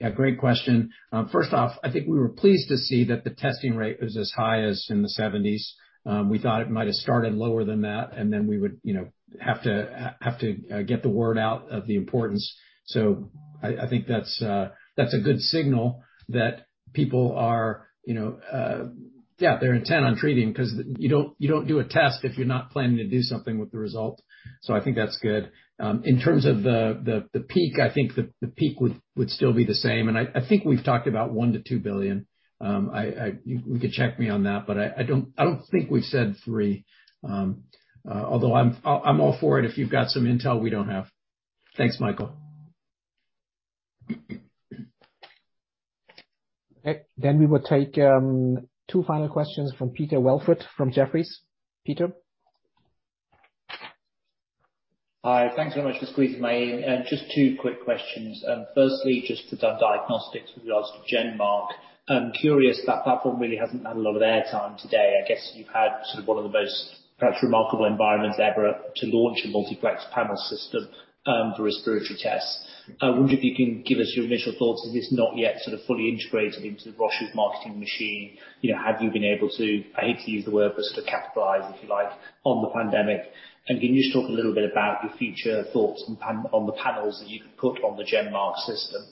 Yeah, great question. First off, I think we were pleased to see that the testing rate is as high as in the 70s. We thought it might have started lower than that, and then we would, you know, have to get the word out about the importance. I think that's a good signal that people are, you know, yeah, they're intent on treating because you don't do a test if you're not planning to do something with the result. I think that's good. In terms of the peak, I think the peak would still be the same. I think we've talked about 1 billion-2 billion. You can check me on that, but I don't think we've said three. Although I'm all for it, if you've got some intel we don't have. Thanks, Michael. Okay. We will take two final questions from Peter Welford from Jefferies. Peter. Hi. Thanks so much for squeezing me in. Just two quick questions. Firstly, just for diagnostics with regards to GenMark. I'm curious, that platform really hasn't had a lot of airtime today. I guess you've had sort of one of the most perhaps remarkable environments ever to launch a multiplex panel system for respiratory tests. I wonder if you can give us your initial thoughts. Is this not yet sort of fully integrated into Roche's marketing machine? You know, have you been able to, I hate to use the word, but sort of capitalize, if you like, on the pandemic? And can you just talk a little bit about your future thoughts on the panels that you could put on the GenMark system?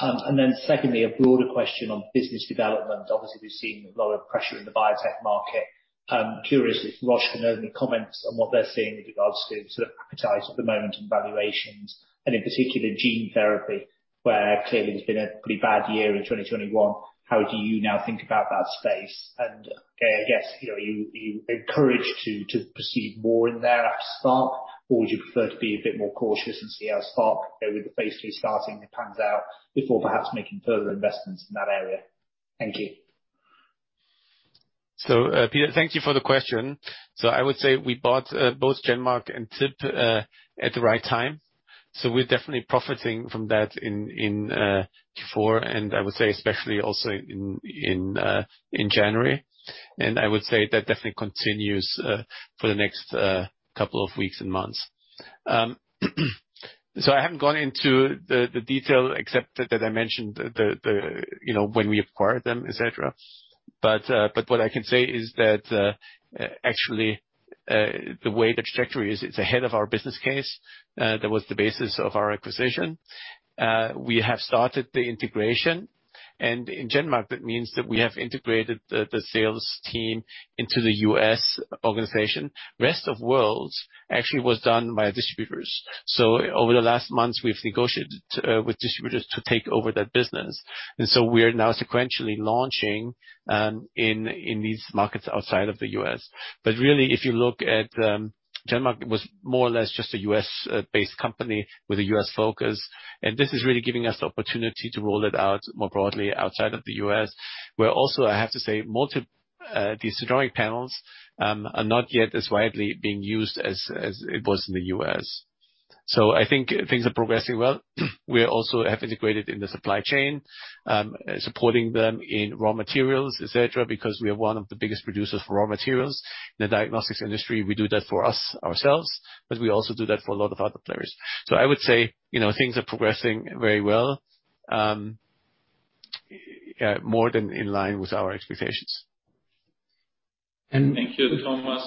And then secondly, a broader question on business development. Obviously, we've seen a lot of pressure in the biotech market. Curious if Roche can only comment on what they're seeing with regards to sort of appetite at the moment and valuations, and in particular gene therapy, where clearly it's been a pretty bad year in 2021. How do you now think about that space? I guess, you know, are you encouraged to proceed more in there after Spark, or would you prefer to be a bit more cautious and see how Spark, you know, with the phase III starting, it pans out before perhaps making further investments in that area? Thank you. Peter, thank you for the question. I would say we bought both GenMark and TIB Molbiol at the right time. We're definitely profiting from that in Q4, and I would say especially also in January. I would say that definitely continues for the next couple of weeks and months. I haven't gone into the detail except that I mentioned you know when we acquired them, et cetera. What I can say is that actually the way the trajectory is, it's ahead of our business case. That was the basis of our acquisition. We have started the integration. In GenMark, that means that we have integrated the sales team into the U.S. organization. Rest of world actually was done by distributors. Over the last months, we've negotiated with distributors to take over that business. We are now sequentially launching in these markets outside of the U.S. Really, if you look at GenMark was more or less just a U.S.-based company with a U.S. focus, and this is really giving us the opportunity to roll it out more broadly outside of the U.S. Where also, I have to say, multiplex panels are not yet as widely being used as it was in the U.S. I think things are progressing well. We also have integrated in the supply chain supporting them in raw materials, et cetera, because we are one of the biggest producers for raw materials in the diagnostics industry. We do that for us, ourselves, but we also do that for a lot of other players. I would say, you know, things are progressing very well, more than in line with our expectations. And- Thank you, Thomas.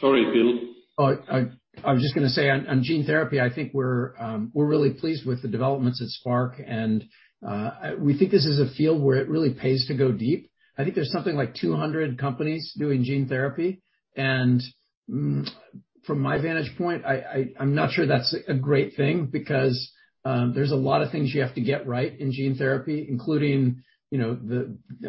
Sorry, Bill. I was just gonna say on gene therapy. I think we're really pleased with the developments at Spark. We think this is a field where it really pays to go deep. I think there's something like 200 companies doing gene therapy. From my vantage point, I'm not sure that's a great thing because there's a lot of things you have to get right in gene therapy, including, you know,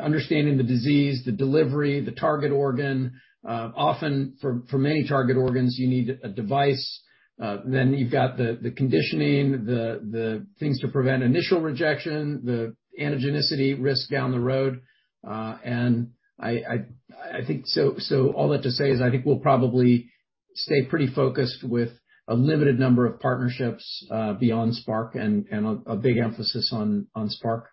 understanding of the disease, the delivery, the target organ. Often for many target organs, you need a device. You've got the conditioning, the things to prevent initial rejection, the antigenicity risk down the road. I think so all that to say is I think we'll probably stay pretty focused with a limited number of partnerships beyond Spark and a big emphasis on Spark.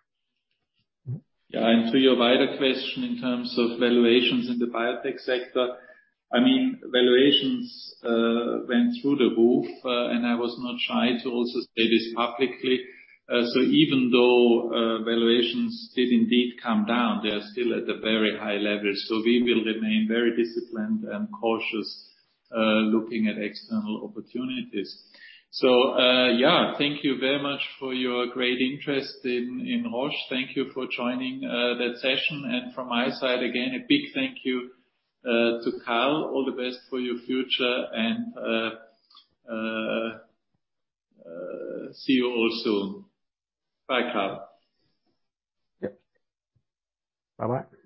Yeah. To your wider question in terms of valuations in the biotech sector, I mean, valuations went through the roof, and I was not shy to also say this publicly. Even though valuations did indeed come down, they are still at a very high level. We will remain very disciplined and cautious looking at external opportunities. Yeah, thank you very much for your great interest in Roche. Thank you for joining that session. From my side, again, a big thank you to Karl. All the best for your future and see you all soon. Bye, Karl. Yep. Bye-bye.